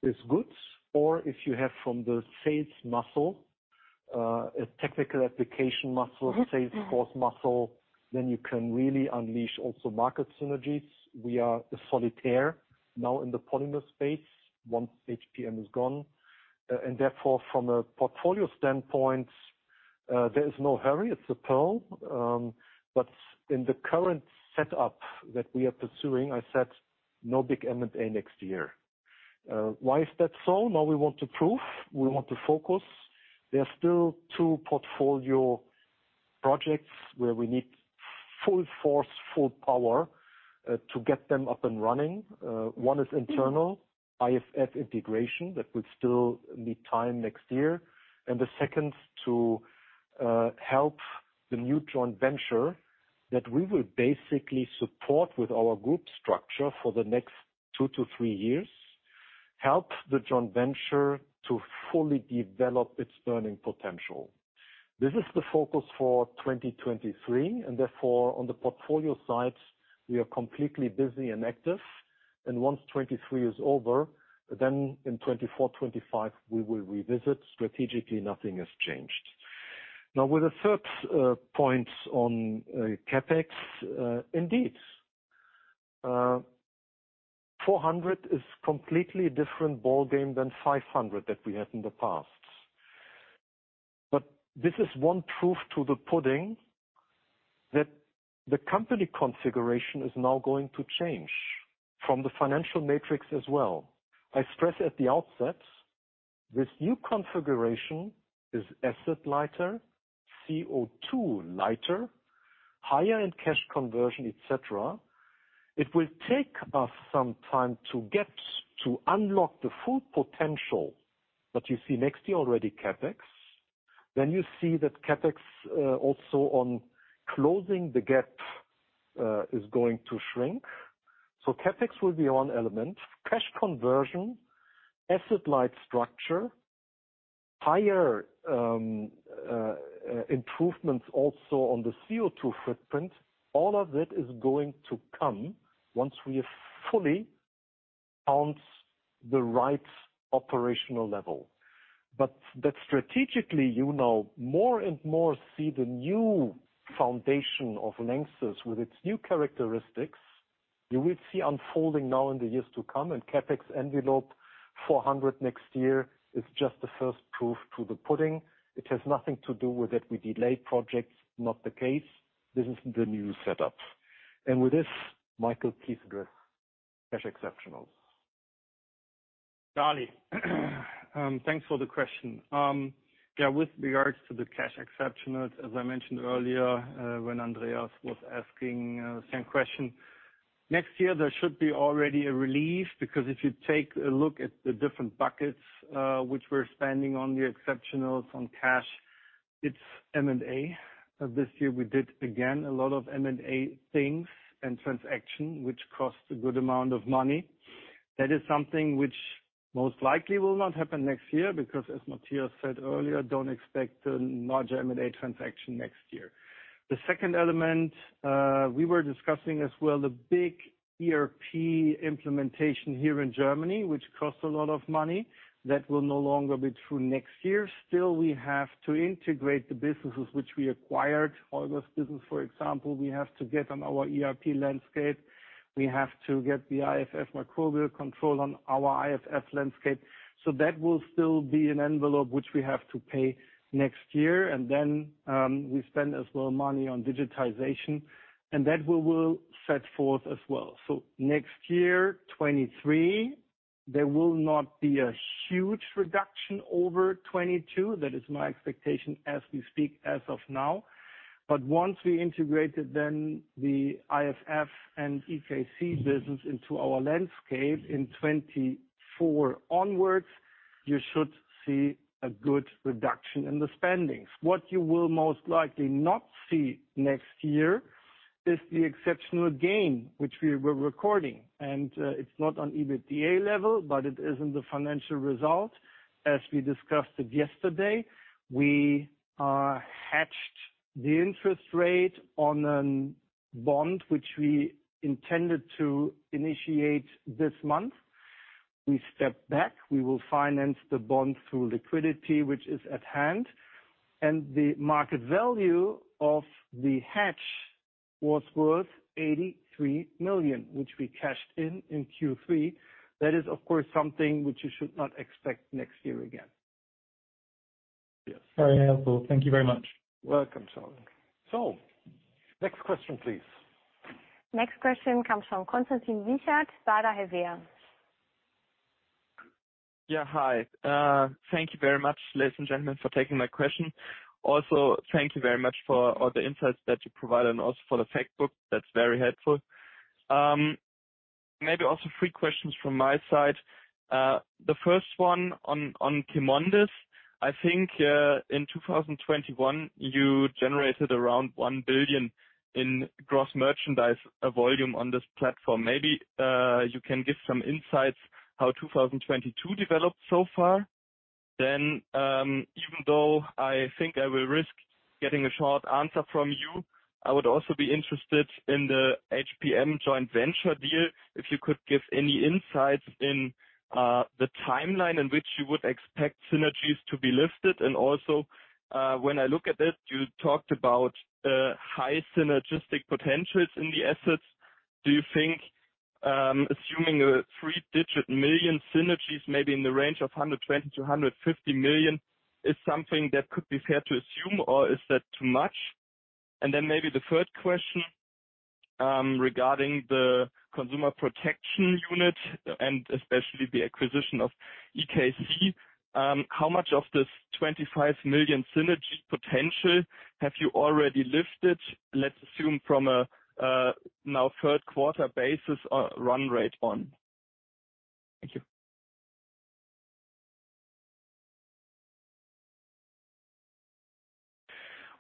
is good. If you have from the sales muscle a technical application muscle, sales force muscle, then you can really unleash also market synergies. We are a solitaire now in the polymer space once HPM is gone. Therefore, from a portfolio standpoint, there is no hurry. It's a pearl. In the current setup that we are pursuing, I said no big M&A next year. Why is that so? Now we want to prove, we want to focus. There are still two portfolio projects where we need full force, full power, to get them up and running. One is internal IFF integration that will still need time next year. The second, too, help the new joint venture that we will basically support with our group structure for the next two to three years, help the joint venture to fully develop its earning potential. This is the focus for 2023, and therefore on the portfolio side, we are completely busy and active. Once 2023 is over, then in 2024, 2025, we will revisit. Strategically, nothing has changed. Now with the third point on CapEx, indeed. 400 is completely different ballgame than 500 that we had in the past. This is one proof to the pudding that the company configuration is now going to change from the financial matrix as well. I stress at the outset, this new configuration is asset lighter, CO2 lighter, higher end cash conversion, et cetera. It will take us some time to get to unlock the full potential that you see next year already. CapEx. You see that CapEx also on closing the gap is going to shrink. CapEx will be one element. Cash conversion, asset light structure, higher improvements also on the CO2 footprint. All of it is going to come once we have fully found the right operational level. That strategically, you now more and more see the new foundation of LANXESS with its new characteristics. You will see unfolding now in the years to come, and CapEx envelope 400 million next year is just the first proof in the pudding. It has nothing to do with the fact that we delayed projects, not the case. This is the new setup. With this, Michael, please address cash and exceptional. Charlie, thanks for the question. Yeah, with regards to the cash exceptional, as I mentioned earlier, when Andreas was asking the same question. Next year, there should be already a relief because if you take a look at the different buckets which we're spending on the exceptional on cash, it's M&A. This year we did again a lot of M&A things and transactions, which cost a good amount of money. That is something which most likely will not happen next year because as Matthias said earlier, don't expect a large M&A transaction next year. The second element, we were discussing as well the big ERP implementation here in Germany, which costs a lot of money. That will no longer be true next year. Still, we have to integrate the businesses which we acquired. All those business, for example, we have to get on our ERP landscape. We have to get the IFF Microbial Control on our ERP landscape. That will still be an envelope which we have to pay next year. We spend as well money on digitization, and that we will set forth as well. Next year, 2023, there will not be a huge reduction over 2022. That is my expectation as we speak as of now. Once we integrated then the IFF and EKC business into our landscape in 2024 onwards, you should see a good reduction in the spending. What you will most likely not see next year is the exceptional gain which we were recording. It's not on EBITDA level, but it is in the financial result. As we discussed it yesterday, we fixed the interest rate on a bond which we intended to initiate this month. We stepped back, we will finance the bond through liquidity, which is at hand. The market value of the hedge was worth 83 million, which we cashed in in Q3. That is of course something which you should not expect next year again. Yes. Very helpful. Thank you very much. Welcome, Charlie. Next question, please. Next question comes from Constantin Rigaud, Baader Helvea. Yeah, hi. Thank you very much, ladies and gentlemen, for taking my question. Also, thank you very much for all the insights that you provided and also for the fact book. That's very helpful. Maybe also 3 questions from my side. The first one on CheMondis. I think, in 2021, you generated around 1 billion in gross merchandise volume on this platform. Maybe you can give some insights how 2022 developed so far. Then, even though I think I will risk getting a short answer from you, I would also be interested in the HPM joint venture deal, if you could give any insights in the timeline in which you would expect synergies to be lifted. Also, when I look at it, you talked about high synergistic potentials in the assets. Do you think, assuming a three-digit million synergies, maybe in the range of 120-150 million is something that could be fair to assume, or is that too much? Maybe the third question. Regarding the Consumer Protection unit and especially the acquisition of Emerald Kalama Chemical, how much of this 25 million synergy potential have you already lifted, let's assume from a now third quarter basis, run rate on? Thank you.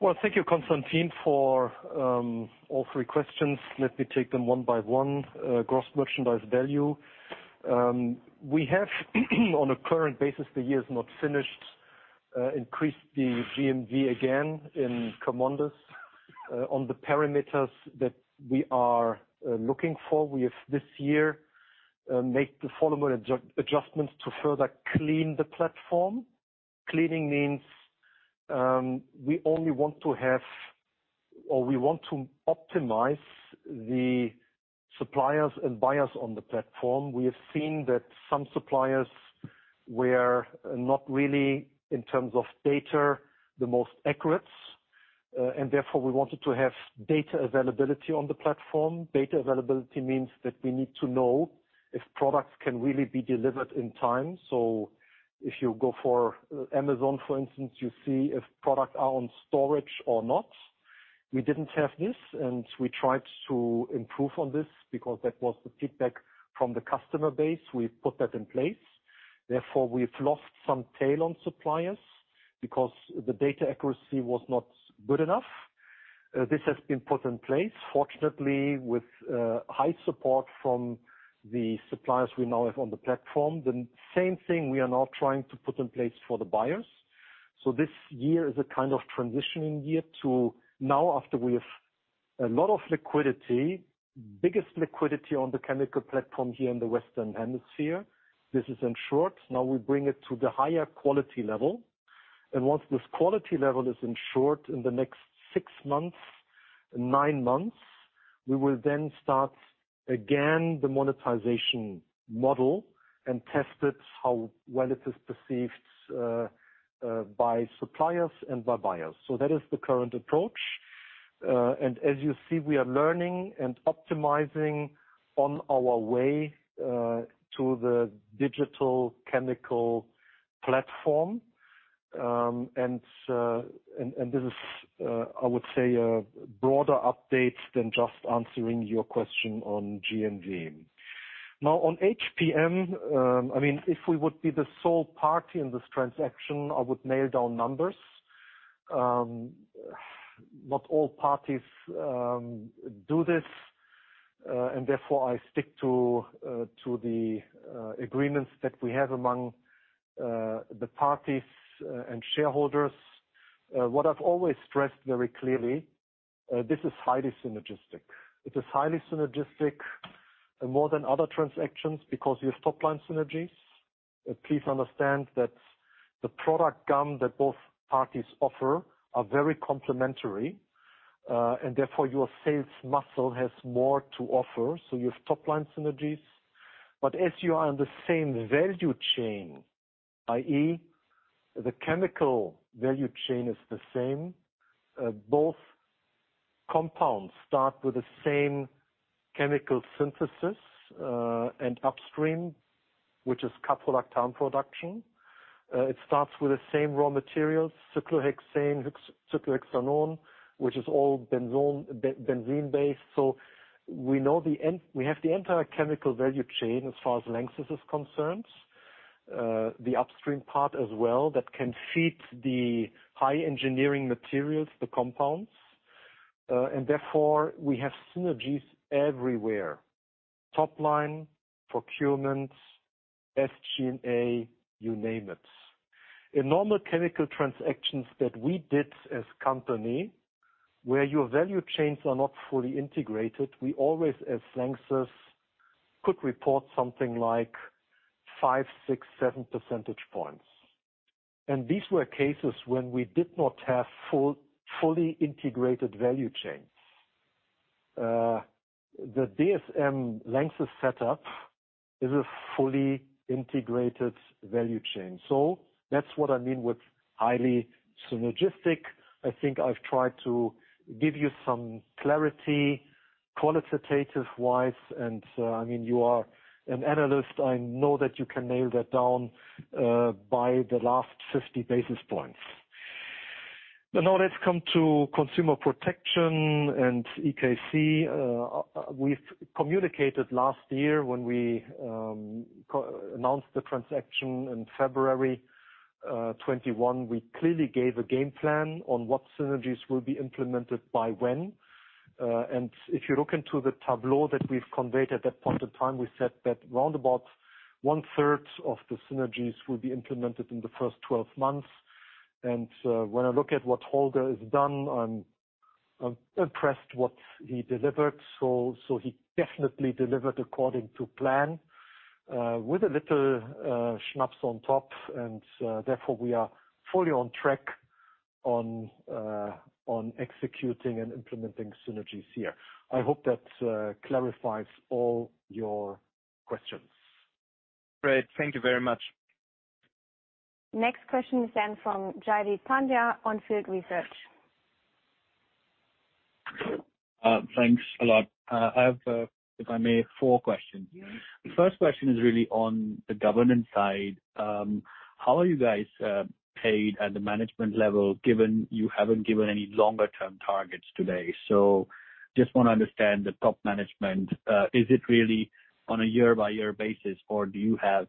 Well, thank you, Constantin, for all three questions. Let me take them one by one. Gross merchandise value. We have on a current basis, the year is not finished, increased the GMV again in CheMondis on the parameters that we are looking for. We have this year make the following adjustments to further clean the platform. Cleaning means we only want to have or we want to optimize the suppliers and buyers on the platform. We have seen that some suppliers were not really, in terms of data, the most accurate, and therefore, we wanted to have data availability on the platform. Data availability means that we need to know if products can really be delivered in time. If you go for Amazon, for instance, you see if products are on storage or not. We didn't have this, and we tried to improve on this because that was the feedback from the customer base. We put that in place. Therefore, we've lost some tail on suppliers because the data accuracy was not good enough. This has been put in place, fortunately, with high support from the suppliers we now have on the platform. The same thing we are now trying to put in place for the buyers. This year is a kind of transitioning year to now after we have a lot of liquidity, biggest liquidity on the chemical platform here in the Western Hemisphere. This is in short. Now we bring it to the higher quality level. Once this quality level is ensured in the next six months, nine months, we will then start again the monetization model and test it how well it is perceived by suppliers and by buyers. That is the current approach. As you see, we are learning and optimizing on our way to the digital chemical platform. This is, I would say a broader update than just answering your question on GMV. Now on HPM, I mean, if we would be the sole party in this transaction, I would nail down numbers. Not all parties do this, and therefore I stick to the agreements that we have among the parties and shareholders. What I've always stressed very clearly, this is highly synergistic. It is highly synergistic more than other transactions because you have top-line synergies. Please understand that the product gamut that both parties offer are very complementary, and therefore your sales muscle has more to offer. You have top-line synergies. As you are on the same value chain, i.e. the chemical value chain is the same, both compounds start with the same chemical synthesis, and upstream, which is caprolactam production. It starts with the same raw materials, cyclohexane, cyclohexanone, which is all benzene-based. We have the entire chemical value chain as far as LANXESS is concerned, the upstream part as well, that can feed the high-performance engineering materials, the compounds. And therefore we have synergies everywhere. Top line, procurement, SG&A, you name it. In normal chemical transactions that we did as company, where your value chains are not fully integrated, we always, as LANXESS, could report something like five, six, seven percentage points. These were cases when we did not have fully integrated value chains. The DSM LANXESS setup is a fully integrated value chain. That's what I mean with highly synergistic. I think I've tried to give you some clarity qualitative-wise. I mean, you are an analyst. I know that you can nail that down by the last 50 basis points. Now let's come to Consumer Protection and EKC. We've communicated last year when we announced the transaction in February 2021. We clearly gave a game plan on what synergies will be implemented by when. If you look into the tableau that we've conveyed at that point in time, we said that round about one-third of the synergies will be implemented in the first 12 months. When I look at what Holger Hüppeler has done, I'm impressed what he delivered. He definitely delivered according to plan, with a little schnapps on top. Therefore, we are fully on track on executing and implementing synergies here. I hope that clarifies all your questions. Great. Thank you very much. Next question is then from Jaideep Pandya of Field Research. Thanks a lot. I have, if I may, four questions. The first question is really on the governance side. How are you guys paid at the management level, given you haven't given any longer-term targets today? Just wanna understand the top management, is it really on a year-by-year basis, or do you have,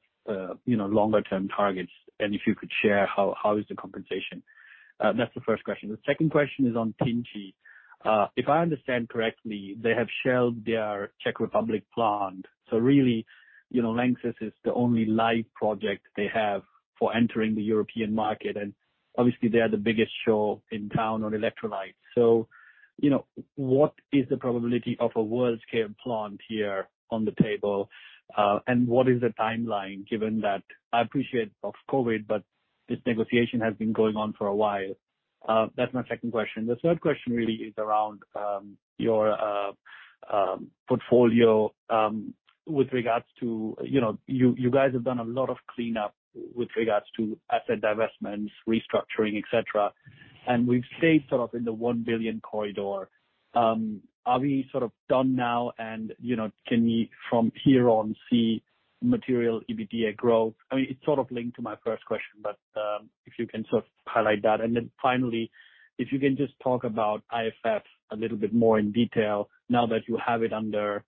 you know, longer term targets? And if you could share how is the compensation? That's the first question. The second question is on Tinci. If I understand correctly, they have shelved their Czech Republic plant, so really, you know, LANXESS is the only live project they have for entering the European market, and obviously, they are the biggest show in town on electrolytes. You know, what is the probability of a world-scale plant here on the table, and what is the timeline, given the impact of COVID, but this negotiation has been going on for a while. That's my second question. The third question really is around your portfolio with regards to, you know, you guys have done a lot of cleanup with regards to asset divestments, restructuring, et cetera, and we've stayed sort of in the 1 billion corridor. Are we sort of done now and, you know, can we, from here on, see material EBITDA growth? I mean, it's sort of linked to my first question, but if you can sort of highlight that. If you can just talk about IFF a little bit more in detail now that you have it under,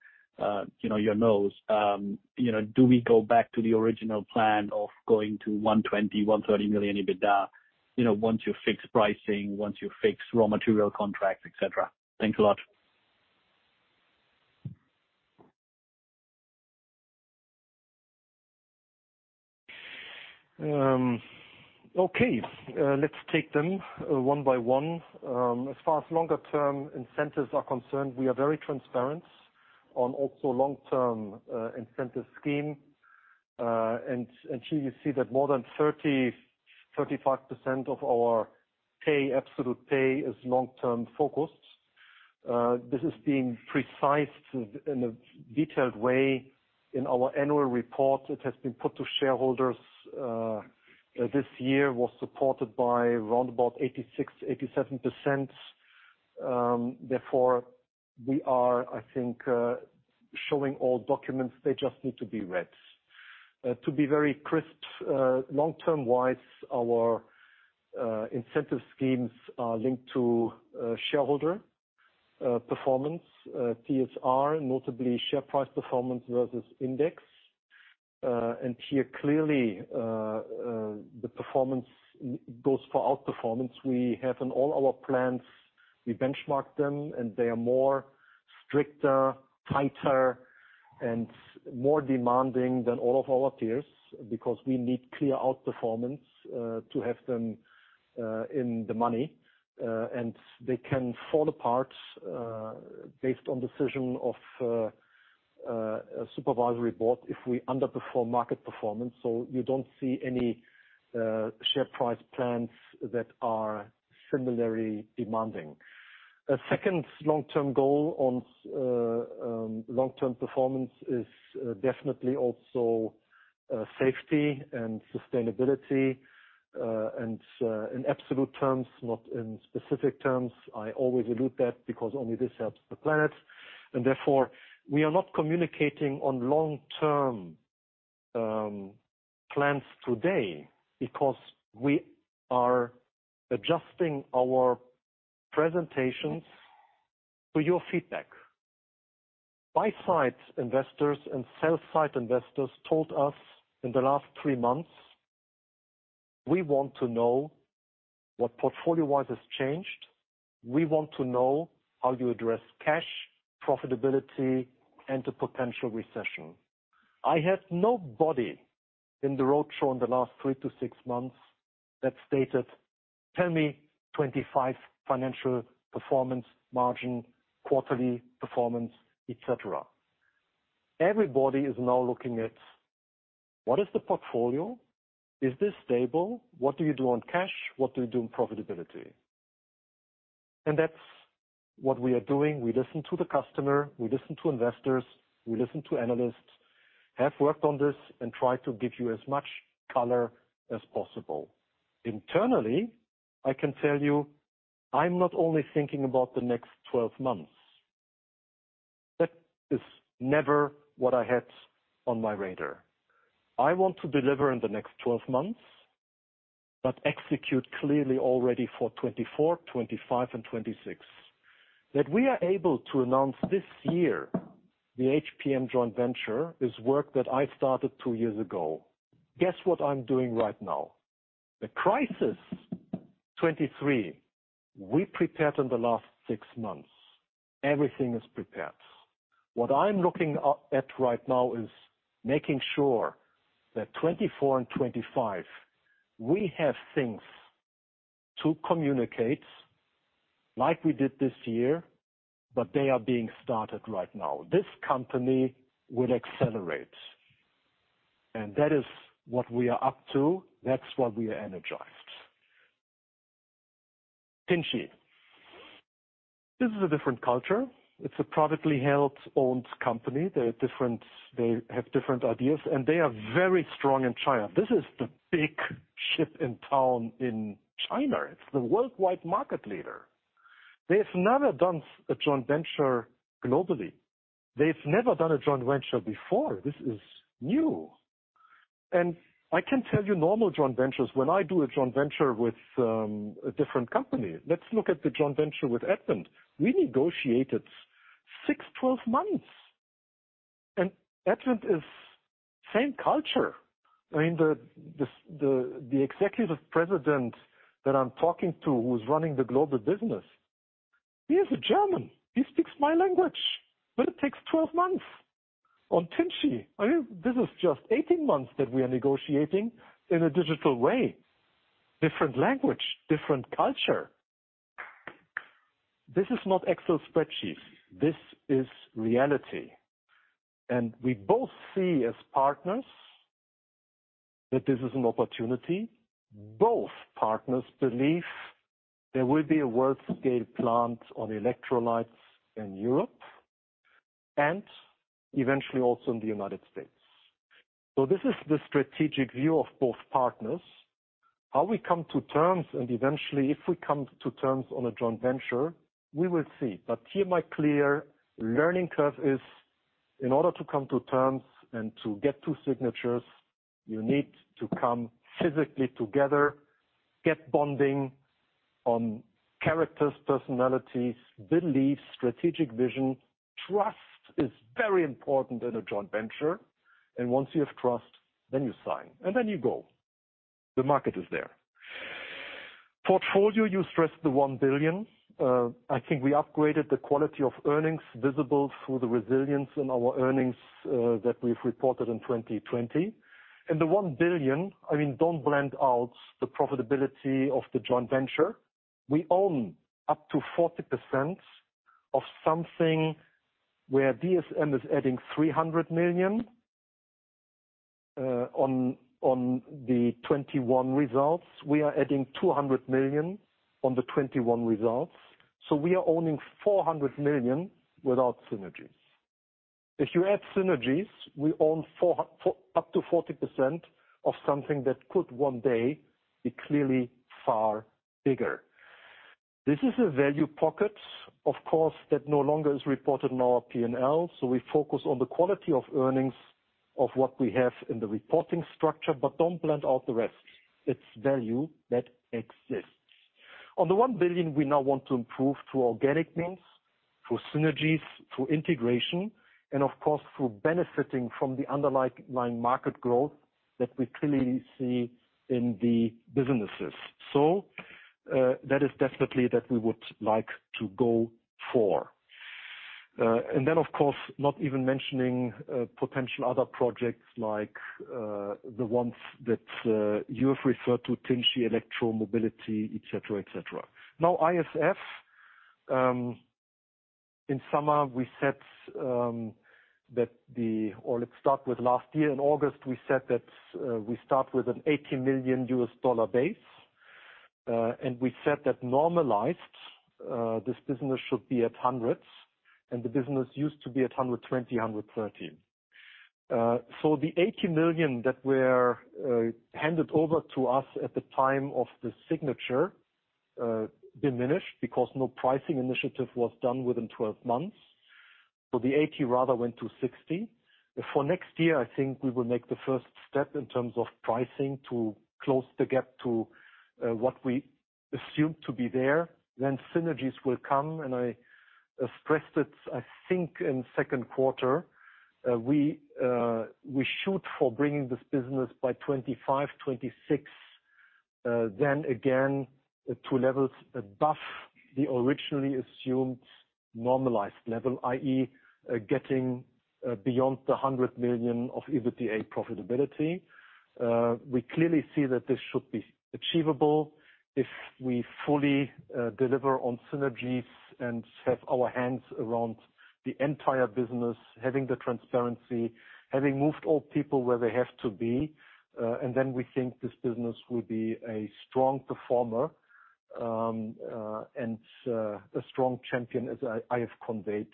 you know, your nose. You know, do we go back to the original plan of going to 120 million-130 million EBITDA, you know, once you fix pricing, once you fix raw material contracts, et cetera? Thanks a lot. Okay. Let's take them one by one. As far as longer term incentives are concerned, we are very transparent on also long-term incentive scheme. Here you see that more than 35% of our pay, absolute pay is long-term focused. This is being precise in a detailed way in our annual report. It has been put to shareholders this year, was supported by around about 86%-87%. Therefore, we are, I think, showing all documents. They just need to be read. To be very crisp, long-term wise, our incentive schemes are linked to shareholder performance, TSR, notably share price performance versus index. Here clearly, the performance goes for outperformance. We have in all our plans, we benchmark them, and they are more stricter, tighter and more demanding than all of our peers because we need clear outperformance to have them in the money, and they can fall apart based on decision of a supervisory board if we underperform market performance. You don't see any share price plans that are similarly demanding. A second long-term goal on long-term performance is definitely also safety and sustainability. In absolute terms, not in specific terms, I always allude that because only this helps the planet. Therefore, we are not communicating on long-term plans today because we are adjusting our presentations to your feedback. Buy-side investors and sell-side investors told us in the last three months, "We want to know what portfolio-wise has changed. We want to know how you address cash, profitability, and the potential recession." I haven't had anybody in the roadshow in the last 3-6 months that stated, "Tell me about financial performance, margin, quarterly performance, et cetera." Everybody is now looking at what is the portfolio? Is this stable? What do you do on cash? What do you do in profitability? That's what we are doing. We listen to the customer, we listen to investors, we listen to analysts. We have worked on this and try to give you as much color as possible. Internally, I can tell you, I'm not only thinking about the next 12 months. That is never what I had on my radar. I want to deliver in the next 12 months, but execute clearly already for 2024, 2025, and 2026. That we are able to announce this year the HPM joint venture is work that I started two years ago. Guess what I'm doing right now? The crisis 2023, we prepared in the last six months. Everything is prepared. What I'm looking at right now is making sure that 2024 and 2025, we have things to communicate like we did this year, but they are being started right now. This company will accelerate, and that is what we are up to. That's why we are energized. Tinci. This is a different culture. It's a privately held, owned company. They're different. They have different ideas, and they are very strong in China. This is the big ship in town in China. It's the worldwide market leader. They've never done a joint venture globally. They've never done a joint venture before. This is new. I can tell you normal joint ventures, when I do a joint venture with a different company. Let's look at the joint venture with Advent. We negotiated six-12 months. Advent is same culture. I mean, the executive president that I'm talking to who's running the global business, he is a German. He speaks my language, but it takes 12 months. On Tinci, I mean, this is just 18 months that we are negotiating in a digital way, different language, different culture. This is not Excel spreadsheets, this is reality. We both see as partners that this is an opportunity. Both partners believe there will be a world-scale plant on electrolytes in Europe and eventually also in the United States. This is the strategic view of both partners. How we come to terms, and eventually, if we come to terms on a joint venture, we will see. Here my clear learning curve is in order to come to terms and to get two signatures, you need to come physically together, get bonding on characters, personalities, beliefs, strategic vision. Trust is very important in a joint venture, and once you have trust, then you sign, and then you go. The market is there. Portfolio, you stressed the 1 billion. I think we upgraded the quality of earnings visible through the resilience in our earnings that we've reported in 2020. The 1 billion, I mean, don't blend out the profitability of the joint venture. We own up to 40% of something where DSM is adding 300 million on the 2021 results. We are adding 200 million on the 2021 results. We are owning 400 million without synergies. If you add synergies, we own 40 up to 40% of something that could one day be clearly far bigger. This is a value pocket, of course, that no longer is reported in our P&L. We focus on the quality of earnings of what we have in the reporting structure, but don't blend out the rest. It's value that exists. On the 1 billion we now want to improve through organic means, through synergies, through integration, and of course, through benefiting from the underlying market growth that we clearly see in the businesses. That is definitely that we would like to go for. And then of course, not even mentioning potential other projects like the ones that you have referred to, Tinci, Electromobility, et cetera. Now, IFF, in summer, we said. Let's start with last year. In August, we said that we start with an $80 million base, and we said that normalized, this business should be at hundreds, and the business used to be at 120, 113. The $80 million that were handed over to us at the time of the signature diminished because no pricing initiative was done within 12 months. The 80 rather went to 60. For next year, I think we will make the first step in terms of pricing to close the gap to what we assume to be there. Synergies will come, and I expressed it, I think, in second quarter. We shoot for bringing this business by 2025, 2026. To levels above the originally assumed normalized level, i.e., getting beyond 100 million of EBITDA profitability. We clearly see that this should be achievable if we fully deliver on synergies and have our hands around the entire business, having the transparency, having moved all people where they have to be. We think this business will be a strong performer and a strong champion, as I have conveyed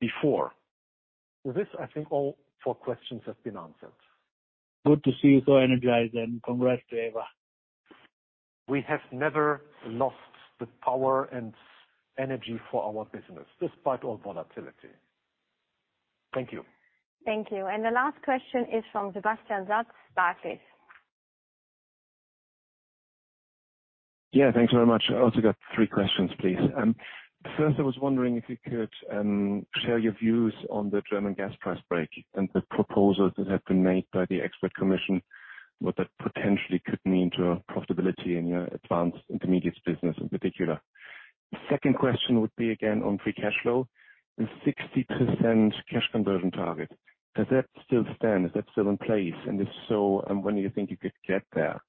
before. With this, I think all four questions have been answered. Good to see you so energized and congrats to Eva. We have never lost the power and energy for our business despite all volatility. Thank you. Thank you. The last question is from Sebastian Satz, Barclays. Yeah, thanks very much. I also got three questions, please. First, I was wondering if you could share your views on the German gas price break and the proposals that have been made by the expert commission, what that potentially could mean to profitability in your Advanced Intermediates business in particular. Second question would be again on free cash flow and 60% cash conversion target. Does that still stand? Is that still in place? If so, when do you think you could get there?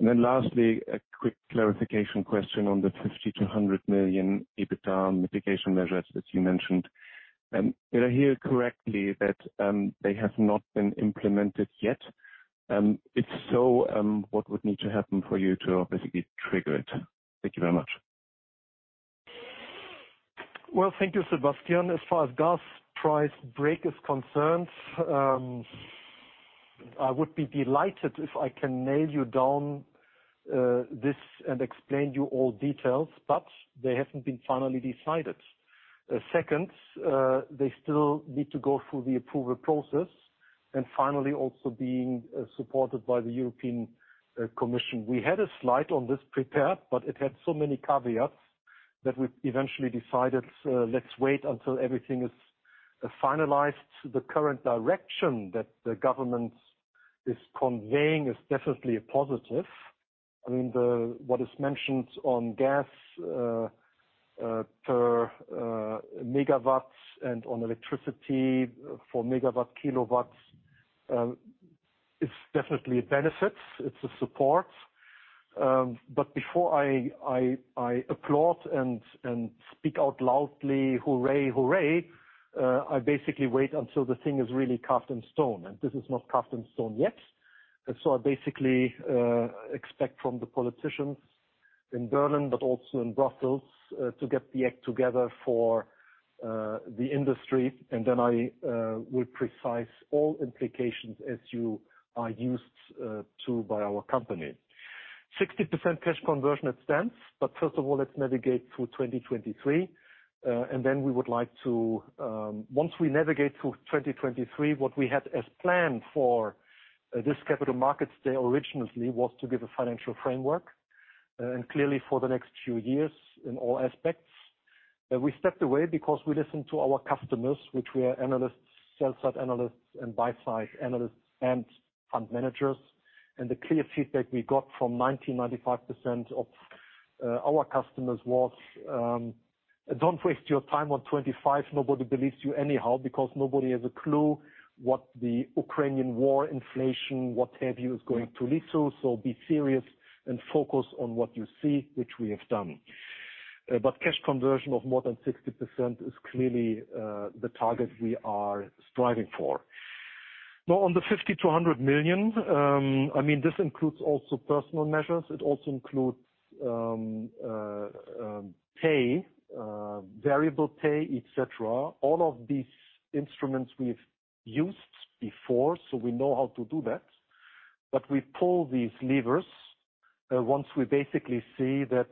Lastly, a quick clarification question on the 50-100 million EBITDA mitigation measures that you mentioned. Did I hear correctly that they have not been implemented yet? If so, what would need to happen for you to basically trigger it? Thank you very much. Well, thank you, Sebastian. As far as gas price brake is concerned, I would be delighted if I can nail you down this and explain you all details, but they haven't been finally decided. Second, they still need to go through the approval process. Finally, also being supported by the European Commission. We had a slide on this prepared, but it had so many caveats that we eventually decided, let's wait until everything is finalized. The current direction that the government is conveying is definitely a positive. I mean, what is mentioned on gas per megawatts and on electricity for megawatt, kilowatts, it's definitely a benefit. It's a support. Before I applaud and speak out loudly, hooray, I basically wait until the thing is really carved in stone, and this is not carved in stone yet. I basically expect from the politicians in Berlin, but also in Brussels, to get their act together for the industry, and then I will precise all implications as you are used to by our company. 60% cash conversion it stands. First of all, let's navigate through 2023, and then we would like to. Once we navigate through 2023, what we had as planned for this capital markets day originally was to give a financial framework, and clearly for the next few years in all aspects. We stepped away because we listened to our customers, which were analysts, sell side analysts and buy side analysts and fund managers. The clear feedback we got from 90%-95% of our customers was, "Don't waste your time on 25. Nobody believes you anyhow because nobody has a clue what the Ukrainian war inflation, what have you, is going to lead to. So be serious and focus on what you see," which we have done. Cash conversion of more than 60% is clearly the target we are striving for. Now, on the 50-100 million, I mean, this includes also personal measures. It also includes pay, variable pay, et cetera. All of these instruments we've used before, so we know how to do that. We pull these levers once we basically see that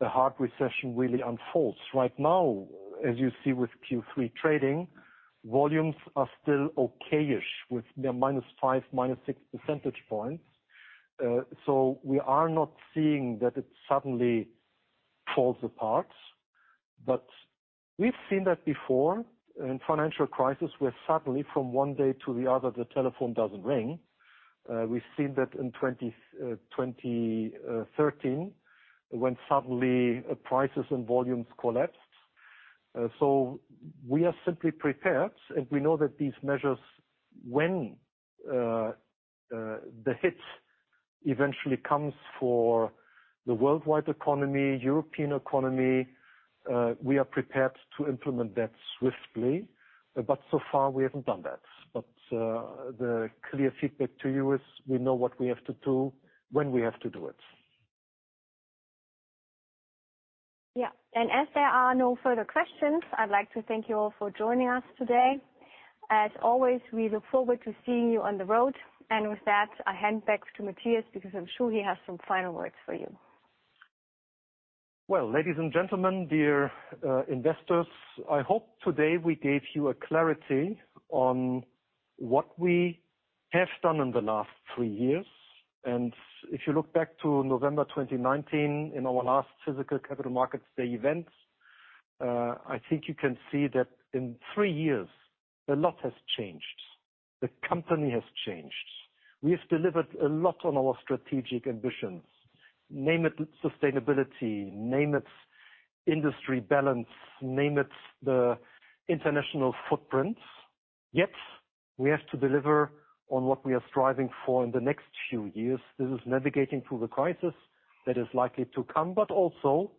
the hard recession really unfolds. Right now, as you see with Q3 trading, volumes are still okay-ish with the -5-, -6 percentage points. We are not seeing that it suddenly falls apart. We've seen that before in financial crisis, where suddenly from one day to the other, the telephone doesn't ring. We've seen that in 2013 when suddenly prices and volumes collapsed. We are simply prepared, and we know that these measures when the hit eventually comes for the worldwide economy, European economy, we are prepared to implement that swiftly. So far we haven't done that. The clear feedback to you is we know what we have to do when we have to do it. Yeah. As there are no further questions, I'd like to thank you all for joining us today. As always, we look forward to seeing you on the road. With that, I hand back to Matthias because I'm sure he has some final words for you. Well, ladies and gentlemen, dear investors, I hope today we gave you a clarity on what we have done in the last three years. If you look back to November 2019 in our last physical capital markets day event, I think you can see that in three years, a lot has changed. The company has changed. We have delivered a lot on our strategic ambitions. Name it sustainability, name it industry balance, name it the international footprint. Yet we have to deliver on what we are striving for in the next few years. This is navigating through the crisis that is likely to come, but also,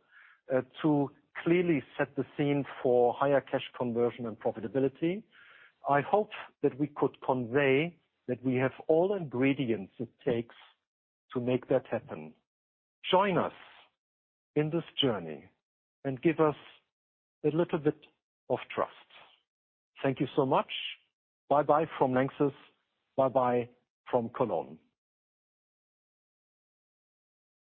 to clearly set the scene for higher cash conversion and profitability. I hope that we could convey that we have all ingredients it takes to make that happen. Join us in this journey and give us a little bit of trust. Thank you so much. Bye-bye from LANXESS. Bye-bye from Cologne.